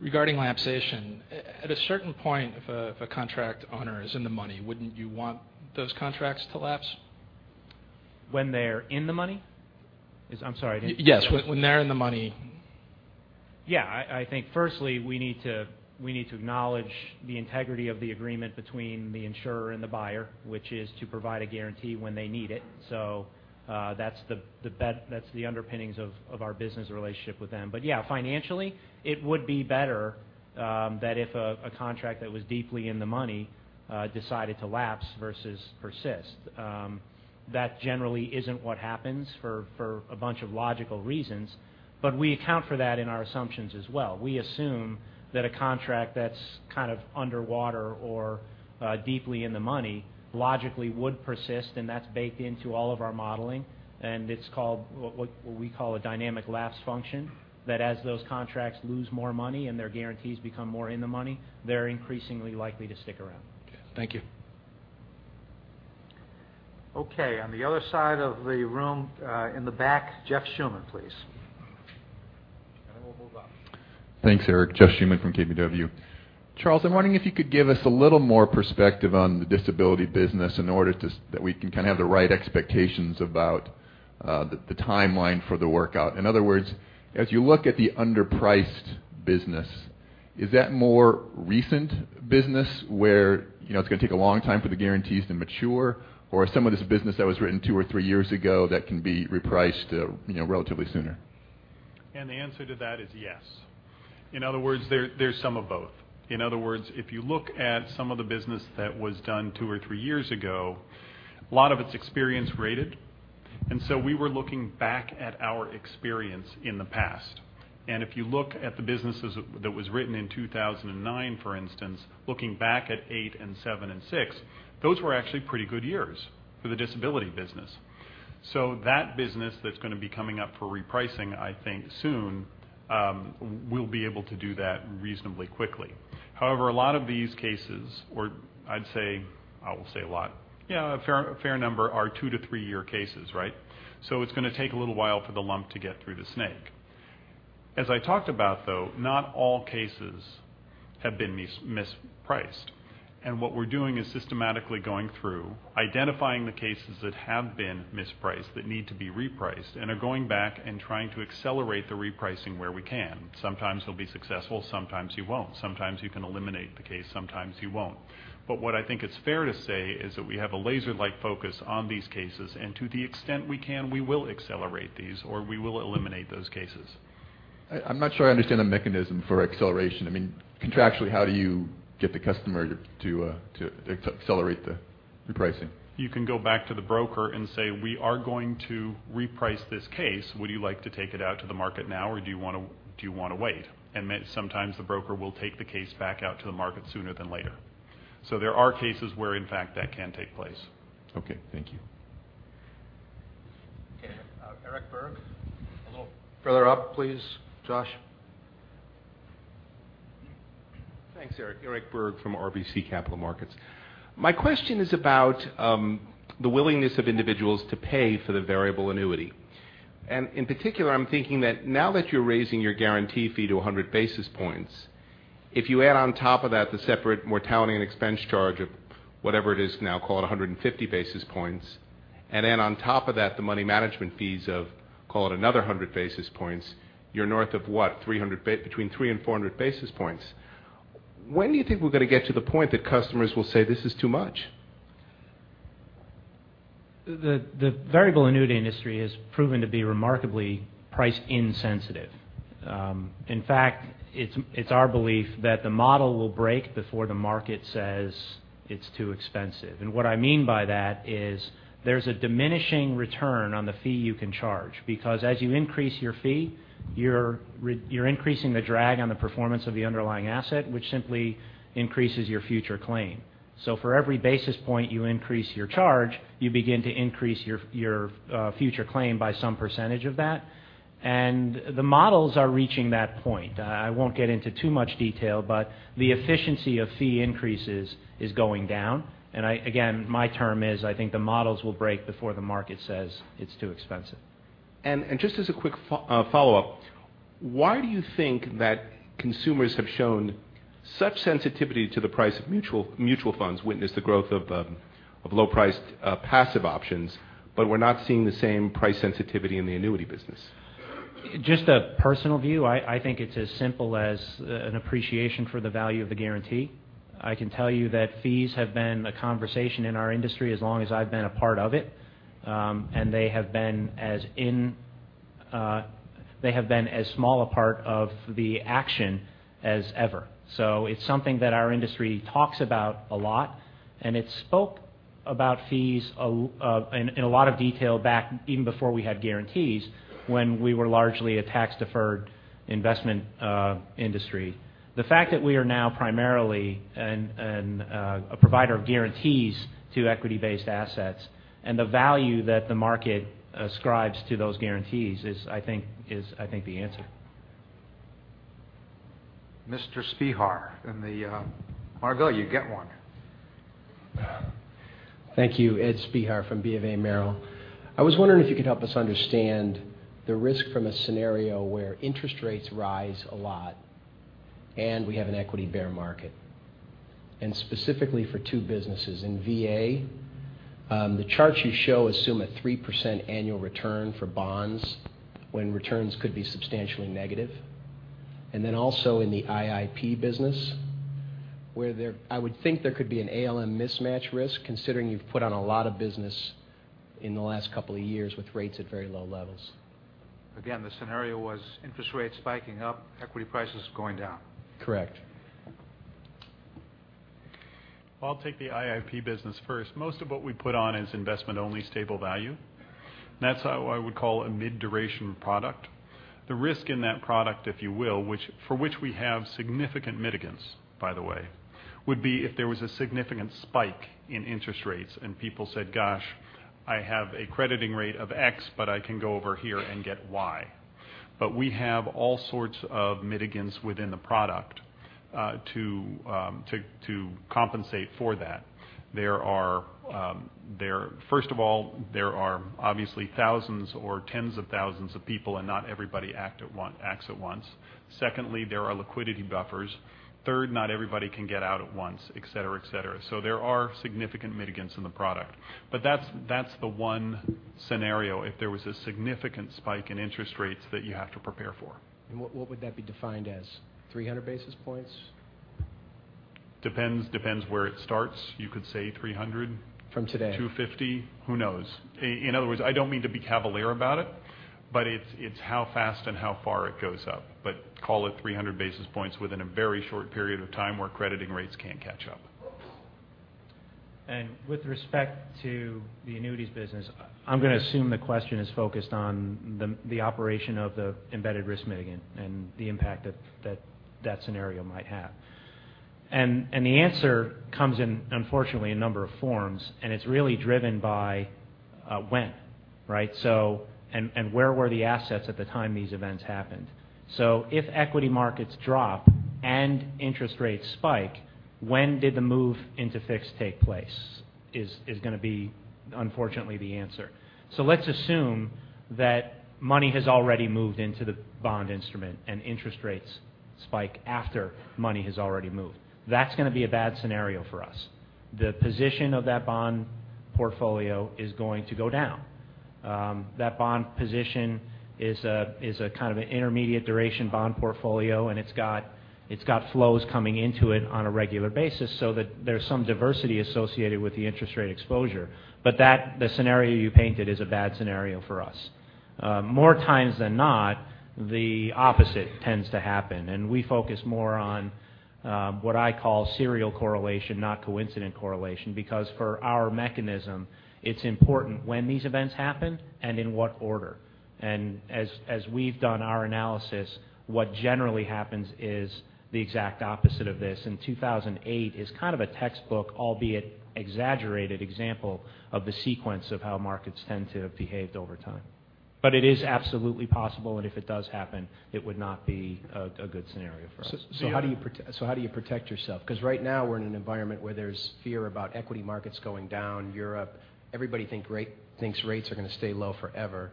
Regarding lapsation. At a certain point, if a contract owner is in the money, wouldn't you want those contracts to lapse? When they're in the money? I'm sorry. Yes. When they're in the money. I think firstly, we need to acknowledge the integrity of the agreement between the insurer and the buyer, which is to provide a guarantee when they need it. That's the underpinnings of our business relationship with them. Financially, it would be better that if a contract that was deeply in the money decided to lapse versus persist. That generally isn't what happens for a bunch of logical reasons, but we account for that in our assumptions as well. We assume that a contract that's kind of underwater or deeply in the money logically would persist, and that's baked into all of our modeling. It's called what we call a dynamic lapse function, that as those contracts lose more money and their guarantees become more in the money, they're increasingly likely to stick around. Okay. Thank you. Okay. On the other side of the room, in the back, Jeff Schuman, please. Then we'll move up. Thanks, Eric. Jeff Schuman from KBW. Charlie, I'm wondering if you could give us a little more perspective on the disability business in order that we can kind of have the right expectations about the timeline for the workout. In other words, as you look at the underpriced business, is that more recent business where it's going to take a long time for the guarantees to mature or some of this business that was written two or three years ago that can be repriced relatively sooner? The answer to that is yes. In other words, there's some of both. In other words, if you look at some of the business that was done two or three years ago, a lot of it's experience rated. We were looking back at our experience in the past. If you look at the businesses that was written in 2009, for instance, looking back at 2008 and 2007 and 2006, those were actually pretty good years for the disability business. That business that's going to be coming up for repricing, I think soon, we'll be able to do that reasonably quickly. However, a lot of these cases or I'd say a lot, a fair number are two to three-year cases, right? It's going to take a little while for the lump to get through the snake. As I talked about, though, not all cases have been mispriced. What we're doing is systematically going through, identifying the cases that have been mispriced that need to be repriced, and are going back and trying to accelerate the repricing where we can. Sometimes you'll be successful, sometimes you won't. Sometimes you can eliminate the case, sometimes you won't. What I think it's fair to say is that we have a laser-like focus on these cases, and to the extent we can, we will accelerate these, or we will eliminate those cases. I'm not sure I understand the mechanism for acceleration. Contractually, how do you get the customer to accelerate the repricing? You can go back to the broker and say, "We are going to reprice this case. Would you like to take it out to the market now, or do you want to wait?" Sometimes the broker will take the case back out to the market sooner than later. There are cases where, in fact, that can take place. Okay. Thank you. Eric Berg. A little further up, please. Josh. Thanks, Eric. Eric Berg from RBC Capital Markets. My question is about the willingness of individuals to pay for the variable annuity. In particular, I'm thinking that now that you're raising your guarantee fee to 100 basis points, if you add on top of that the separate mortality and expense charge of whatever it is now, call it 150 basis points, then on top of that, the money management fees of, call it another 100 basis points, you're north of what? Between 300 and 400 basis points. When do you think we're going to get to the point that customers will say, "This is too much? The variable annuity industry has proven to be remarkably price insensitive. In fact, it's our belief that the model will break before the market says it's too expensive. What I mean by that is there's a diminishing return on the fee you can charge, because as you increase your fee, you're increasing the drag on the performance of the underlying asset, which simply increases your future claim. For every basis point you increase your charge, you begin to increase your future claim by some percentage of that. The models are reaching that point. I won't get into too much detail, but the efficiency of fee increases is going down. Again, my term is, I think the models will break before the market says it's too expensive. Just as a quick follow-up, why do you think that consumers have shown such sensitivity to the price of mutual funds, witness the growth of low-priced passive options, but we're not seeing the same price sensitivity in the annuity business? Just a personal view, I think it's as simple as an appreciation for the value of the guarantee. I can tell you that fees have been a conversation in our industry as long as I've been a part of it. They have been as small a part of the action as ever. It's something that our industry talks about a lot, and it spoke about fees in a lot of detail back even before we had guarantees when we were largely a tax-deferred investment industry. The fact that we are now primarily a provider of guarantees to equity-based assets and the value that the market ascribes to those guarantees is, I think, the answer. Mr. Spehar. Margolle, you get one. Thank you. Ed Spehar from BofA Merrill. I was wondering if you could help us understand the risk from a scenario where interest rates rise a lot and we have an equity bear market. Specifically for two businesses. In VA, the charts you show assume a 3% annual return for bonds when returns could be substantially negative. Then also in the IIP business, where I would think there could be an ALM mismatch risk, considering you've put on a lot of business in the last couple of years with rates at very low levels. The scenario was interest rates spiking up, equity prices going down. Correct. I'll take the IIP business first. Most of what we put on is investment-only stable value. That's what I would call a mid-duration product. The risk in that product, if you will, for which we have significant mitigants, by the way, would be if there was a significant spike in interest rates and people said, "Gosh, I have a crediting rate of X, but I can go over here and get Y." We have all sorts of mitigants within the product to compensate for that. First of all, there are obviously thousands or tens of thousands of people, and not everybody acts at once. Secondly, there are liquidity buffers. Third, not everybody can get out at once, et cetera. There are significant mitigants in the product. That's the one scenario, if there was a significant spike in interest rates that you have to prepare for. What would that be defined as? 300 basis points? Depends where it starts. You could say 300. From today. 250. Who knows? In other words, I don't mean to be cavalier about it's how fast and how far it goes up, call it 300 basis points within a very short period of time where crediting rates can't catch up. With respect to the annuities business, I'm going to assume the question is focused on the operation of the embedded risk mitigant and the impact that that scenario might have. The answer comes in, unfortunately, a number of forms, and it's really driven by when, right? Where were the assets at the time these events happened. If equity markets drop and interest rates spike, when did the move into fixed take place is going to be, unfortunately, the answer. Let's assume that money has already moved into the bond instrument and interest rates spike after money has already moved. That's going to be a bad scenario for us. The position of that bond portfolio is going to go down. That bond position is a kind of an intermediate duration bond portfolio, it's got flows coming into it on a regular basis so that there's some diversity associated with the interest rate exposure. The scenario you painted is a bad scenario for us. More times than not, the opposite tends to happen, we focus more on what I call serial correlation, not coincident correlation, because for our mechanism, it's important when these events happen and in what order. As we've done our analysis, what generally happens is the exact opposite of this. 2008 is kind of a textbook, albeit exaggerated example of the sequence of how markets tend to have behaved over time. It is absolutely possible, and if it does happen, it would not be a good scenario for us. How do you protect yourself? Because right now we're in an environment where there's fear about equity markets going down, Europe, everybody thinks rates are going to stay low forever.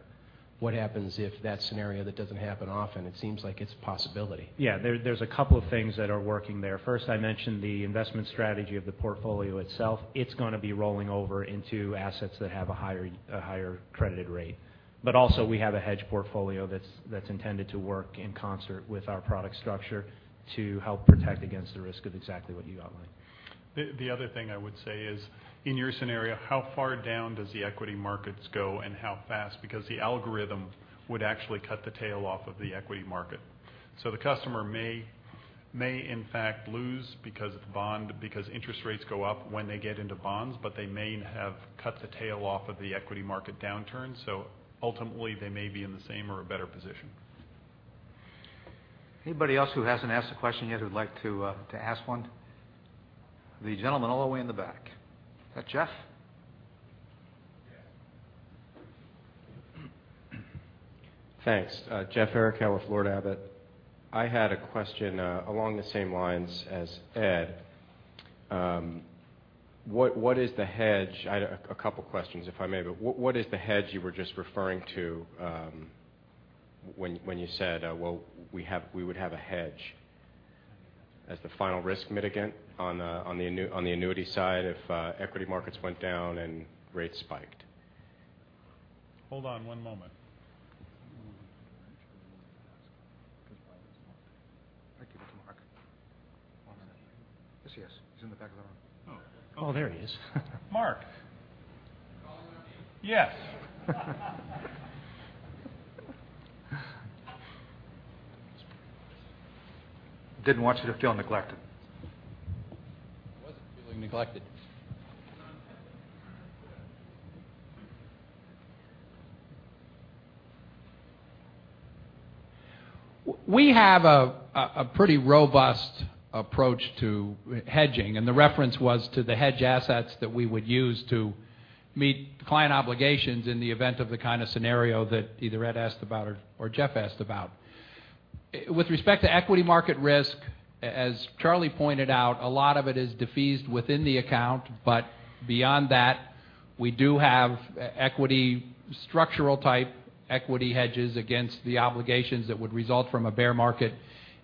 What happens if that scenario that doesn't happen often, it seems like it's a possibility? Yeah. There's a couple of things that are working there. First, I mentioned the investment strategy of the portfolio itself. It's going to be rolling over into assets that have a higher credited rate. Also we have a hedge portfolio that's intended to work in concert with our product structure to help protect against the risk of exactly what you outlined. The other thing I would say is, in your scenario, how far down does the equity markets go and how fast? The algorithm would actually cut the tail off of the equity market. The customer may in fact lose because interest rates go up when they get into bonds, but they may have cut the tail off of the equity market downturn. Ultimately, they may be in the same or a better position. Anybody else who hasn't asked a question yet who'd like to ask one? The gentleman all the way in the back. Is that Jeff? Yes. Thanks. Jeff Eric with Florida Abbott. I had a question along the same lines as Ed. A couple of questions, if I may. What is the hedge you were just referring to when you said, well, we would have a hedge as the final risk mitigant on the annuity side if equity markets went down and rates spiked? Hold on one moment. I give it to Mark. One second. Yes, he is. He's in the back of the room. Oh. There he is. Mark. You're calling on me? Yes. Didn't want you to feel neglected. I wasn't feeling neglected. We have a pretty robust approach to hedging, and the reference was to the hedge assets that we would use to meet client obligations in the event of the kind of scenario that either Ed asked about or Jeff asked about. With respect to equity market risk, as Charlie pointed out, a lot of it is defeased within the account. Beyond that, we do have structural type equity hedges against the obligations that would result from a bear market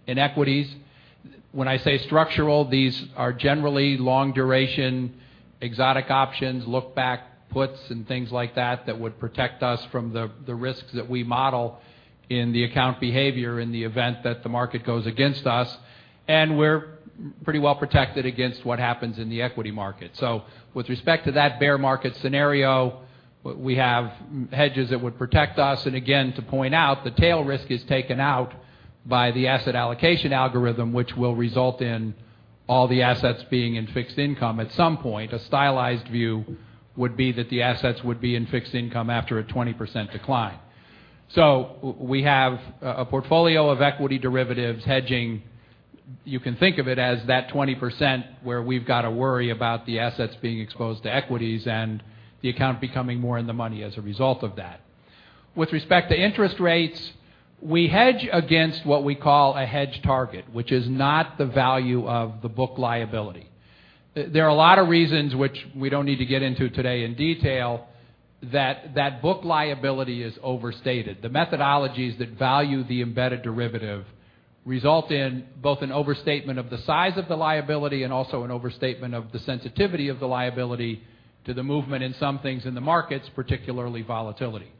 in equities. When I say structural, these are generally long duration, exotic options, look back puts and things like that would protect us from the risks that we model in the account behavior in the event that the market goes against us, and we're pretty well protected against what happens in the equity market. With respect to that bear market scenario, we have hedges that would protect us. Again, to point out, the tail risk is taken out by the asset allocation algorithm, which will result in all the assets being in fixed income. At some point, a stylized view would be that the assets would be in fixed income after a 20% decline. We have a portfolio of equity derivatives hedging. You can think of it as that 20% where we've got to worry about the assets being exposed to equities and the account becoming more in the money as a result of that. With respect to interest rates, we hedge against what we call a hedge target, which is not the value of the book liability. There are a lot of reasons which we don't need to get into today in detail that book liability is overstated. The methodologies that value the embedded derivative result in both an overstatement of the size of the liability and also an overstatement of the sensitivity of the liability to the movement in some things in the markets, particularly volatility.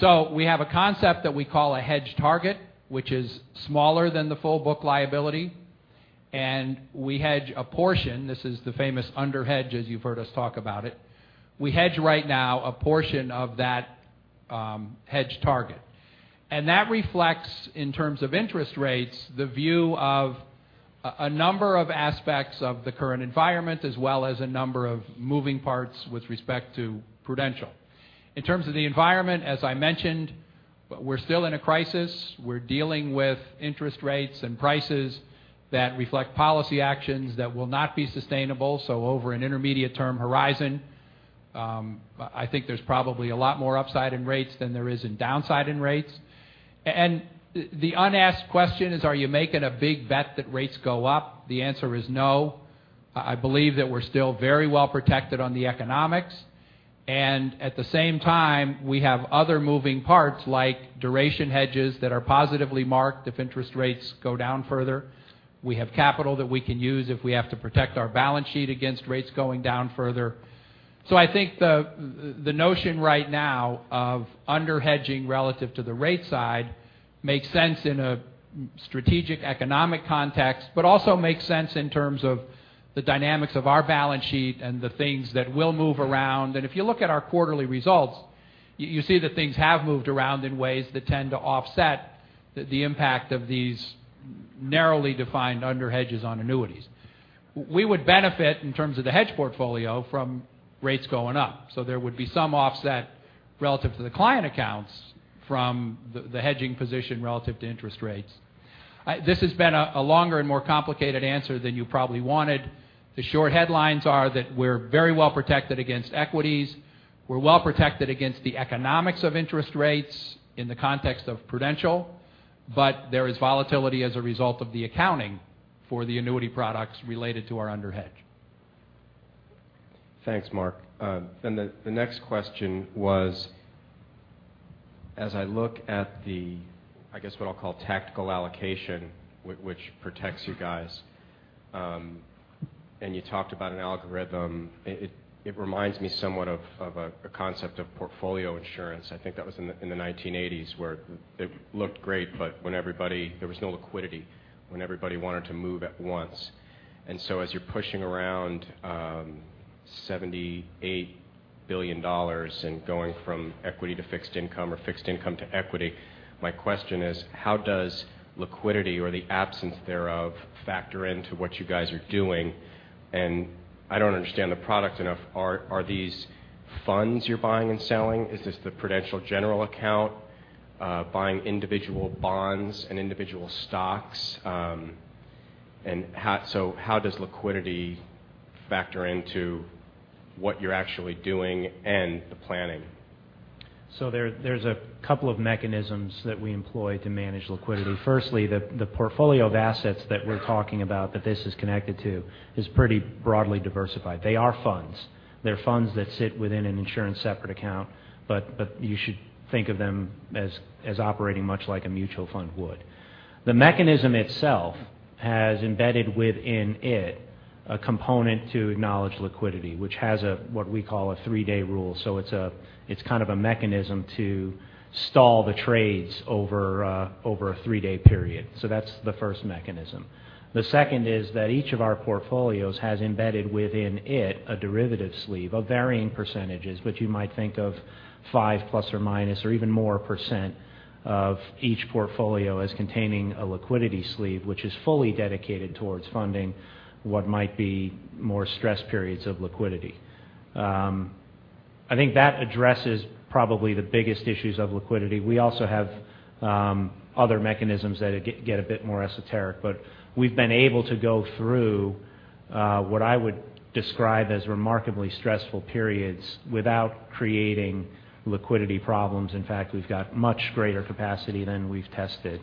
We have a concept that we call a hedge target, which is smaller than the full book liability, and we hedge a portion. This is the famous underhedge, as you've heard us talk about it. We hedge right now a portion of that hedge target. That reflects, in terms of interest rates, the view of a number of aspects of the current environment, as well as a number of moving parts with respect to Prudential. In terms of the environment, as I mentioned, we're still in a crisis. We're dealing with interest rates and prices that reflect policy actions that will not be sustainable. Over an intermediate term horizon, I think there's probably a lot more upside in rates than there is in downside in rates. The unasked question is, are you making a big bet that rates go up? The answer is no. I believe that we're still very well protected on the economics. At the same time, we have other moving parts like duration hedges that are positively marked if interest rates go down further. We have capital that we can use if we have to protect our balance sheet against rates going down further. I think the notion right now of under hedging relative to the rate side makes sense in a strategic economic context, but also makes sense in terms of the dynamics of our balance sheet and the things that will move around. If you look at our quarterly results, you see that things have moved around in ways that tend to offset the impact of these narrowly defined under hedges on annuities. We would benefit in terms of the hedge portfolio from rates going up. There would be some offset relative to the client accounts from the hedging position relative to interest rates. This has been a longer and more complicated answer than you probably wanted. The short headlines are that we're very well protected against equities. We're well protected against the economics of interest rates in the context of Prudential, but there is volatility as a result of the accounting for the annuity products related to our under hedge. Thanks, Mark. The next question was, as I look at the, I guess, what I'll call tactical allocation, which protects you guys, and you talked about an algorithm, it reminds me somewhat of a concept of portfolio insurance. I think that was in the 1980s, where it looked great, but there was no liquidity when everybody wanted to move at once. As you're pushing around $78 billion and going from equity to fixed income or fixed income to equity, my question is, how does liquidity or the absence thereof factor into what you guys are doing? I don't understand the product enough. Are these funds you're buying and selling? Is this the Prudential general account, buying individual bonds and individual stocks? How does liquidity factor into what you're actually doing and the planning? There's a couple of mechanisms that we employ to manage liquidity. Firstly, the portfolio of assets that we're talking about that this is connected to is pretty broadly diversified. They are funds. They're funds that sit within an insurance separate account, but you should think of them as operating much like a mutual fund would. The mechanism itself has embedded within it a component to acknowledge liquidity, which has what we call a three-day rule. It's kind of a mechanism to stall the trades over a three-day period. That's the first mechanism. The second is that each of our portfolios has embedded within it a derivative sleeve of varying percentages, but you might think of 5 plus or minus or even more % of each portfolio as containing a liquidity sleeve, which is fully dedicated towards funding what might be more stress periods of liquidity. I think that addresses probably the biggest issues of liquidity. We also have other mechanisms that get a bit more esoteric, but we've been able to go through what I would describe as remarkably stressful periods without creating liquidity problems. In fact, we've got much greater capacity than we've tested.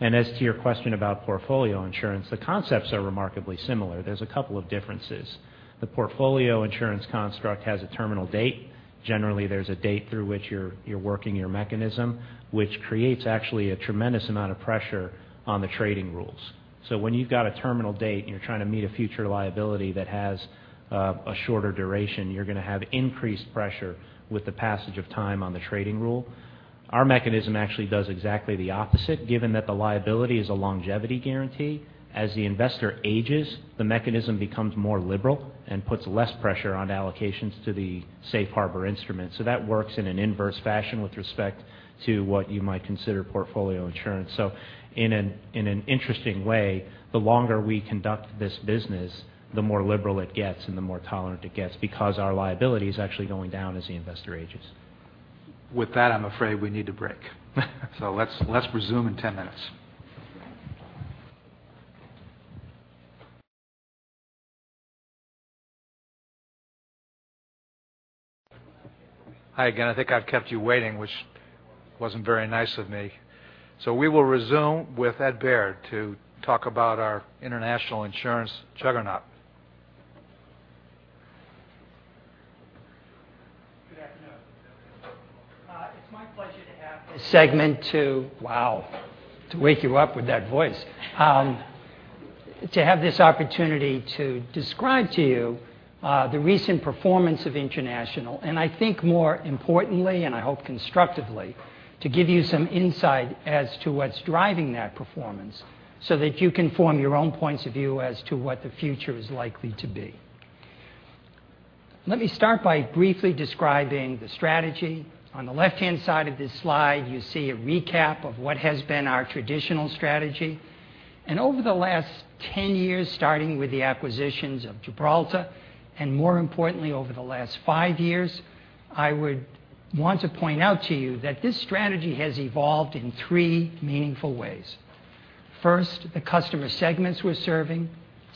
As to your question about portfolio insurance, the concepts are remarkably similar. There's a couple of differences. The portfolio insurance construct has a terminal date. Generally, there's a date through which you're working your mechanism, which creates actually a tremendous amount of pressure on the trading rules. When you've got a terminal date and you're trying to meet a future liability that has a shorter duration, you're going to have increased pressure with the passage of time on the trading rule. Our mechanism actually does exactly the opposite, given that the liability is a longevity guarantee. As the investor ages, the mechanism becomes more liberal and puts less pressure on allocations to the safe harbor instrument. That works in an inverse fashion with respect to what you might consider portfolio insurance. In an interesting way, the longer we conduct this business, the more liberal it gets and the more tolerant it gets because our liability is actually going down as the investor ages. With that, I'm afraid we need to break. Let's resume in 10 minutes. Hi again. I think I've kept you waiting, which wasn't very nice of me. We will resume with Ed Baird to talk about our international insurance juggernaut. Good afternoon. It's my pleasure to have this segment to wake you up with that voice. To have this opportunity to describe to you the recent performance of international, and I think more importantly, and I hope constructively, to give you some insight as to what's driving that performance so that you can form your own points of view as to what the future is likely to be. Let me start by briefly describing the strategy. On the left-hand side of this slide, you see a recap of what has been our traditional strategy. Over the last 10 years, starting with the acquisitions of Gibraltar, and more importantly, over the last five years, I would want to point out to you that this strategy has evolved in three meaningful ways. First, the customer segments we're serving.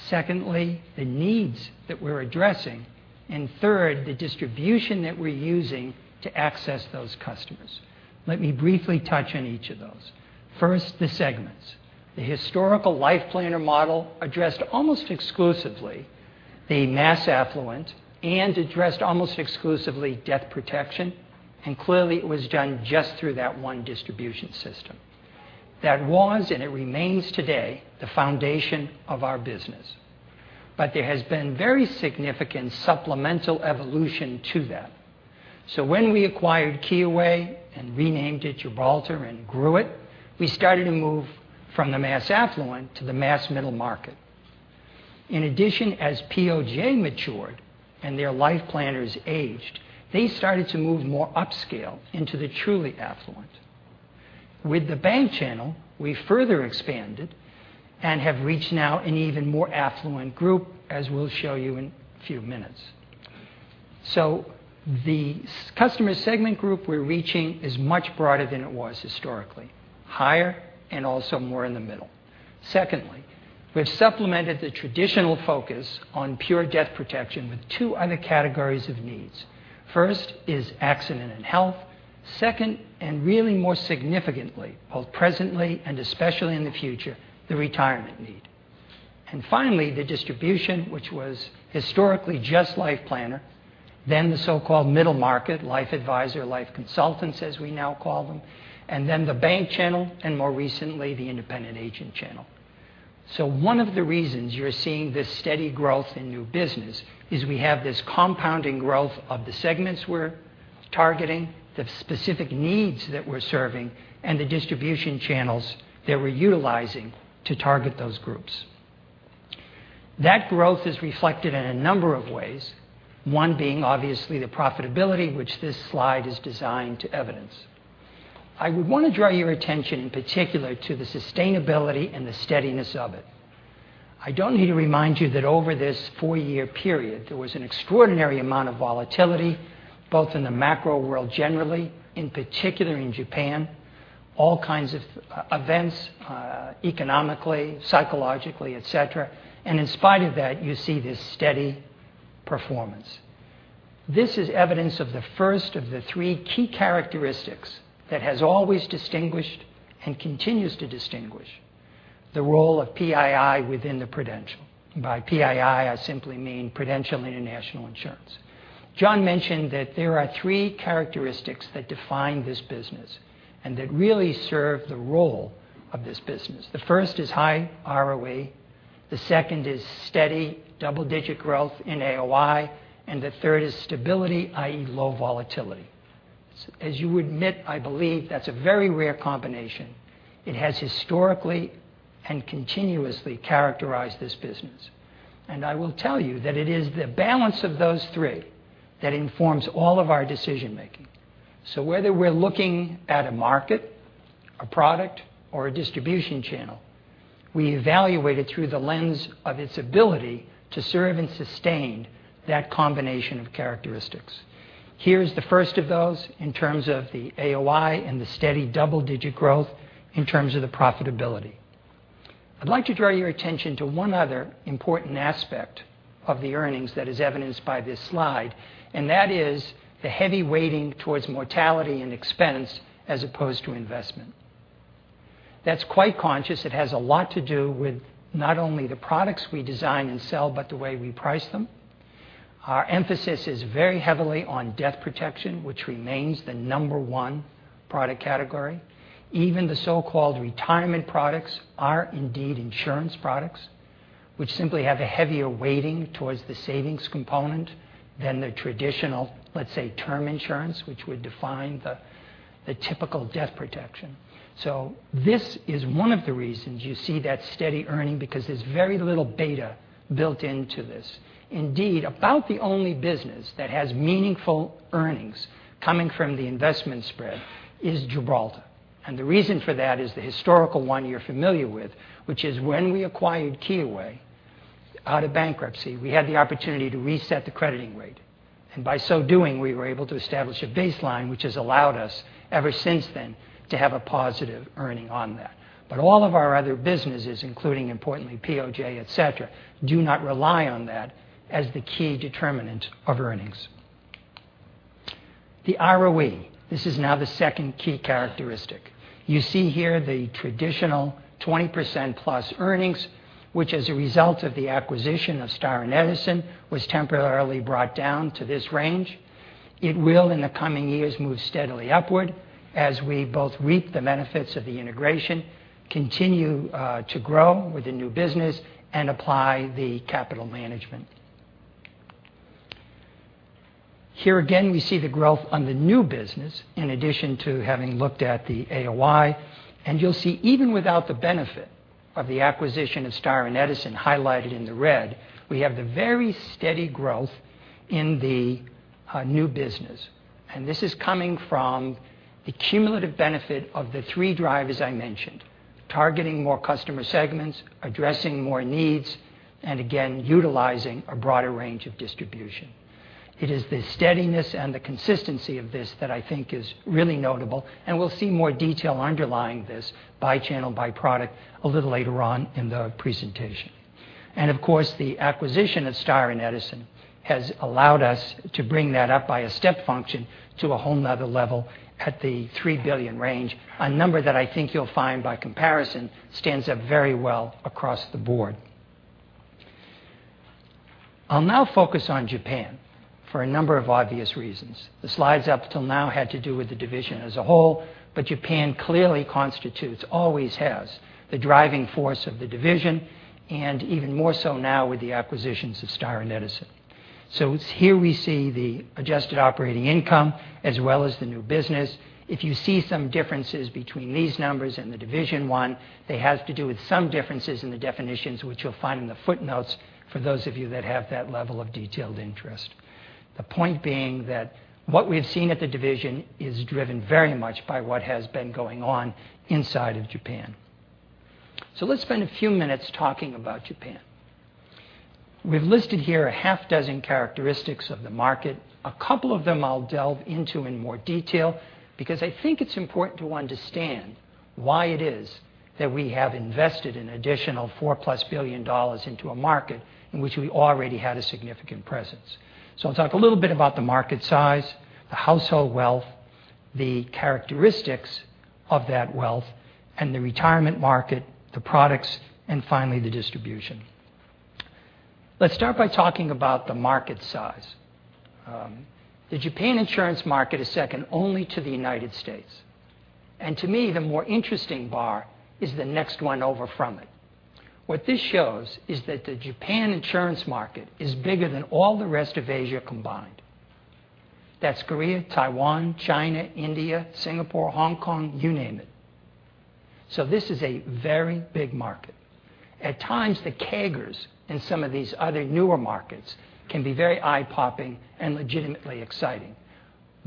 Secondly, the needs that we're addressing. Third, the distribution that we're using to access those customers. Let me briefly touch on each of those. First, the segments. The historical Life Planner model addressed almost exclusively the mass affluent and addressed almost exclusively death protection, and clearly, it was done just through that one distribution system. That was, and it remains today, the foundation of our business. There has been very significant supplemental evolution to that. When we acquired Kyoei Life Insurance Co. and renamed it Gibraltar and grew it, we started to move from the mass affluent to the mass middle market. In addition, as POJ matured and their Life Planners aged, they started to move more upscale into the truly affluent. With the bank channel, we further expanded and have reached now an even more affluent group, as we'll show you in a few minutes. The customer segment group we're reaching is much broader than it was historically, higher, and also more in the middle. Secondly, we've supplemented the traditional focus on pure death protection with two other categories of needs. First is accident and health. Second, and really more significantly, both presently and especially in the future, the retirement need. Finally, the distribution, which was historically just Life Planner, then the so-called middle market, life advisor, life consultants, as we now call them, then the bank channel, and more recently, the independent agent channel. One of the reasons you're seeing this steady growth in new business is we have this compounding growth of the segments we're targeting, the specific needs that we're serving, and the distribution channels that we're utilizing to target those groups. That growth is reflected in a number of ways, one being obviously the profitability, which this slide is designed to evidence. I would want to draw your attention in particular to the sustainability and the steadiness of it. I don't need to remind you that over this four-year period, there was an extraordinary amount of volatility, both in the macro world generally, in particular in Japan, all kinds of events, economically, psychologically, et cetera. In spite of that, you see this steady performance. This is evidence of the first of the three key characteristics that has always distinguished and continues to distinguish the role of PII within Prudential. By PII, I simply mean Prudential International Insurance. John mentioned that there are three characteristics that define this business and that really serve the role of this business. The first is high ROE, the second is steady double-digit growth in AOI, and the third is stability, i.e., low volatility. As you would admit, I believe that's a very rare combination. It has historically and continuously characterized this business. I will tell you that it is the balance of those three that informs all of our decision-making. Whether we're looking at a market, a product, or a distribution channel, we evaluate it through the lens of its ability to serve and sustain that combination of characteristics. Here's the first of those in terms of the AOI and the steady double-digit growth in terms of the profitability. I'd like to draw your attention to one other important aspect of the earnings that is evidenced by this slide, that is the heavy weighting towards mortality and expense as opposed to investment. That's quite conscious. It has a lot to do with not only the products we design and sell but the way we price them. Our emphasis is very heavily on death protection, which remains the number one product category. Even the so-called retirement products are indeed insurance products, which simply have a heavier weighting towards the savings component than the traditional, let's say, term insurance, which would define the typical death protection. This is one of the reasons you see that steady earning, because there's very little beta built into this. Indeed, about the only business that has meaningful earnings coming from the investment spread is Gibraltar. The reason for that is the historical one you're familiar with, which is when we acquired Kyoei out of bankruptcy, we had the opportunity to reset the crediting rate. By so doing, we were able to establish a baseline, which has allowed us ever since then to have a positive earning on that. All of our other businesses, including importantly POJ, et cetera, do not rely on that as the key determinant of earnings. The ROE, this is now the second key characteristic. You see here the traditional 20% plus earnings, which as a result of the acquisition of Star and Edison, was temporarily brought down to this range. It will, in the coming years, move steadily upward as we both reap the benefits of the integration, continue to grow with the new business, and apply the capital management. Here again, we see the growth on the new business in addition to having looked at the AOI. You'll see even without the benefit of the acquisition of Star and Edison highlighted in the red, we have the very steady growth in the new business. This is coming from the cumulative benefit of the three drivers I mentioned, targeting more customer segments, addressing more needs, utilizing a broader range of distribution. It is the steadiness and the consistency of this that I think is really notable. We'll see more detail underlying this by channel, by product a little later on in the presentation. Of course, the acquisition of Star and Edison has allowed us to bring that up by a step function to a whole another level at the $3 billion range, a number that I think you'll find by comparison stands up very well across the board. I'll now focus on Japan for a number of obvious reasons. The slides up till now had to do with the division as a whole. Japan clearly constitutes, always has, the driving force of the division, even more so now with the acquisitions of Star and Edison. It's here we see the adjusted operating income as well as the new business. If you see some differences between these numbers and the division 1, they have to do with some differences in the definitions, which you'll find in the footnotes for those of you that have that level of detailed interest. The point being that what we've seen at the division is driven very much by what has been going on inside of Japan. Let's spend a few minutes talking about Japan. We've listed here a half dozen characteristics of the market. A couple of them I'll delve into in more detail because I think it's important to understand why it is that we have invested an additional $4-plus billion into a market in which we already had a significant presence. I'll talk a little bit about the market size, the household wealth, the characteristics of that wealth, the retirement market, the products, finally, the distribution. Let's start by talking about the market size. The Japan insurance market is second only to the U.S. To me, the more interesting bar is the next one over from it. What this shows is that the Japan insurance market is bigger than all the rest of Asia combined. That's Korea, Taiwan, China, India, Singapore, Hong Kong, you name it. This is a very big market. At times, the CAGRs in some of these other newer markets can be very eye-popping and legitimately exciting.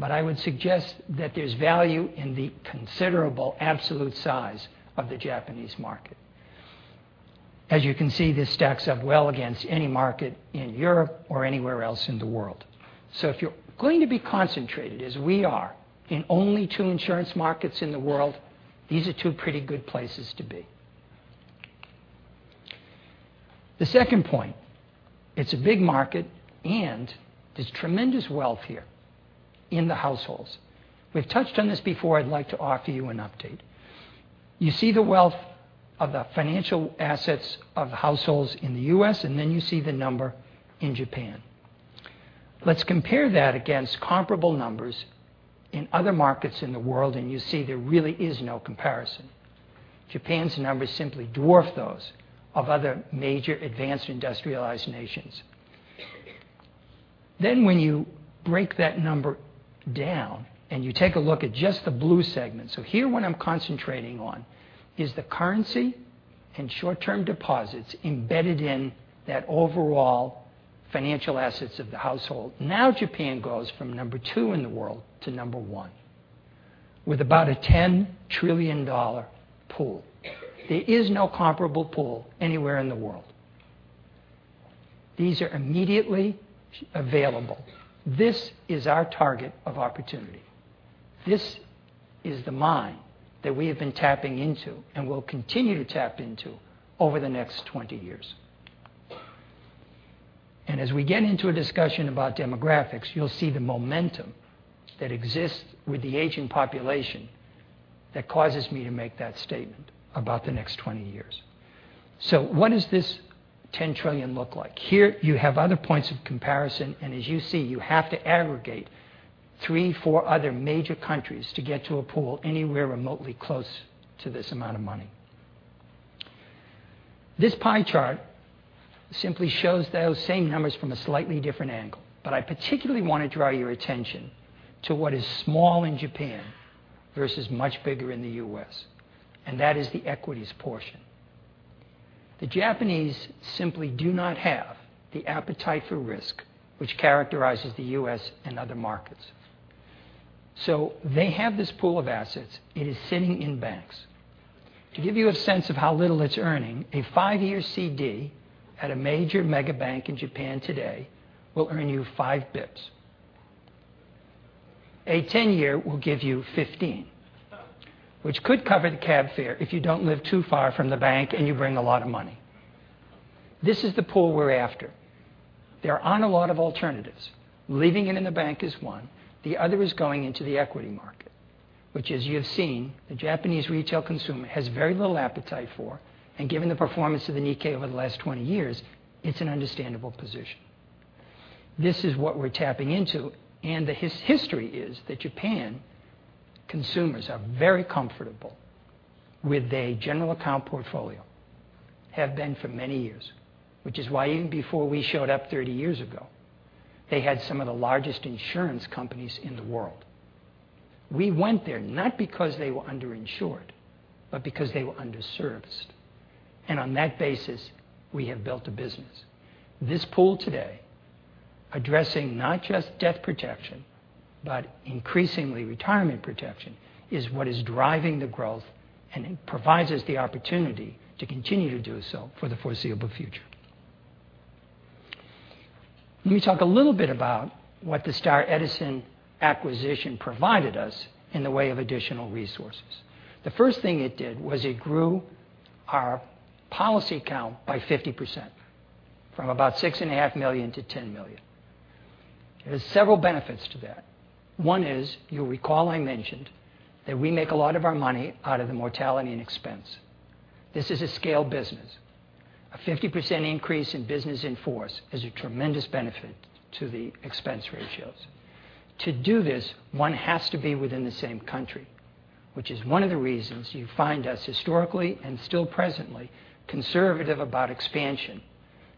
I would suggest that there's value in the considerable absolute size of the Japanese market. As you can see, this stacks up well against any market in Europe or anywhere else in the world. If you're going to be concentrated, as we are, in only two insurance markets in the world, these are two pretty good places to be. The second point, it's a big market. There's tremendous wealth here in the households. We've touched on this before. I'd like to offer you an update. You see the wealth of the financial assets of households in the U.S., you see the number in Japan. Let's compare that against comparable numbers in other markets in the world, you see there really is no comparison. Japan's numbers simply dwarf those of other major advanced industrialized nations. When you break that number down and you take a look at just the blue segment. Here, what I'm concentrating on is the currency and short-term deposits embedded in that overall financial assets of the household. Japan goes from number 2 in the world to number 1 with about a $10 trillion pool. There is no comparable pool anywhere in the world. These are immediately available. This is our target of opportunity. This is the mine that we have been tapping into and will continue to tap into over the next 20 years. As we get into a discussion about demographics, you'll see the momentum that exists with the aging population that causes me to make that statement about the next 20 years. What does this $10 trillion look like? Here, you have other points of comparison, as you see, you have to aggregate three, four other major countries to get to a pool anywhere remotely close to this amount of money. This pie chart simply shows those same numbers from a slightly different angle. I particularly want to draw your attention to what is small in Japan versus much bigger in the U.S., and that is the equities portion. The Japanese simply do not have the appetite for risk, which characterizes the U.S. and other markets. They have this pool of assets. It is sitting in banks. To give you a sense of how little it's earning, a five-year CD at a major mega bank in Japan today will earn you five basis points. A 10-year will give you 15, which could cover the cab fare if you don't live too far from the bank and you bring a lot of money. This is the pool we're after. There aren't a lot of alternatives. Leaving it in the bank is one. The other is going into the equity market, which as you have seen, the Japanese retail consumer has very little appetite for. Given the performance of the Nikkei over the last 20 years, it's an understandable position. This is what we're tapping into. The history is that Japan consumers are very comfortable with a general account portfolio, have been for many years. Which is why even before we showed up 30 years ago, they had some of the largest insurance companies in the world. We went there not because they were underinsured, but because they were underserviced. On that basis, we have built a business. This pool today, addressing not just death protection, but increasingly retirement protection, is what is driving the growth, it provides us the opportunity to continue to do so for the foreseeable future. Let me talk a little bit about what the Star Edison acquisition provided us in the way of additional resources. The first thing it did was it grew our policy account by 50%, from about six and a half million to 10 million. There's several benefits to that. One is, you'll recall I mentioned that we make a lot of our money out of the mortality and expense. This is a scale business. A 50% increase in business in force is a tremendous benefit to the expense ratios. To do this, one has to be within the same country, which is one of the reasons you find us historically and still presently conservative about expansion.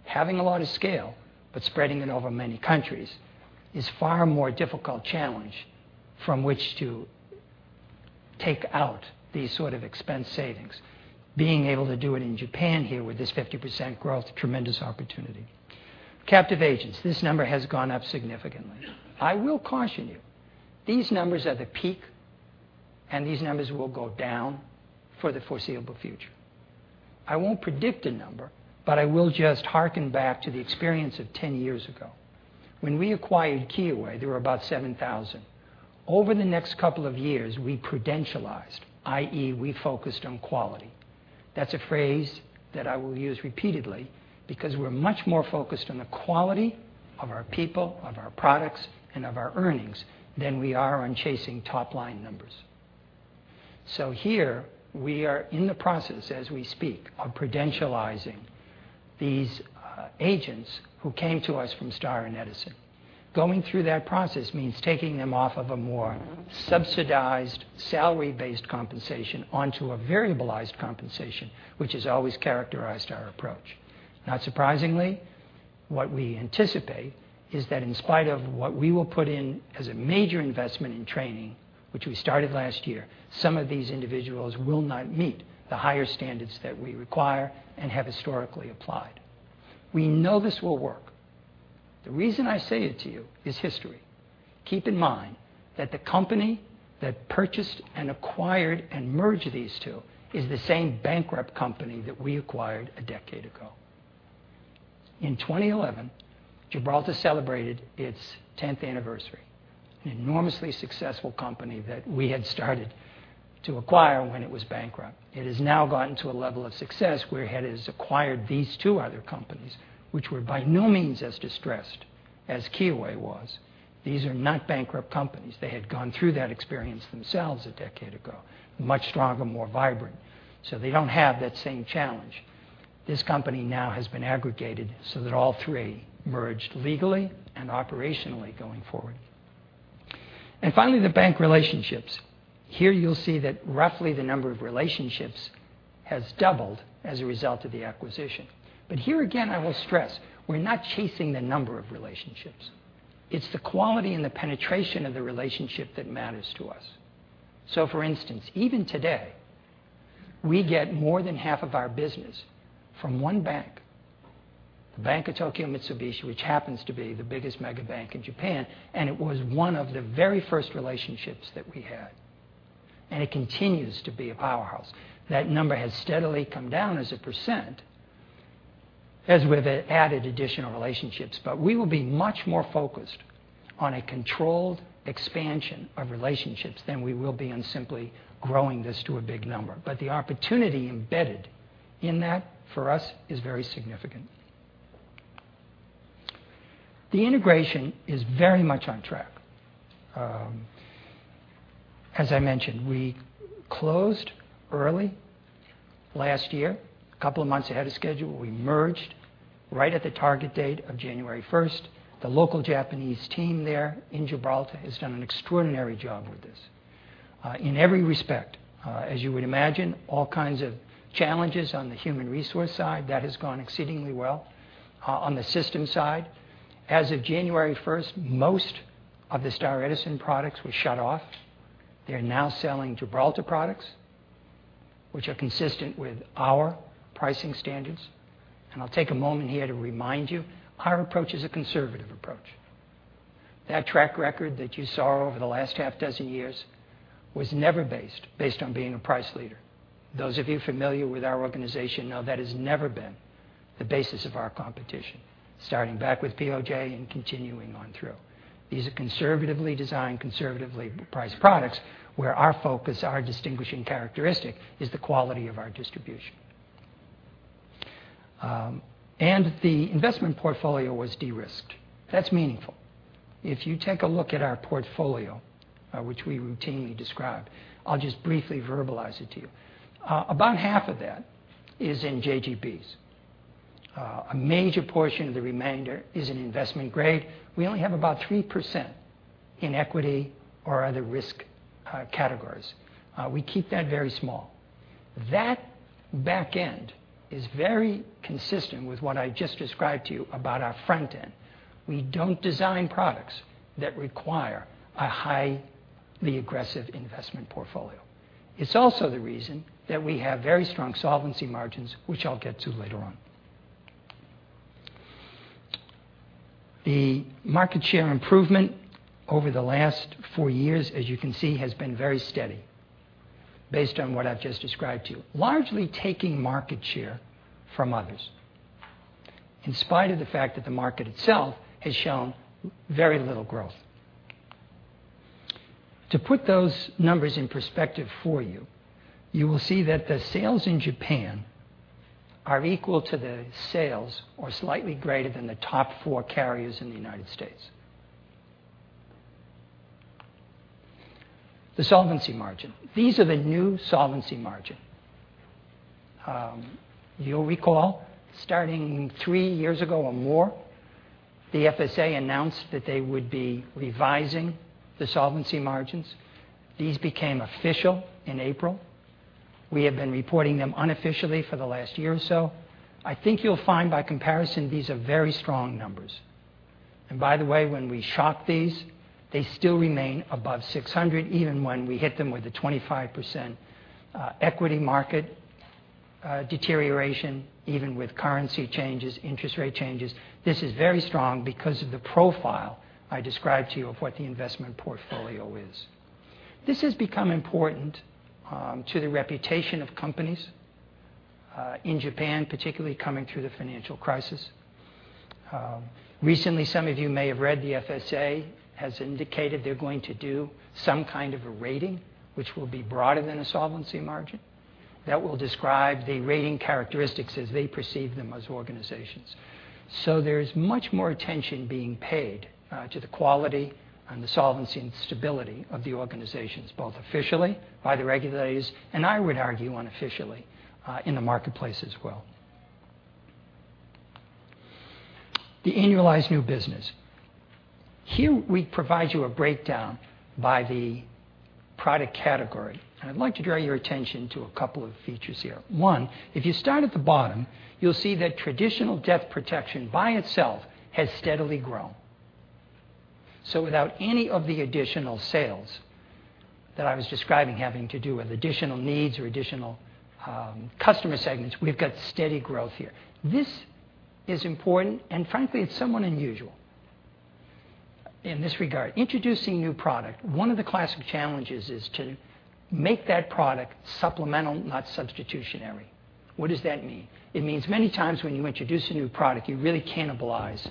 Having a lot of scale but spreading it over many countries is far more difficult challenge from which to take out these sort of expense savings. Being able to do it in Japan here with this 50% growth, tremendous opportunity. Captive agents, this number has gone up significantly. I will caution you, these numbers are the peak, and these numbers will go down for the foreseeable future. I won't predict a number, but I will just harken back to the experience of 10 years ago. When we acquired Kyoei, there were about 7,000. Over the next couple of years, we credentialized, i.e., we focused on quality. That's a phrase that I will use repeatedly because we're much more focused on the quality of our people, of our products, and of our earnings than we are on chasing top-line numbers. Here, we are in the process, as we speak, of credentializing these agents who came to us from Star and Edison. Going through that process means taking them off of a more subsidized salary-based compensation onto a variabilized compensation, which has always characterized our approach. Not surprisingly, what we anticipate is that in spite of what we will put in as a major investment in training, which we started last year, some of these individuals will not meet the higher standards that we require and have historically applied. We know this will work. The reason I say it to you is history. Keep in mind that the company that purchased and acquired and merged these two is the same bankrupt company that we acquired a decade ago. In 2011, Gibraltar celebrated its 10th anniversary. An enormously successful company that we had started to acquire when it was bankrupt. It has now gotten to a level of success where it has acquired these two other companies, which were by no means as distressed as Kyoei was. These are not bankrupt companies. They had gone through that experience themselves a decade ago, much stronger, more vibrant, so they don't have that same challenge. This company now has been aggregated so that all three merged legally and operationally going forward. Finally, the bank relationships. Here you'll see that roughly the number of relationships has doubled as a result of the acquisition. Here again, I will stress, we're not chasing the number of relationships. It's the quality and the penetration of the relationship that matters to us. For instance, even today, we get more than half of our business from one bank, the Bank of Tokyo-Mitsubishi, which happens to be the biggest mega bank in Japan, and it was one of the very first relationships that we had, and it continues to be a powerhouse. That number has steadily come down as a % as we've added additional relationships. We will be much more focused on a controlled expansion of relationships than we will be on simply growing this to a big number. The opportunity embedded in that, for us, is very significant. The integration is very much on track. As I mentioned, we closed early last year, a couple of months ahead of schedule. We merged right at the target date of January 1st. The local Japanese team there in Gibraltar has done an extraordinary job with this. In every respect, as you would imagine, all kinds of challenges on the human resource side, that has gone exceedingly well. On the system side, as of January 1st, most of the Star Edison products were shut off. They are now selling Gibraltar products, which are consistent with our pricing standards. I will take a moment here to remind you, our approach is a conservative approach. That track record that you saw over the last half dozen years was never based on being a price leader. Those of you familiar with our organization know that has never been the basis of our competition, starting back with POJ and continuing on through. These are conservatively designed, conservatively priced products where our focus, our distinguishing characteristic, is the quality of our distribution. The investment portfolio was de-risked. That's meaningful. If you take a look at our portfolio, which we routinely describe, I will just briefly verbalize it to you. About half of that is in JGBs. A major portion of the remainder is in investment grade. We only have about 3% in equity or other risk categories. We keep that very small. That back end is very consistent with what I just described to you about our front end. We don't design products that require a highly aggressive investment portfolio. It's also the reason that we have very strong solvency margins, which I will get to later on. The market share improvement over the last four years, as you can see, has been very steady based on what I've just described to you, largely taking market share from others, in spite of the fact that the market itself has shown very little growth. To put those numbers in perspective for you will see that the sales in Japan are equal to the sales or slightly greater than the top four carriers in the United States. The solvency margin. These are the new solvency margin. You will recall, starting three years ago or more, the FSA announced that they would be revising the solvency margins. These became official in April. We have been reporting them unofficially for the last year or so. I think you will find by comparison, these are very strong numbers. By the way, when we shock these, they still remain above 600 even when we hit them with a 25% equity market deterioration, even with currency changes, interest rate changes. This is very strong because of the profile I described to you of what the investment portfolio is. This has become important to the reputation of companies in Japan, particularly coming through the financial crisis. Recently, some of you may have read the FSA has indicated they're going to do some kind of a rating, which will be broader than a solvency margin, that will describe the rating characteristics as they perceive them as organizations. There's much more attention being paid to the quality and the solvency and stability of the organizations, both officially by the regulators, and I would argue, unofficially in the marketplace as well. The annualized new business. Here, we provide you a breakdown by the product category. I'd like to draw your attention to a couple of features here. One, if you start at the bottom, you'll see that traditional death protection by itself has steadily grown. Without any of the additional sales that I was describing having to do with additional needs or additional customer segments, we've got steady growth here. This is important, and frankly, it's somewhat unusual in this regard. Introducing new product, one of the classic challenges is to make that product supplemental, not substitutionary. What does that mean? It means many times when you introduce a new product, you really cannibalize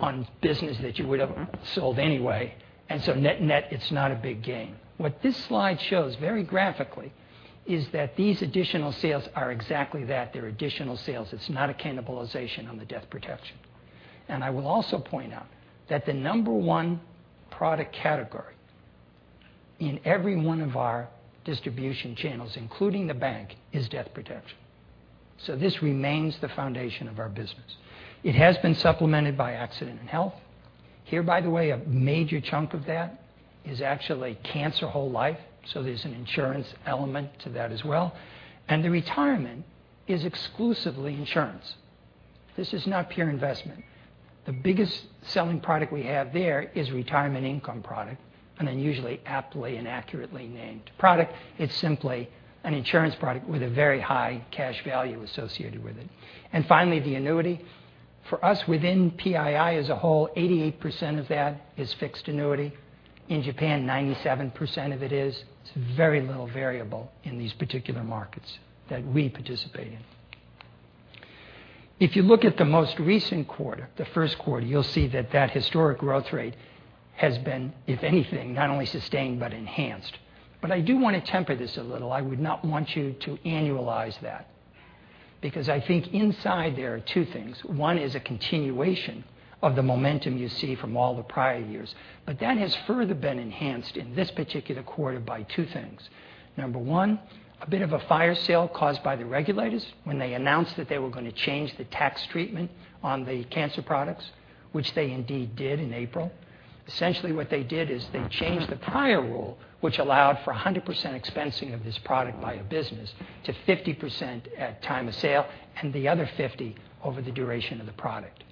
on business that you would have sold anyway, net-net, it's not a big gain. What this slide shows very graphically is that these additional sales are exactly that. They're additional sales. It's not a cannibalization on the death protection. I will also point out that the number 1 product category in every one of our distribution channels, including the bank, is death protection. This remains the foundation of our business. It has been supplemented by accident and health. Here, by the way, a major chunk of that is actually cancer whole life, so there's an insurance element to that as well. The retirement is exclusively insurance. This is not pure investment. The biggest selling product we have there is retirement income product, an unusually aptly and accurately named product. It's simply an insurance product with a very high cash value associated with it. Finally, the annuity. For us within PII as a whole, 88% of that is fixed annuity. In Japan, 97% of it is. It's very little variable in these particular markets that we participate in. If you look at the most recent quarter, the first quarter, you'll see that that historic growth rate has been, if anything, not only sustained, but enhanced. I do want to temper this a little. I would not want you to annualize that because I think inside there are 2 things. One is a continuation of the momentum you see from all the prior years. That has further been enhanced in this particular quarter by 2 things. Number 1, a bit of a fire sale caused by the regulators when they announced that they were going to change the tax treatment on the cancer products, which they indeed did in April. Essentially what they did is they changed the prior rule, which allowed for 100% expensing of this product by a business to 50% at time of sale, and the other 50% over the duration of the product.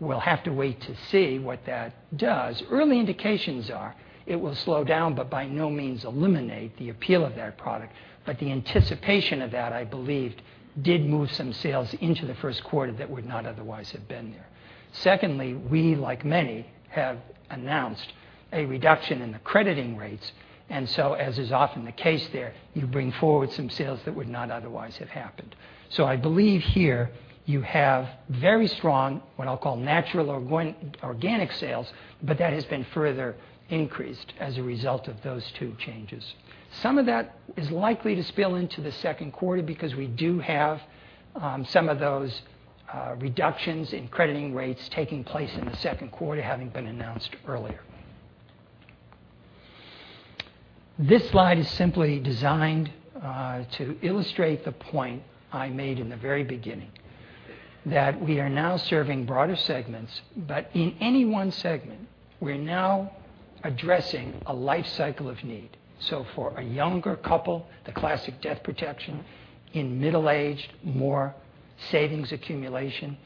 We'll have to wait to see what that does. Early indications are it will slow down, but by no means eliminate the appeal of that product. The anticipation of that, I believed, did move some sales into the first quarter that would not otherwise have been there. Secondly, we, like many, have announced a reduction in the crediting rates, as is often the case there, you bring forward some sales that would not otherwise have happened. I believe here you have very strong, what I'll call natural organic sales, but that has been further increased as a result of those 2 changes. Some of that is likely to spill into the second quarter because we do have some of those reductions in crediting rates taking place in the second quarter, having been announced earlier. This slide is simply designed to illustrate the point I made in the very beginning, that we are now serving broader segments, but in any 1 segment, we're now addressing a life cycle of need. For a younger couple, the classic death protection. Middle-aged, more savings accumulation.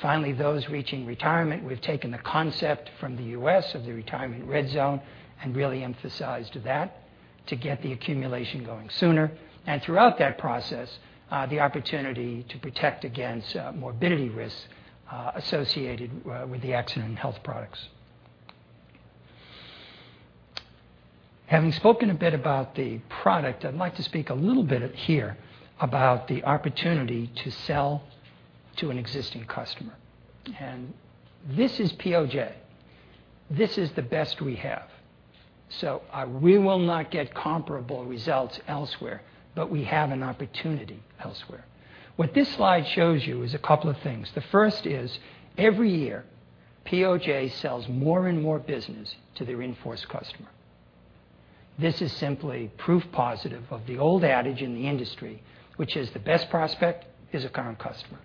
Finally, those reaching retirement, we've taken the concept from the U.S. of the retirement red zone and really emphasized that to get the accumulation going sooner. Throughout that process, the opportunity to protect against morbidity risks associated with the accident and health products. Having spoken a bit about the product, I'd like to speak a little bit here about the opportunity to sell to an existing customer. This is POJ. This is the best we have. We will not get comparable results elsewhere, but we have an opportunity elsewhere. What this slide shows you is a couple of things. The first is every year, POJ sells more and more business to their in-force customer. This is simply proof positive of the old adage in the industry, which is the best prospect is a current customer,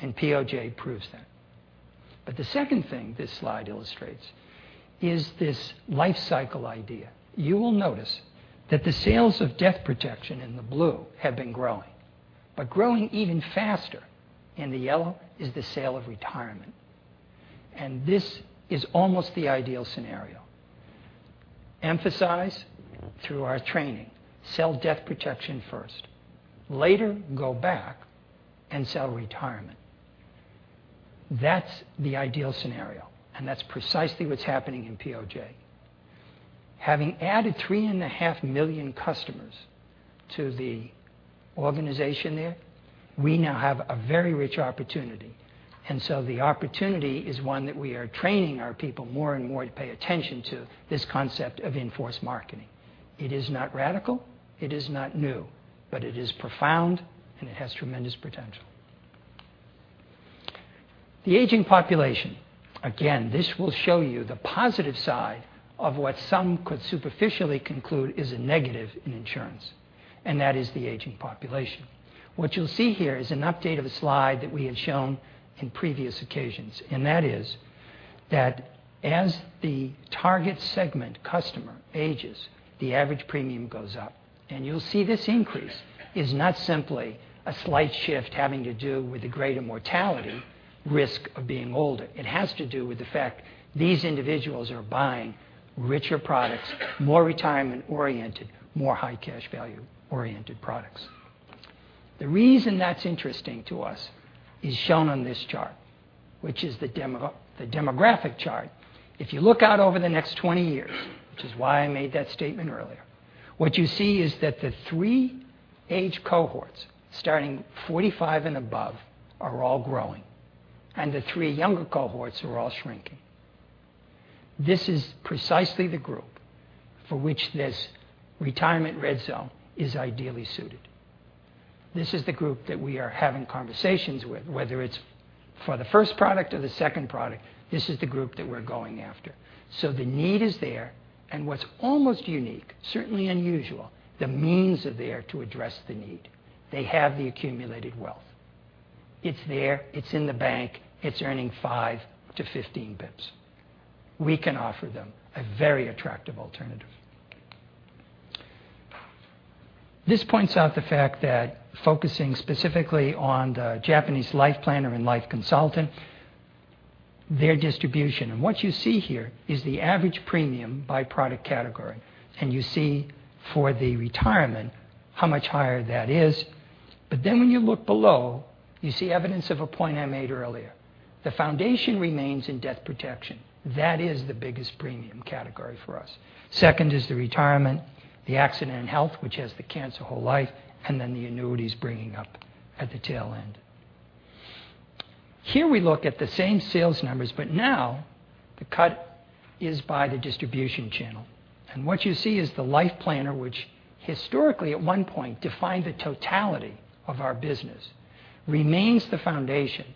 and POJ proves that. The second thing this slide illustrates is this life cycle idea. You will notice that the sales of death protection in the blue have been growing. Growing even faster in the yellow is the sale of retirement. This is almost the ideal scenario. Emphasize through our training, sell death protection first. Later, go back and sell retirement. That's the ideal scenario, and that's precisely what's happening in POJ. Having added $3.5 million customers to the organization there, we now have a very rich opportunity. The opportunity is one that we are training our people more and more to pay attention to this concept of in-force marketing. It is not radical, it is not new, but it is profound and it has tremendous potential. The aging population. Again, this will show you the positive side of what some could superficially conclude is a negative in insurance, and that is the aging population. What you'll see here is an update of a slide that we had shown in previous occasions, and that is that as the target segment customer ages, the average premium goes up. You'll see this increase is not simply a slight shift having to do with the greater mortality risk of being older. It has to do with the fact these individuals are buying richer products, more retirement-oriented, more high cash value-oriented products. The reason that's interesting to us is shown on this chart, which is the demographic chart. If you look out over the next 20 years, which is why I made that statement earlier, what you see is that the three age cohorts starting 45 and above are all growing, and the three younger cohorts are all shrinking. This is precisely the group for which this retirement red zone is ideally suited. This is the group that we are having conversations with, whether it's for the first product or the second product, this is the group that we're going after. The need is there, and what's almost unique, certainly unusual, the means are there to address the need. They have the accumulated wealth. It's there, it's in the bank, it's earning 5 to 15 basis points. We can offer them a very attractive alternative. This points out the fact that focusing specifically on the Japanese Life Planner and life consultant, their distribution, what you see here is the average premium by product category, you see for the retirement how much higher that is. When you look below, you see evidence of a point I made earlier. The foundation remains in death protection. That is the biggest premium category for us. Second is the retirement, the accident and health, which has the cancer whole life, the annuities bringing up at the tail end. Here we look at the same sales numbers, now the cut is by the distribution channel. What you see is the Life Planner, which historically at one point defined the totality of our business, remains the foundation,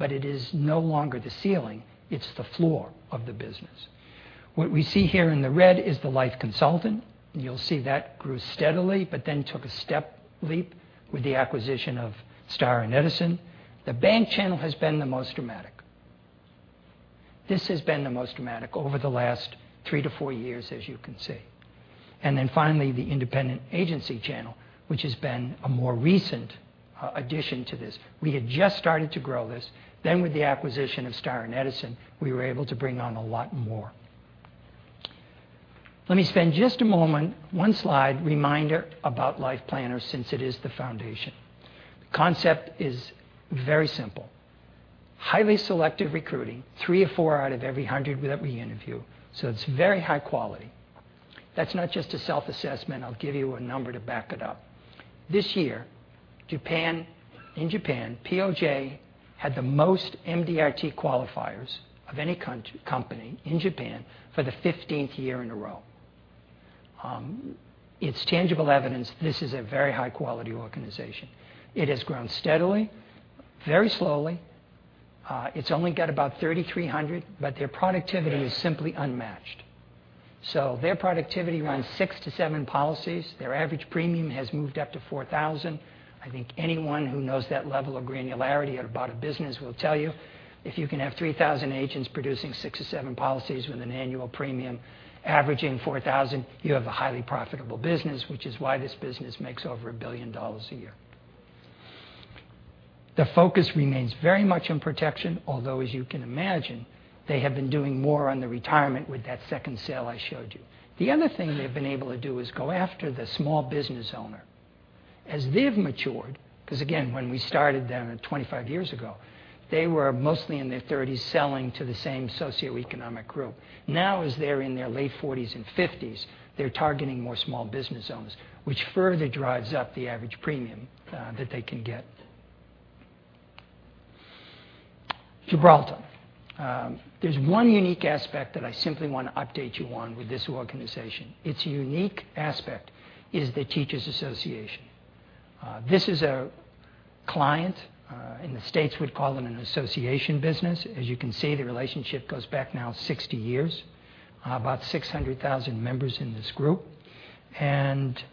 it is no longer the ceiling, it's the floor of the business. What we see here in the red is the life consultant. You'll see that grew steadily, then took a step leap with the acquisition of Star and Edison. The bank channel has been the most dramatic. This has been the most dramatic over the last 3 to 4 years, as you can see. Finally, the independent agency channel, which has been a more recent addition to this. We had just started to grow this. Then with the acquisition of Star and Edison, we were able to bring on a lot more. Let me spend just a moment, one slide reminder about Life Planners since it is the foundation. The concept is very simple. Highly selective recruiting, three or four out of every 100 that we interview, so it's very high quality. That's not just a self-assessment. I'll give you a number to back it up. This year, in Japan, POJ had the most MDRT qualifiers of any company in Japan for the 15th year in a row. It's tangible evidence this is a very high-quality organization. It has grown steadily, very slowly. It's only got about 3,300, their productivity is simply unmatched. Their productivity runs six to seven policies. Their average premium has moved up to 4,000. I think anyone who knows that level of granularity about a business will tell you if you can have 3,000 agents producing six or seven policies with an annual premium averaging 4,000, you have a highly profitable business, which is why this business makes over $1 billion a year. The focus remains very much on protection, although, as you can imagine, they have been doing more on the retirement with that second sale I showed you. The other thing they've been able to do is go after the small business owner. As they've matured, because again, when we started them 25 years ago, they were mostly in their 30s selling to the same socioeconomic group. Now, as they're in their late 40s and 50s, they're targeting more small business owners, which further drives up the average premium that they can get. Gibraltar. There's one unique aspect that I simply want to update you on with this organization. Its unique aspect is the Teachers Association. This is a client. In the U.S., we'd call them an association business. As you can see, the relationship goes back now 60 years, about 600,000 members in this group,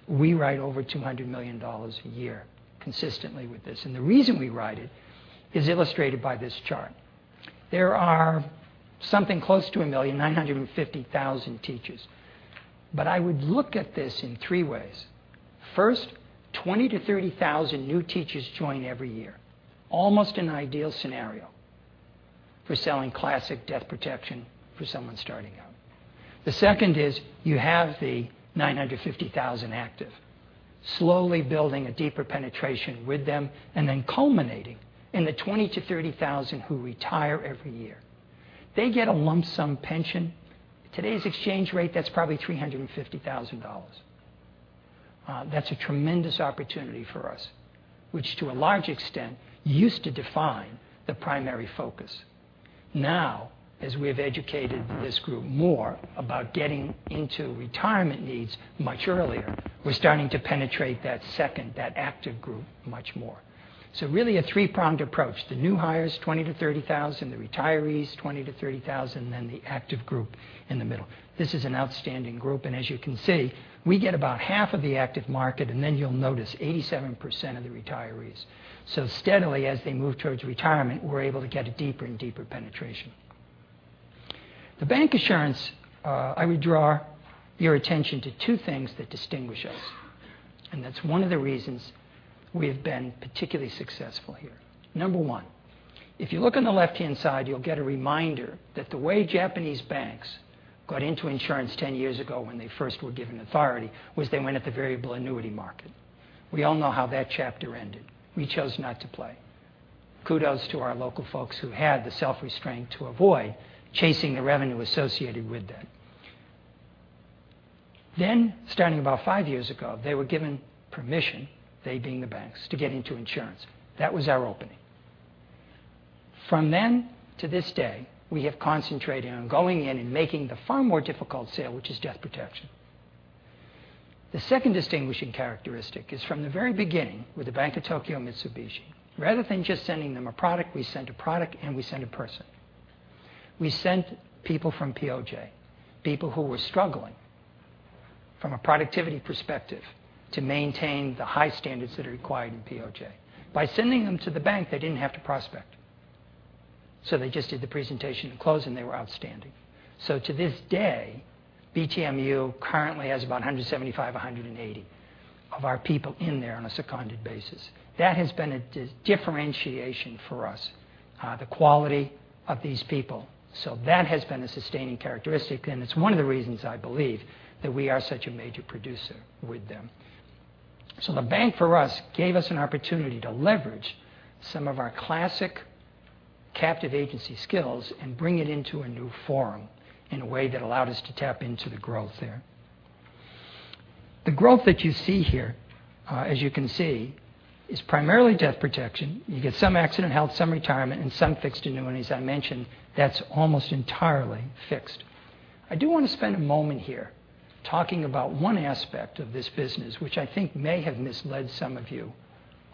We write over $200 million a year consistently with this. The reason we write it is illustrated by this chart. There are something close to 1 million, 950,000 teachers. I would look at this in three ways. First, 20,000 to 30,000 new teachers join every year. Almost an ideal scenario for selling classic death protection for someone starting out. The second is you have the 950,000 active, slowly building a deeper penetration with them, and then culminating in the 20,000 to 30,000 who retire every year. They get a lump sum pension. Today's exchange rate, that's probably $350,000. That's a tremendous opportunity for us, which to a large extent used to define the primary focus. As we have educated this group more about getting into retirement needs much earlier, we're starting to penetrate that second, that active group much more. Really a three-pronged approach. The new hires, 20,000 to 30,000, the retirees, 20,000 to 30,000, and then the active group in the middle. This is an outstanding group, as you can see, we get about half of the active market, and then you'll notice 87% of the retirees. Steadily, as they move towards retirement, we're able to get a deeper and deeper penetration. The bancassurance, I would draw your attention to two things that distinguish us, and that's one of the reasons we have been particularly successful here. Number one, if you look on the left-hand side, you'll get a reminder that the way Japanese banks got into insurance 10 years ago when they first were given authority, was they went at the variable annuity market. We all know how that chapter ended. We chose not to play. Kudos to our local folks who had the self-restraint to avoid chasing the revenue associated with that. Starting about five years ago, they were given permission, they being the banks, to get into insurance. That was our opening. From then to this day, we have concentrated on going in and making the far more difficult sale, which is death protection. The second distinguishing characteristic is from the very beginning with The Bank of Tokyo-Mitsubishi. Rather than just sending them a product, we sent a product and we sent a person. We sent people from POJ, people who were struggling from a productivity perspective to maintain the high standards that are required in POJ. By sending them to the bank, they didn't have to prospect. They just did the presentation and close, and they were outstanding. To this day, BTMU currently has about 175, 180 of our people in there on a seconded basis. That has been a differentiation for us, the quality of these people. That has been a sustaining characteristic, and it's one of the reasons I believe that we are such a major producer with them. The bank for us gave us an opportunity to leverage some of our classic captive agency skills and bring it into a new form in a way that allowed us to tap into the growth there. The growth that you see here, as you can see, is primarily death protection. You get some accident health, some retirement, and some fixed annuities. I mentioned that's almost entirely fixed. I do want to spend a moment here talking about one aspect of this business, which I think may have misled some of you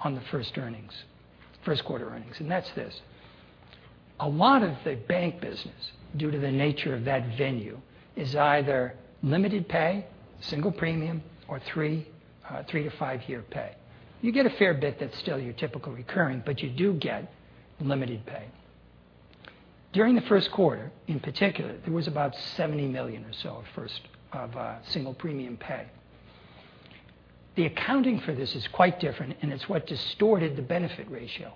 on the first quarter earnings, and that's this. A lot of the bank business, due to the nature of that venue, is either limited pay, single premium, or three to five-year pay. You get a fair bit that's still your typical recurring, but you do get limited pay. During the first quarter, in particular, there was about $70 million or so of single premium pay. The accounting for this is quite different and it's what distorted the benefit ratio.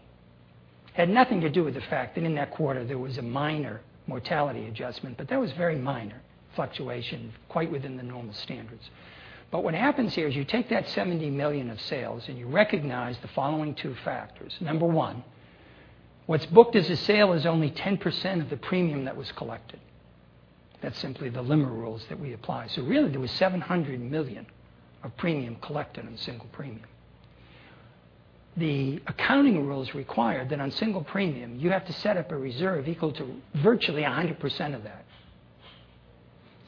Had nothing to do with the fact that in that quarter there was a minor mortality adjustment, but that was very minor fluctuation, quite within the normal standards. What happens here is you take that $70 million of sales and you recognize the following two factors. Number 1, what's booked as a sale is only 10% of the premium that was collected. That's simply the LIMRA rules that we apply. Really, there was $700 million of premium collected on single premium. The accounting rules require that on single premium, you have to set up a reserve equal to virtually 100% of that.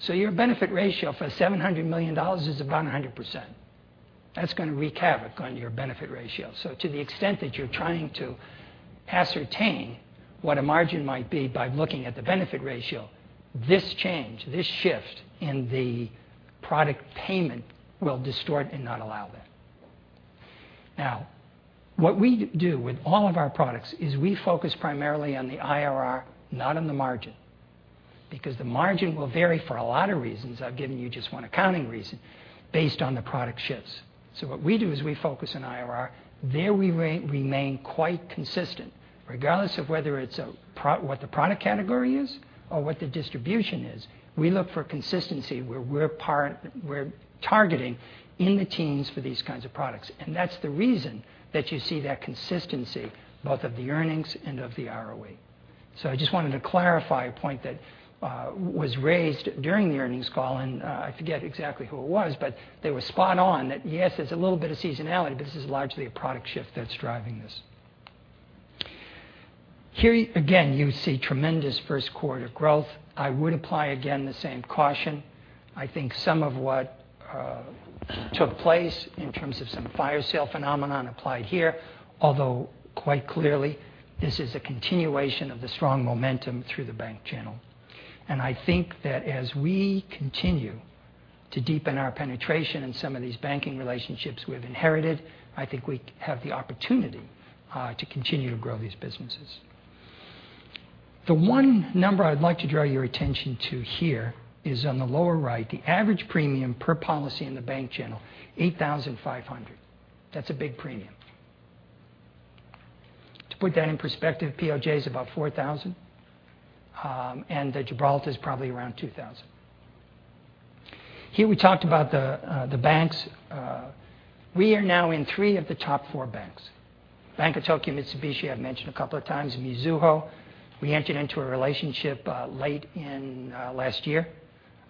Your benefit ratio for $700 million is about 100%. That's going to wreak havoc on your benefit ratio. To the extent that you're trying to ascertain what a margin might be by looking at the benefit ratio, this change, this shift in the product payment will distort and not allow that. Now, what we do with all of our products is we focus primarily on the IRR, not on the margin, because the margin will vary for a lot of reasons, I've given you just one accounting reason, based on the product shifts. What we do is we focus on IRR. There we remain quite consistent. Regardless of whether it's what the product category is or what the distribution is, we look for consistency where we're targeting in the teens for these kinds of products. That's the reason that you see that consistency both of the earnings and of the ROE. I just wanted to clarify a point that was raised during the earnings call, and I forget exactly who it was, but they were spot on that, yes, there's a little bit of seasonality, but this is largely a product shift that's driving this. Here again, you see tremendous first quarter growth. I would apply again the same caution. I think some of what took place in terms of some fire sale phenomenon applied here, although quite clearly this is a continuation of the strong momentum through the bank channel. I think that as we continue to deepen our penetration in some of these banking relationships we've inherited, I think we have the opportunity to continue to grow these businesses. The one number I'd like to draw your attention to here is on the lower right, the average premium per policy in the bank channel, $8,500. That's a big premium. To put that in perspective, POJ is about $4,000, and Gibraltar is probably around $2,000. Here we talked about the banks. We are now in three of the top four banks. Bank of Tokyo-Mitsubishi, I've mentioned a couple of times. Mizuho, we entered into a relationship late in last year.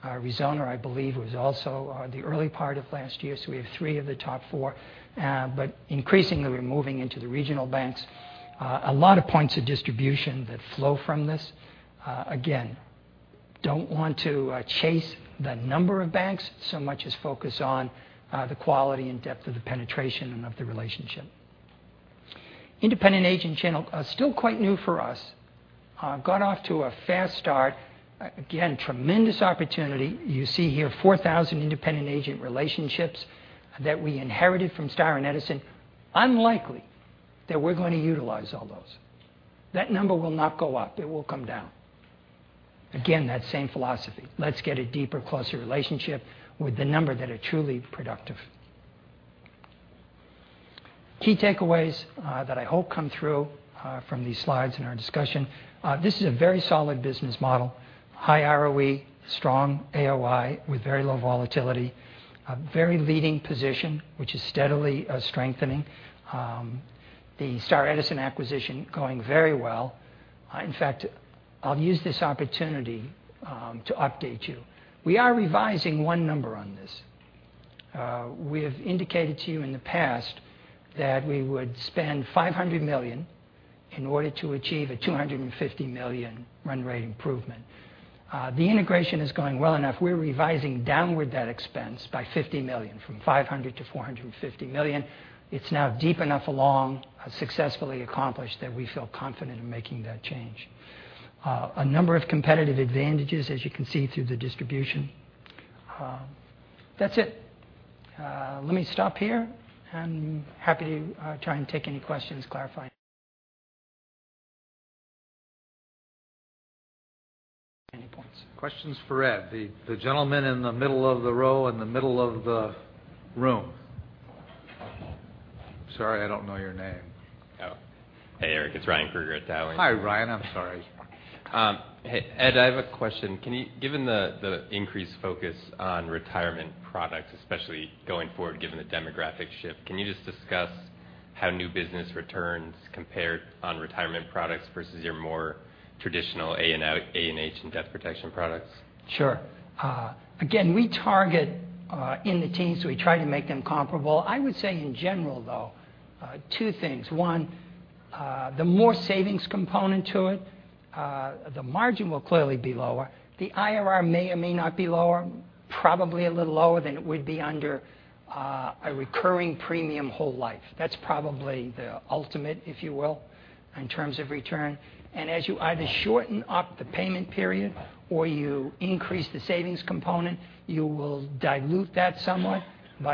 Resona, I believe, was also the early part of last year. We have three of the top four. Increasingly, we're moving into the regional banks. A lot of points of distribution that flow from this. Again, don't want to chase the number of banks so much as focus on the quality and depth of the penetration and of the relationship. Independent agent channel, still quite new for us. Got off to a fast start. Again, tremendous opportunity. You see here 4,000 independent agent relationships that we inherited from Star and Edison. Unlikely that we're going to utilize all those. That number will not go up. It will come down. Again, that same philosophy. Let's get a deeper, closer relationship with the number that are truly productive. Key takeaways that I hope come through from these slides in our discussion. This is a very solid business model, high ROE, strong AOI with very low volatility, a very leading position, which is steadily strengthening. The Star Edison acquisition going very well. In fact, I'll use this opportunity to update you. We are revising one number on this. We have indicated to you in the past that we would spend $500 million in order to achieve a $250 million run rate improvement. The integration is going well enough. We're revising downward that expense by $50 million, from $500 million to $450 million. It's now deep enough along, successfully accomplished, that we feel confident in making that change. A number of competitive advantages, as you can see through the distribution. That's it. Let me stop here. I'm happy to try and take any questions, clarify any points. Questions for Ed, the gentleman in the middle of the row in the middle of the room. Sorry, I don't know your name. Oh. Hey, Eric, it's Ryan Krueger. Hi, Ryan. I'm sorry. Ed, I have a question. Given the increased focus on retirement products, especially going forward, given the demographic shift, can you just discuss how new business returns compared on retirement products versus your more traditional A&H and debt protection products? Sure. Again, we target in the teens, so we try to make them comparable. I would say in general, though, two things. One, the more savings component to it, the margin will clearly be lower. The IRR may or may not be lower, probably a little lower than it would be under a recurring premium whole life. That's probably the ultimate, if you will, in terms of return. As you either shorten up the payment period or you increase the savings component, you will dilute that somewhat.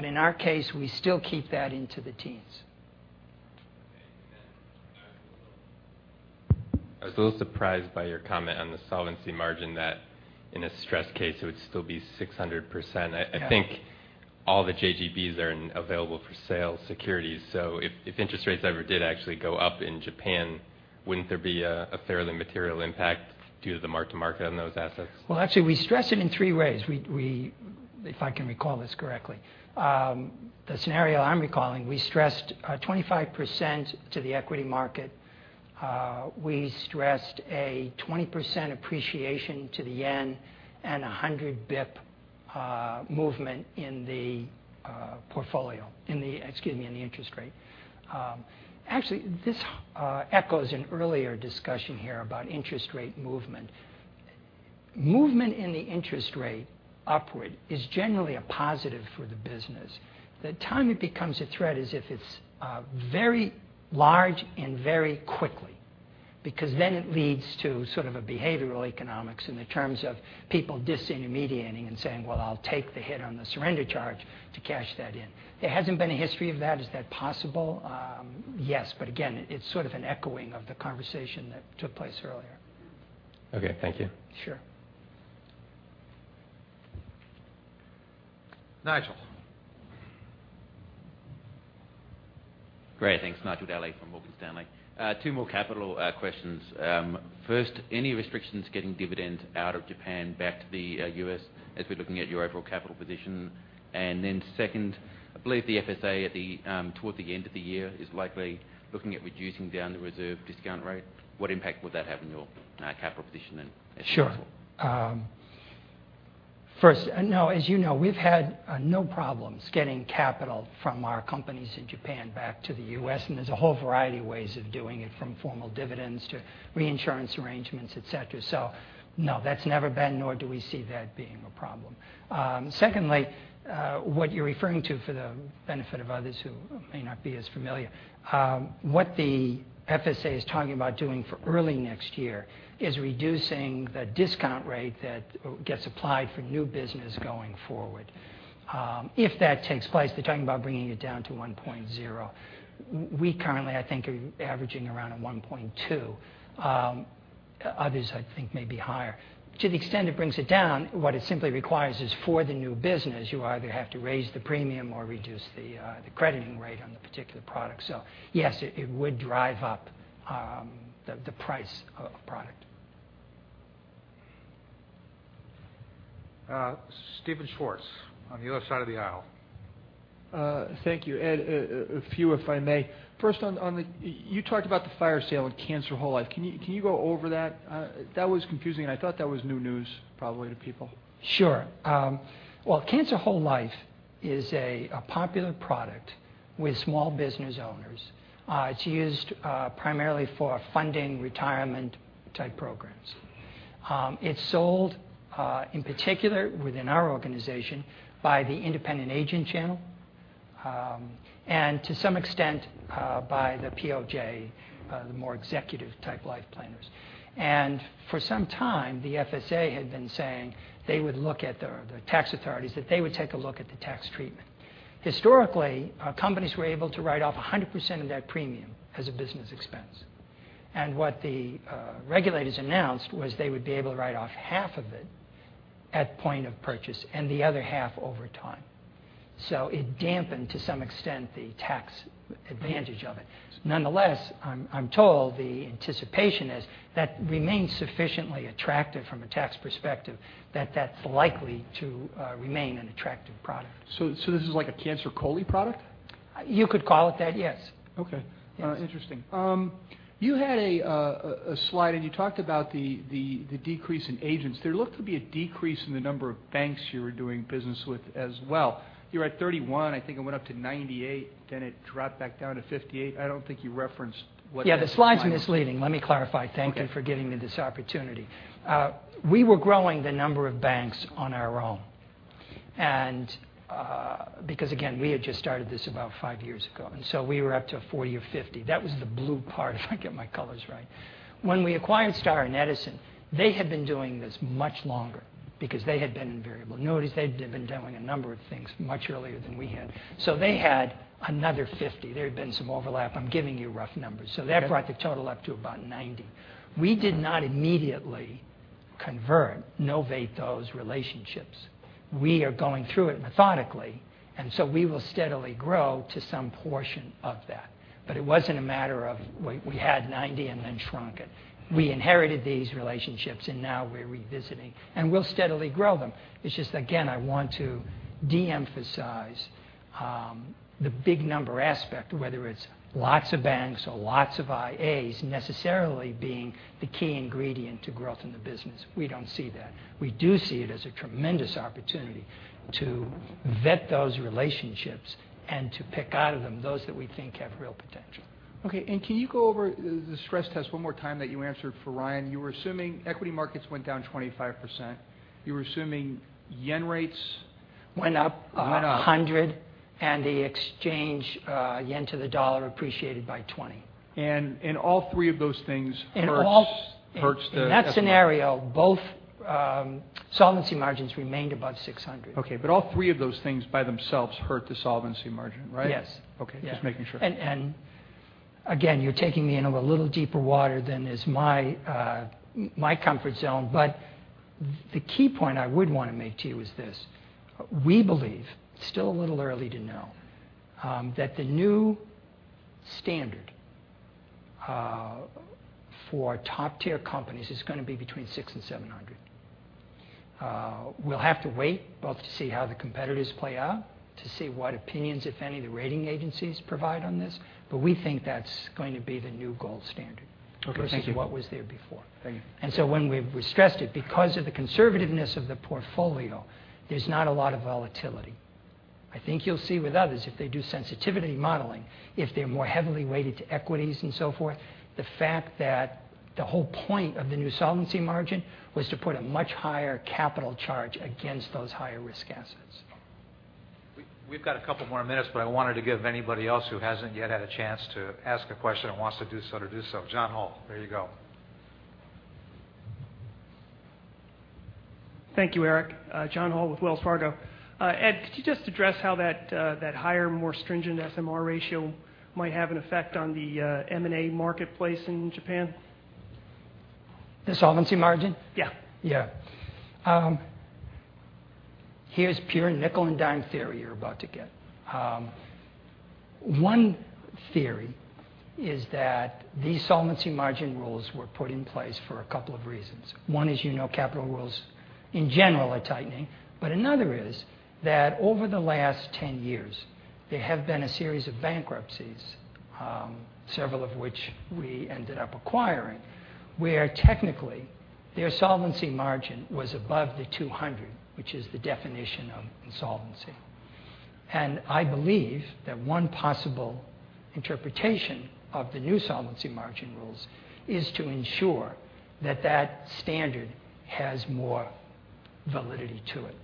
In our case, we still keep that into the teens. Okay. I was a little surprised by your comment on the solvency margin that in a stress case, it would still be 600%. Yeah. I think all the JGBs are available for sale securities. If interest rates ever did actually go up in Japan, wouldn't there be a fairly material impact due to the mark to market on those assets? Actually, we stress it in three ways, if I can recall this correctly. The scenario I'm recalling, we stressed 25% to the equity market. We stressed a 20% appreciation to the JPY and a 100 basis point movement in the portfolio, excuse me, in the interest rate. Actually, this echoes an earlier discussion here about interest rate movement. Movement in the interest rate upward is generally a positive for the business. The time it becomes a threat is if it's very large and very quickly, because then it leads to sort of a behavioral economics in the terms of people disintermediating and saying, "Well, I'll take the hit on the surrender charge to cash that in." There hasn't been a history of that. Is that possible? Yes, but again, it's sort of an echoing of the conversation that took place earlier. Thank you. Sure. Nigel. Great. Thanks. Nigel Dally from Morgan Stanley. Two more capital questions. First, any restrictions getting dividends out of Japan back to the U.S. as we're looking at your overall capital position? Second, I believe the FSA toward the end of the year is likely looking at reducing down the reserve discount rate. What impact would that have on your capital position then as a result? Sure. First, as you know, we've had no problems getting capital from our companies in Japan back to the U.S., and there's a whole variety of ways of doing it, from formal dividends to reinsurance arrangements, et cetera. No, that's never been, nor do we see that being a problem. Secondly, what you're referring to for the benefit of others who may not be as familiar, what the FSA is talking about doing for early next year is reducing the discount rate that gets applied for new business going forward. If that takes place, they're talking about bringing it down to 1.0. We currently, I think, are averaging around a 1.2. Others, I think, may be higher. To the extent it brings it down, what it simply requires is for the new business, you either have to raise the premium or reduce the crediting rate on the particular product. Yes, it would drive up the price of a product. Stephen Schwartz, on the other side of the aisle. Thank you, Ed. A few, if I may. First, you talked about the fire sale in cancer whole life. Can you go over that? That was confusing. I thought that was new news probably to people. Well, cancer whole life is a popular product with small business owners. It's used primarily for funding retirement type programs. It's sold in particular within our organization by the independent agent channel, and to some extent by the POJ, the more executive type Life Planners. For some time, the FSA had been saying they would look at the tax authorities, that they would take a look at the tax treatment. Historically, companies were able to write off 100% of that premium as a business expense. What the regulators announced was they would be able to write off half of it at point of purchase and the other half over time. It dampened to some extent the tax advantage of it. Nonetheless, I'm told the anticipation is that remains sufficiently attractive from a tax perspective, that that's likely to remain an attractive product. This is like a cancer COLI product? You could call it that, yes. Okay. Yes. Interesting. You had a slide and you talked about the decrease in agents. There looked to be a decrease in the number of banks you were doing business with as well. You were at 31, I think it went up to 98, then it dropped back down to 58. I don't think you referenced. Yeah, the slide's misleading. Let me clarify. Okay. Thank you for giving me this opportunity. We were growing the number of banks on our own, because again, we had just started this about five years ago, and so we were up to a 40 or 50. That was the blue part, if I get my colors right. When we acquired Star and Edison, they had been doing this much longer because they had been in variable annuities. They had been doing a number of things much earlier than we had. They had another 50. There had been some overlap. I'm giving you rough numbers. That brought the total up to about 90. We did not immediately convert, novate those relationships. We are going through it methodically, so we will steadily grow to some portion of that. It wasn't a matter of we had 90 and then shrunk it. We inherited these relationships and now we're revisiting, and we'll steadily grow them. It's just, again, I want to de-emphasize the big number aspect, whether it's lots of banks or lots of IAs necessarily being the key ingredient to growth in the business. We don't see that. We do see it as a tremendous opportunity to vet those relationships and to pick out of them those that we think have real potential. Okay. Can you go over the stress test one more time that you answered for Ryan? You were assuming equity markets went down 25%. You were assuming JPY rates- Went up. Went up. 100, and the exchange yen to the dollar appreciated by 20. All three of those things hurts the SMR. In that scenario, both solvency margins remained above 600. Okay, all three of those things by themselves hurt the solvency margin, right? Yes. Okay. Yeah. Just making sure. Again, you're taking me into a little deeper water than is my comfort zone. The key point I would want to make to you is this, we believe, it's still a little early to know, that the new standard for top tier companies is going to be between 600 and 700. We'll have to wait both to see how the competitors play out, to see what opinions, if any, the rating agencies provide on this, we think that's going to be the new gold standard. Okay. Thank you versus what was there before. Thank you. When we stressed it, because of the conservativeness of the portfolio, there's not a lot of volatility. I think you'll see with others, if they do sensitivity modeling, if they're more heavily weighted to equities and so forth, the fact that the whole point of the new solvency margin was to put a much higher capital charge against those higher risk assets. We've got a couple more minutes, but I wanted to give anybody else who hasn't yet had a chance to ask a question and wants to do so to do so. John Hall, there you go. Thank you, Eric. John Hall with Wells Fargo. Ed, could you just address how that higher, more stringent SMR ratio might have an effect on the M&A marketplace in Japan? The solvency margin? Yeah. Yeah. Here's pure nickel and dime theory you're about to get. One theory is that these solvency margin rules were put in place for a couple of reasons. One is capital rules in general are tightening, but another is that over the last 10 years, there have been a series of bankruptcies, several of which we ended up acquiring, where technically their solvency margin was above the 200, which is the definition of insolvency. I believe that one possible interpretation of the new solvency margin rules is to ensure that that standard has more validity to it,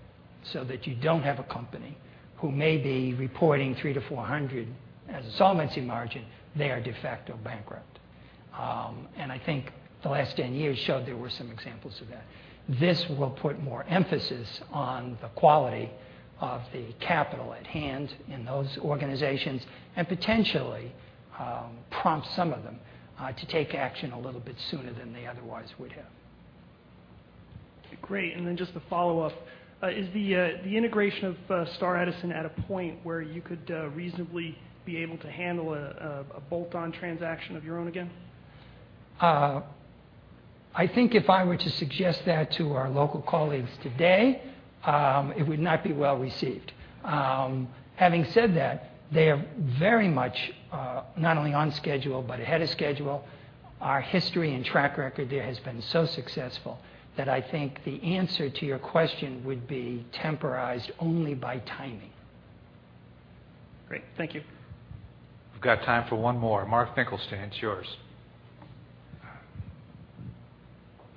so that you don't have a company who may be reporting 300 to 400 as a solvency margin, they are de facto bankrupt. I think the last 10 years showed there were some examples of that. This will put more emphasis on the quality of the capital at hand in those organizations and potentially prompt some of them to take action a little bit sooner than they otherwise would have. Great. Just a follow-up. Is the integration of Star Edison at a point where you could reasonably be able to handle a bolt-on transaction of your own again? I think if I were to suggest that to our local colleagues today, it would not be well-received. Having said that, they are very much not only on schedule but ahead of schedule. Our history and track record there has been so successful that I think the answer to your question would be temporized only by timing. Great. Thank you. We've got time for one more. Mark Finkelstein, it's yours.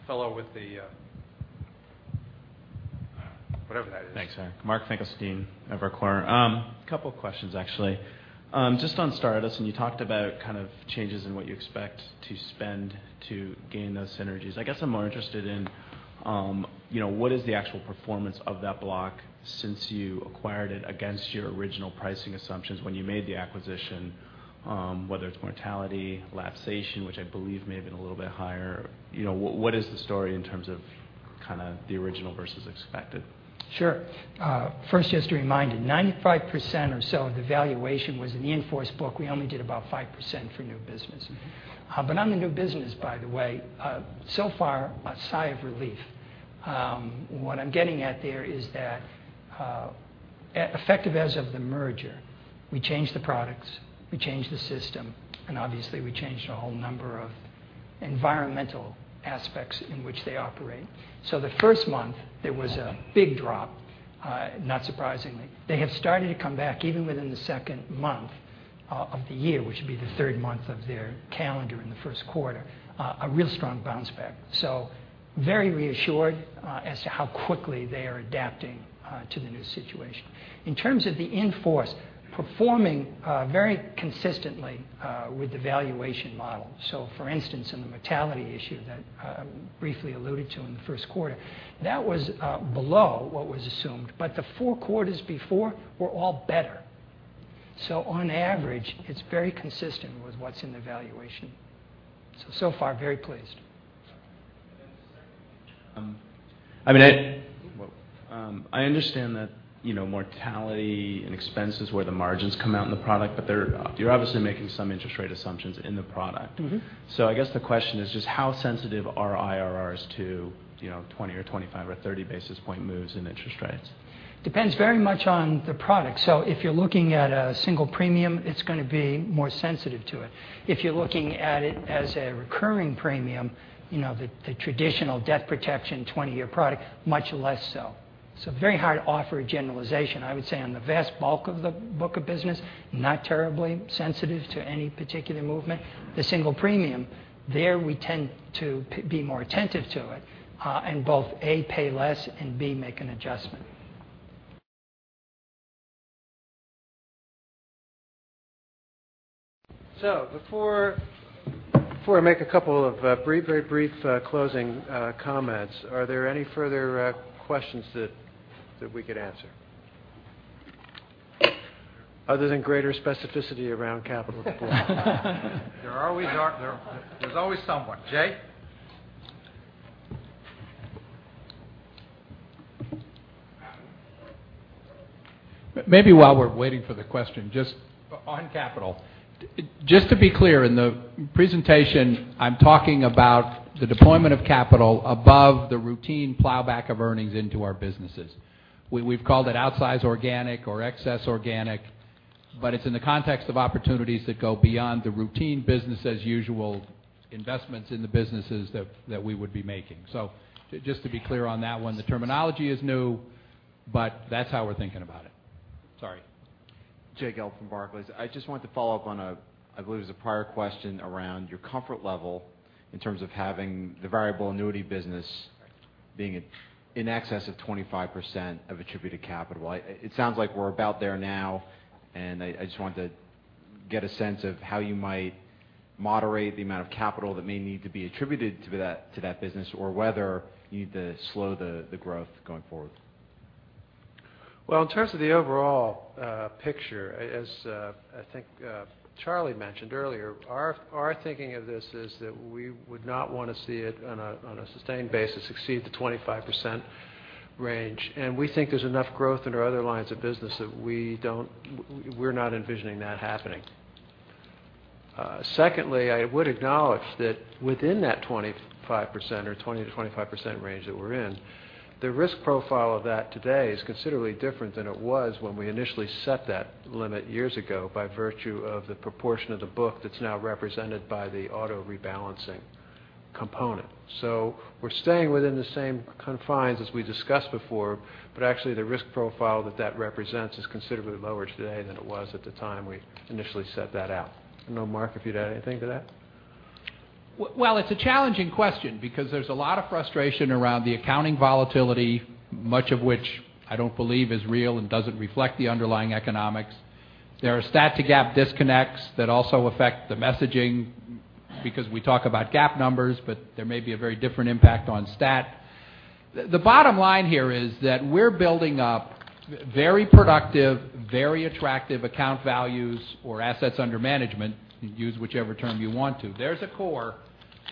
Fellow with whatever that is. Thanks. Mark Finkelstein, Evercore. Couple of questions, actually. Just on Star Edison, you talked about changes in what you expect to spend to gain those synergies. I guess I'm more interested in what is the actual performance of that block since you acquired it against your original pricing assumptions when you made the acquisition, whether it's mortality, lapsation, which I believe may have been a little bit higher. What is the story in terms of the original versus expected? Sure. First, just a reminder, 95% or so of the valuation was in the in-force book. We only did about 5% for new business. On the new business, by the way, so far, a sigh of relief. What I'm getting at there is that effective as of the merger, we changed the products, we changed the system, and obviously, we changed a whole number of environmental aspects in which they operate. The first month, there was a big drop, not surprisingly. They have started to come back, even within the second month of the year, which would be the third month of their calendar in the first quarter, a real strong bounce back. Very reassured as to how quickly they are adapting to the new situation. In terms of the in-force, performing very consistently with the valuation model. For instance, in the mortality issue that I briefly alluded to in the first quarter, that was below what was assumed, the four quarters before were all better. On average, it's very consistent with what's in the valuation. Far, very pleased. The second one. I understand that mortality and expense is where the margins come out in the product, but you're obviously making some interest rate assumptions in the product. I guess the question is just how sensitive are IRRs to 20 or 25 or 30 basis point moves in interest rates? Depends very much on the product. If you're looking at a single premium, it's going to be more sensitive to it. If you're looking at it as a recurring premium, the traditional debt protection 20-year product, much less so. Very hard to offer a generalization. I would say on the vast bulk of the book of business, not terribly sensitive to any particular movement. The single premium, there we tend to be more attentive to it in both, A, pay less and, B, make an adjustment. Before I make a couple of very brief closing comments, are there any further questions that we could answer? Other than greater specificity around capital deployment. There's always someone. Jay? Maybe while we're waiting for the question. On capital. Just to be clear, in the presentation, I'm talking about the deployment of capital above the routine plowback of earnings into our businesses. We've called it outsized organic or excess organic, but it's in the context of opportunities that go beyond the routine business as usual investments in the businesses that we would be making. Just to be clear on that one, the terminology is new, but that's how we're thinking about it. Sorry. Jay Gelb from Barclays. I just wanted to follow up on a, I believe it was a prior question around your comfort level in terms of having the variable annuity business being in excess of 25% of attributed capital. It sounds like we're about there now, and I just wanted to get a sense of how you might moderate the amount of capital that may need to be attributed to that business or whether you need to slow the growth going forward. In terms of the overall picture, as I think Charlie mentioned earlier, our thinking of this is that we would not want to see it on a sustained basis exceed the 25% range. We think there's enough growth in our other lines of business that we're not envisioning that happening. Secondly, I would acknowledge that within that 25% or 20%-25% range that we're in, the risk profile of that today is considerably different than it was when we initially set that limit years ago by virtue of the proportion of the book that's now represented by the auto rebalancing component. We're staying within the same confines as we discussed before, but actually the risk profile that represents is considerably lower today than it was at the time we initially set that out. I don't know, Mark, if you'd add anything to that. It's a challenging question because there's a lot of frustration around the accounting volatility, much of which I don't believe is real and doesn't reflect the underlying economics. There are stat to GAAP disconnects that also affect the messaging because we talk about GAAP numbers, but there may be a very different impact on stat. The bottom line here is that we're building up very productive, very attractive account values or assets under management. You use whichever term you want to. There's a core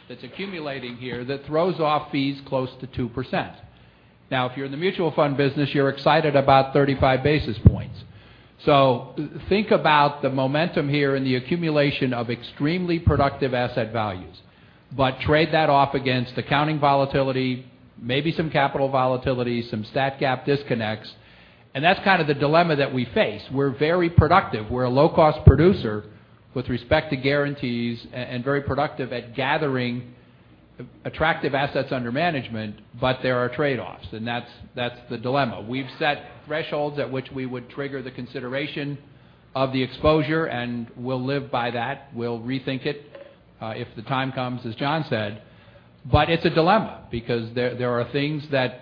that's accumulating here that throws off fees close to 2%. Now, if you're in the mutual fund business, you're excited about 35 basis points. Think about the momentum here and the accumulation of extremely productive asset values, but trade that off against accounting volatility, maybe some capital volatility, some stat GAAP disconnects. That's kind of the dilemma that we face. We're very productive. We're a low-cost producer with respect to guarantees and very productive at gathering attractive assets under management. There are trade-offs, and that's the dilemma. We've set thresholds at which we would trigger the consideration of the exposure, and we'll live by that. We'll rethink it if the time comes, as John said. It's a dilemma because there are things that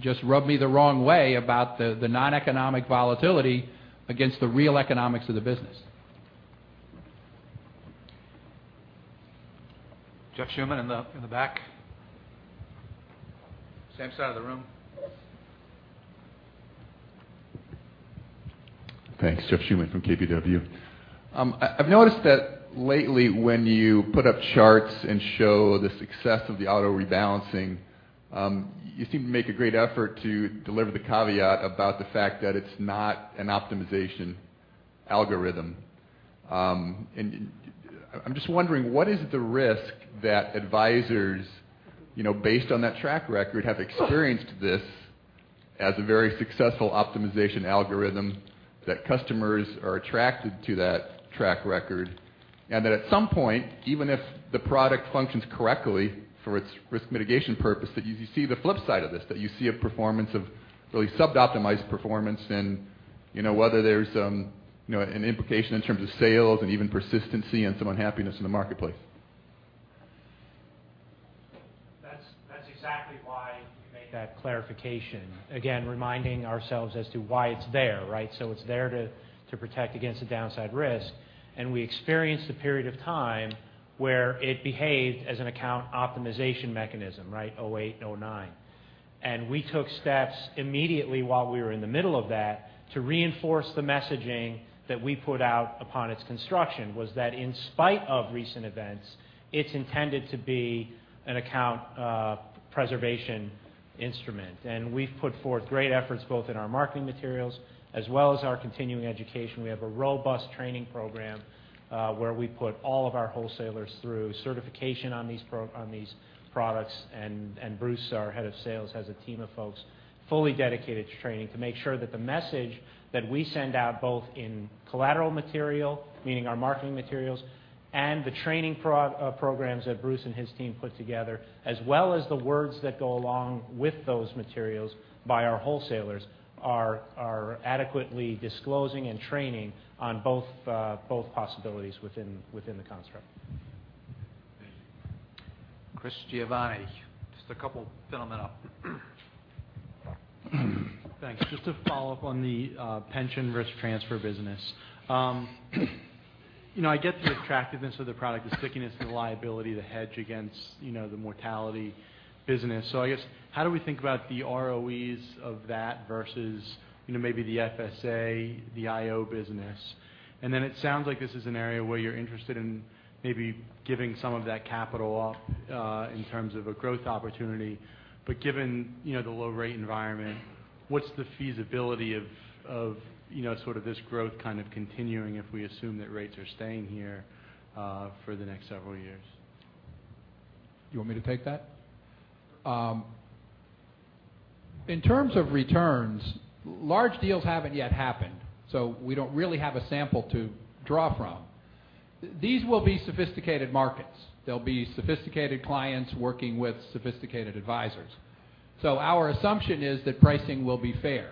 just rub me the wrong way about the non-economic volatility against the real economics of the business. Jeff Schuman in the back. Same side of the room. Thanks. Jeff Schuman from KBW. I've noticed that lately when you put up charts and show the success of the auto rebalancing, you seem to make a great effort to deliver the caveat about the fact that it's not an optimization algorithm. I'm just wondering, what is the risk that advisors based on that track record, have experienced this as a very successful optimization algorithm, that customers are attracted to that track record, and that at some point, even if the product functions correctly for its risk mitigation purpose, that you see the flip side of this, that you see a performance of really sub-optimized performance and whether there's an implication in terms of sales and even persistency and some unhappiness in the marketplace? That's exactly why we made that clarification, again, reminding ourselves as to why it's there, right? It's there to protect against the downside risk. We experienced a period of time where it behaved as an account optimization mechanism, right? 2008, 2009. We took steps immediately while we were in the middle of that to reinforce the messaging that we put out upon its construction was that in spite of recent events, it's intended to be an account preservation instrument. We've put forth great efforts both in our marketing materials as well as our continuing education. We have a robust training program, where we put all of our wholesalers through certification on these products. Bruce, our head of sales, has a team of folks fully dedicated to training to make sure that the message that we send out, both in collateral material, meaning our marketing materials, and the training programs that Bruce and his team put together, as well as the words that go along with those materials by our wholesalers, are adequately disclosing and training on both possibilities within the construct. Thank you. Chris Giovanni. Just a couple to follow up. Thanks. Just to follow up on the pension risk transfer business. I get the attractiveness of the product, the stickiness and the liability to hedge against the mortality business. I guess, how do we think about the ROEs of that versus maybe the FSA, the IO business? It sounds like this is an area where you're interested in maybe giving some of that capital up, in terms of a growth opportunity. Given the low rate environment, what's the feasibility of sort of this growth kind of continuing if we assume that rates are staying here for the next several years? You want me to take that? In terms of returns, large deals haven't yet happened, so we don't really have a sample to draw from. These will be sophisticated markets. They'll be sophisticated clients working with sophisticated advisors. Our assumption is that pricing will be fair,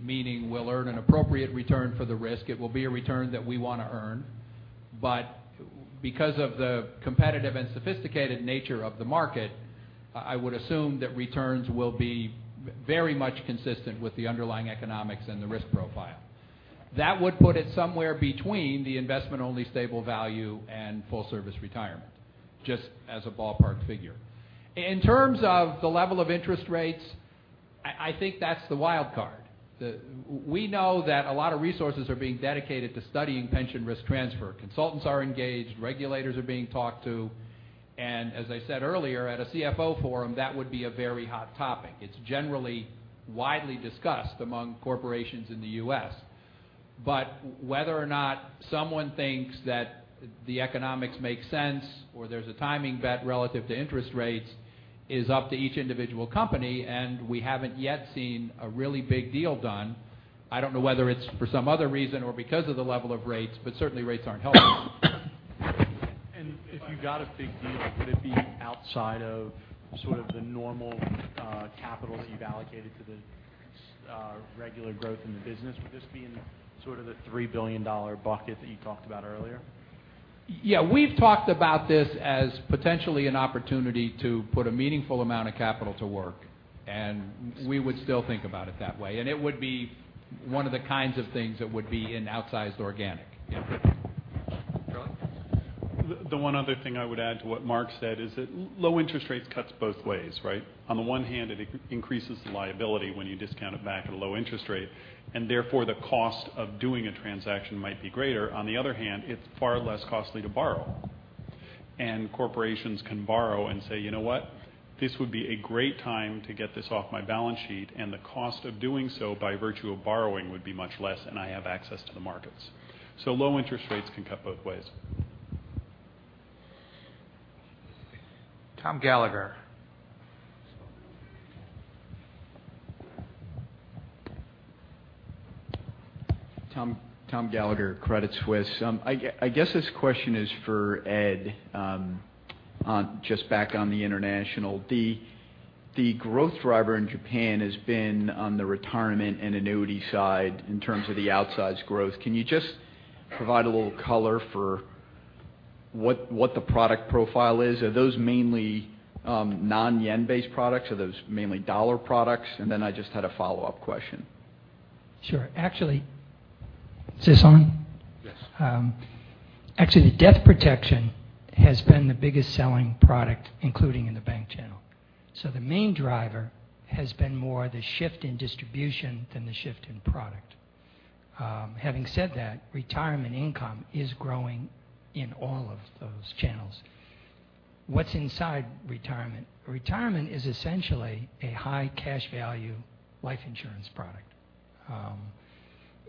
meaning we'll earn an appropriate return for the risk. It will be a return that we want to earn. Because of the competitive and sophisticated nature of the market, I would assume that returns will be very much consistent with the underlying economics and the risk profile. That would put it somewhere between the investment only stable value and full service retirement, just as a ballpark figure. In terms of the level of interest rates, I think that's the wild card. We know that a lot of resources are being dedicated to studying pension risk transfer. Consultants are engaged, regulators are being talked to, and as I said earlier, at a CFO forum, that would be a very hot topic. It's generally widely discussed among corporations in the U.S. Whether or not someone thinks that the economics make sense or there's a timing bet relative to interest rates is up to each individual company, and we haven't yet seen a really big deal done. I don't know whether it's for some other reason or because of the level of rates, but certainly rates aren't helping. If you got a big deal, would it be outside of sort of the normal capital that you've allocated to the regular growth in the business? Would this be in sort of the $3 billion bucket that you talked about earlier? Yeah. We've talked about this as potentially an opportunity to put a meaningful amount of capital to work, and we would still think about it that way. It would be one of the kinds of things that would be in outsized organic. Yeah. The one other thing I would add to what Mark said is that low interest rates cuts both ways, right? On the one hand, it increases the liability when you discount it back at a low interest rate, and therefore the cost of doing a transaction might be greater. On the other hand, it's far less costly to borrow. Corporations can borrow and say, "You know what? This would be a great time to get this off my balance sheet, and the cost of doing so by virtue of borrowing would be much less, and I have access to the markets." Low interest rates can cut both ways. Thomas Gallagher. Thomas Gallagher, Credit Suisse. I guess this question is for Ed, just back on the international. The growth driver in Japan has been on the retirement and annuity side in terms of the outsize growth. Can you just provide a little color for what the product profile is? Are those mainly non-JPY based products? Are those mainly $ products? I just had a follow-up question. Sure. Actually. Is this on? Yes. Actually, death protection has been the biggest selling product, including in the bank channel. The main driver has been more the shift in distribution than the shift in product. Having said that, retirement income is growing in all of those channels. What's inside retirement? Retirement is essentially a high cash value life insurance product.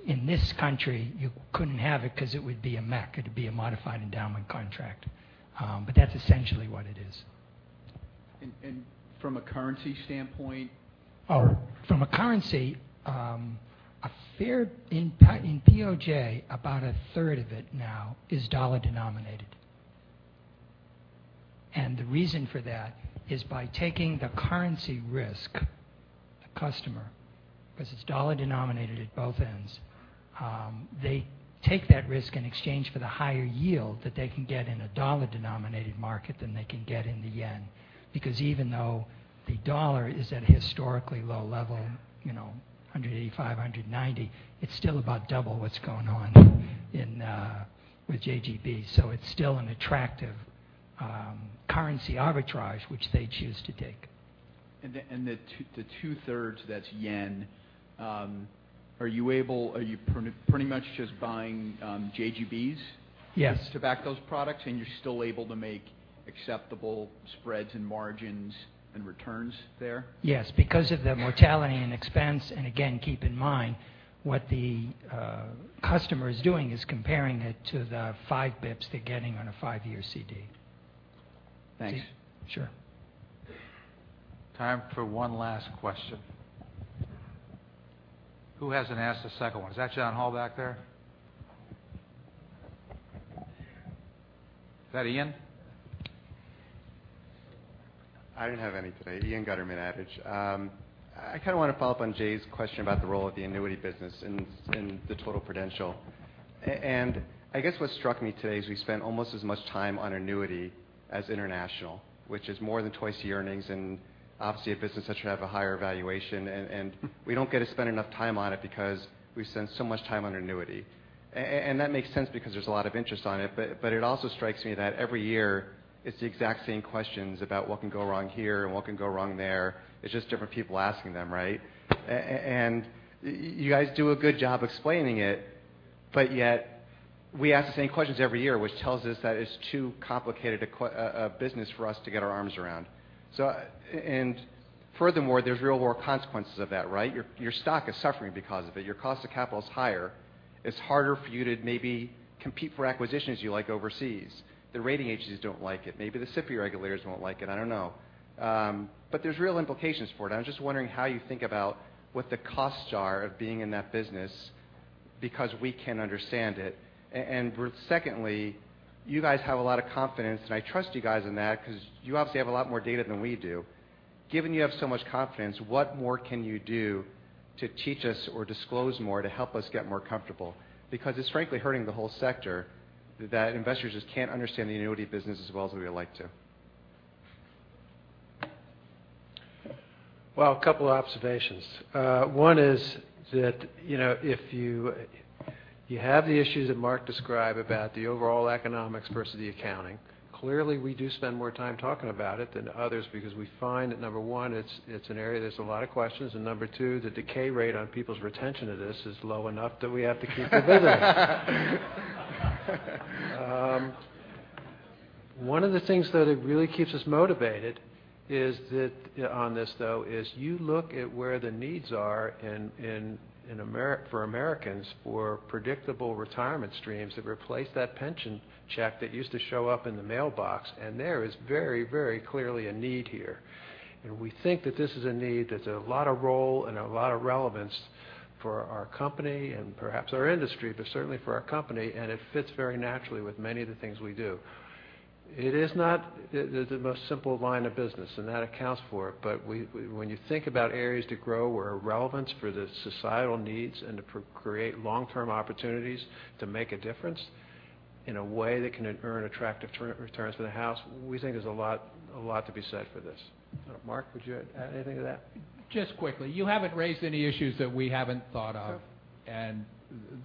In this country, you couldn't have it because it would be a MEC. It'd be a modified endowment contract. That's essentially what it is. From a currency standpoint? From a currency, in POJ, about a third of it now is dollar denominated. The reason for that is by taking the currency risk, the customer, because it's dollar denominated at both ends, they take that risk in exchange for the higher yield that they can get in a dollar-denominated market than they can get in the yen. Even though the dollar is at a historically low level, 185, 190, it's still about double what's going on with JGB. It's still an attractive currency arbitrage, which they choose to take. The two-thirds that's yen, are you pretty much just buying JGBs? Yes to back those products, and you're still able to make acceptable spreads and margins and returns there? Yes, because of the mortality and expense, and again, keep in mind, what the customer is doing is comparing it to the five bips they're getting on a five-year CD. Thanks. Sure. Time for one last question. Who hasn't asked a second one? Is that John Hall back there? Is that Ian? I didn't have any today. Ian Gutterman, hostage. I kind of want to follow up on Jay's question about the role of the annuity business in the total Prudential. I guess what struck me today is we spent almost as much time on annuity as international, which is more than twice the earnings, and obviously, a business that should have a higher valuation, and we don't get to spend enough time on it because we've spent so much time on annuity. That makes sense because there's a lot of interest on it, but it also strikes me that every year, it's the exact same questions about what can go wrong here and what can go wrong there. It's just different people asking them, right? You guys do a good job explaining it, but yet we ask the same questions every year, which tells us that it's too complicated a business for us to get our arms around. There's real world consequences of that, right? Your stock is suffering because of it. Your cost of capital is higher. It's harder for you to maybe compete for acquisitions you like overseas. The rating agencies don't like it. Maybe the SIFI regulators won't like it, I don't know. There's real implications for it, and I'm just wondering how you think about what the costs are of being in that business because we can't understand it. Secondly, you guys have a lot of confidence, and I trust you guys in that because you obviously have a lot more data than we do. Given you have so much confidence, what more can you do to teach us or disclose more to help us get more comfortable? It's frankly hurting the whole sector that investors just can't understand the annuity business as well as we would like to. Well, a couple of observations. One is that, if you have the issues that Mark described about the overall economics versus the accounting, clearly we do spend more time talking about it than others because we find that, number 1, it's an area there's a lot of questions, and number 2, the decay rate on people's retention of this is low enough that we have to keep revisiting it. One of the things though that really keeps us motivated is that on this, though, is you look at where the needs are for Americans for predictable retirement streams that replace that pension check that used to show up in the mailbox. There is very, very clearly a need here. We think that this is a need that's a lot of role and a lot of relevance for our company and perhaps our industry, but certainly for our company, and it fits very naturally with many of the things we do. It is not the most simple line of business, and that accounts for it. When you think about areas to grow or relevance for the societal needs and to create long-term opportunities to make a difference in a way that can earn attractive returns for the house, we think there's a lot to be said for this. Mark, would you add anything to that? Just quickly. You haven't raised any issues that we haven't thought of. Okay.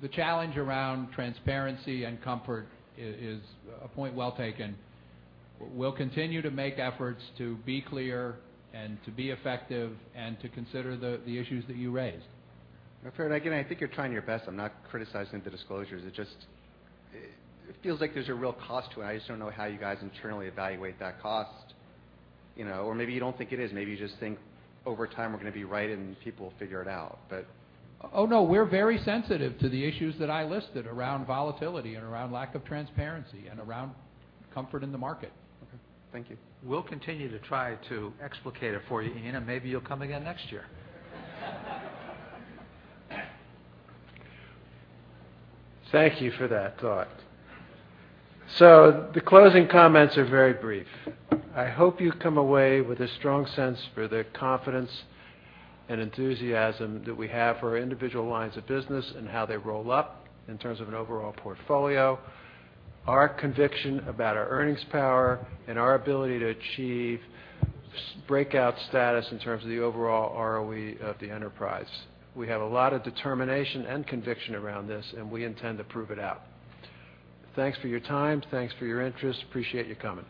The challenge around transparency and comfort is a point well taken. We'll continue to make efforts to be clear and to be effective and to consider the issues that you raised. Fair. Again, I think you're trying your best. I'm not criticizing the disclosures. It just feels like there's a real cost to it. I just don't know how you guys internally evaluate that cost. Maybe you don't think it is. Maybe you just think over time we're going to be right and people will figure it out. Oh, no. We're very sensitive to the issues that I listed around volatility and around lack of transparency and around comfort in the market. Okay. Thank you. We'll continue to try to explicate it for you, Ian, and maybe you'll come again next year. Thank you for that thought. The closing comments are very brief. I hope you come away with a strong sense for the confidence and enthusiasm that we have for our individual lines of business and how they roll up in terms of an overall portfolio, our conviction about our earnings power, and our ability to achieve breakout status in terms of the overall ROE of the enterprise. We have a lot of determination and conviction around this, and we intend to prove it out. Thanks for your time. Thanks for your interest. Appreciate you coming.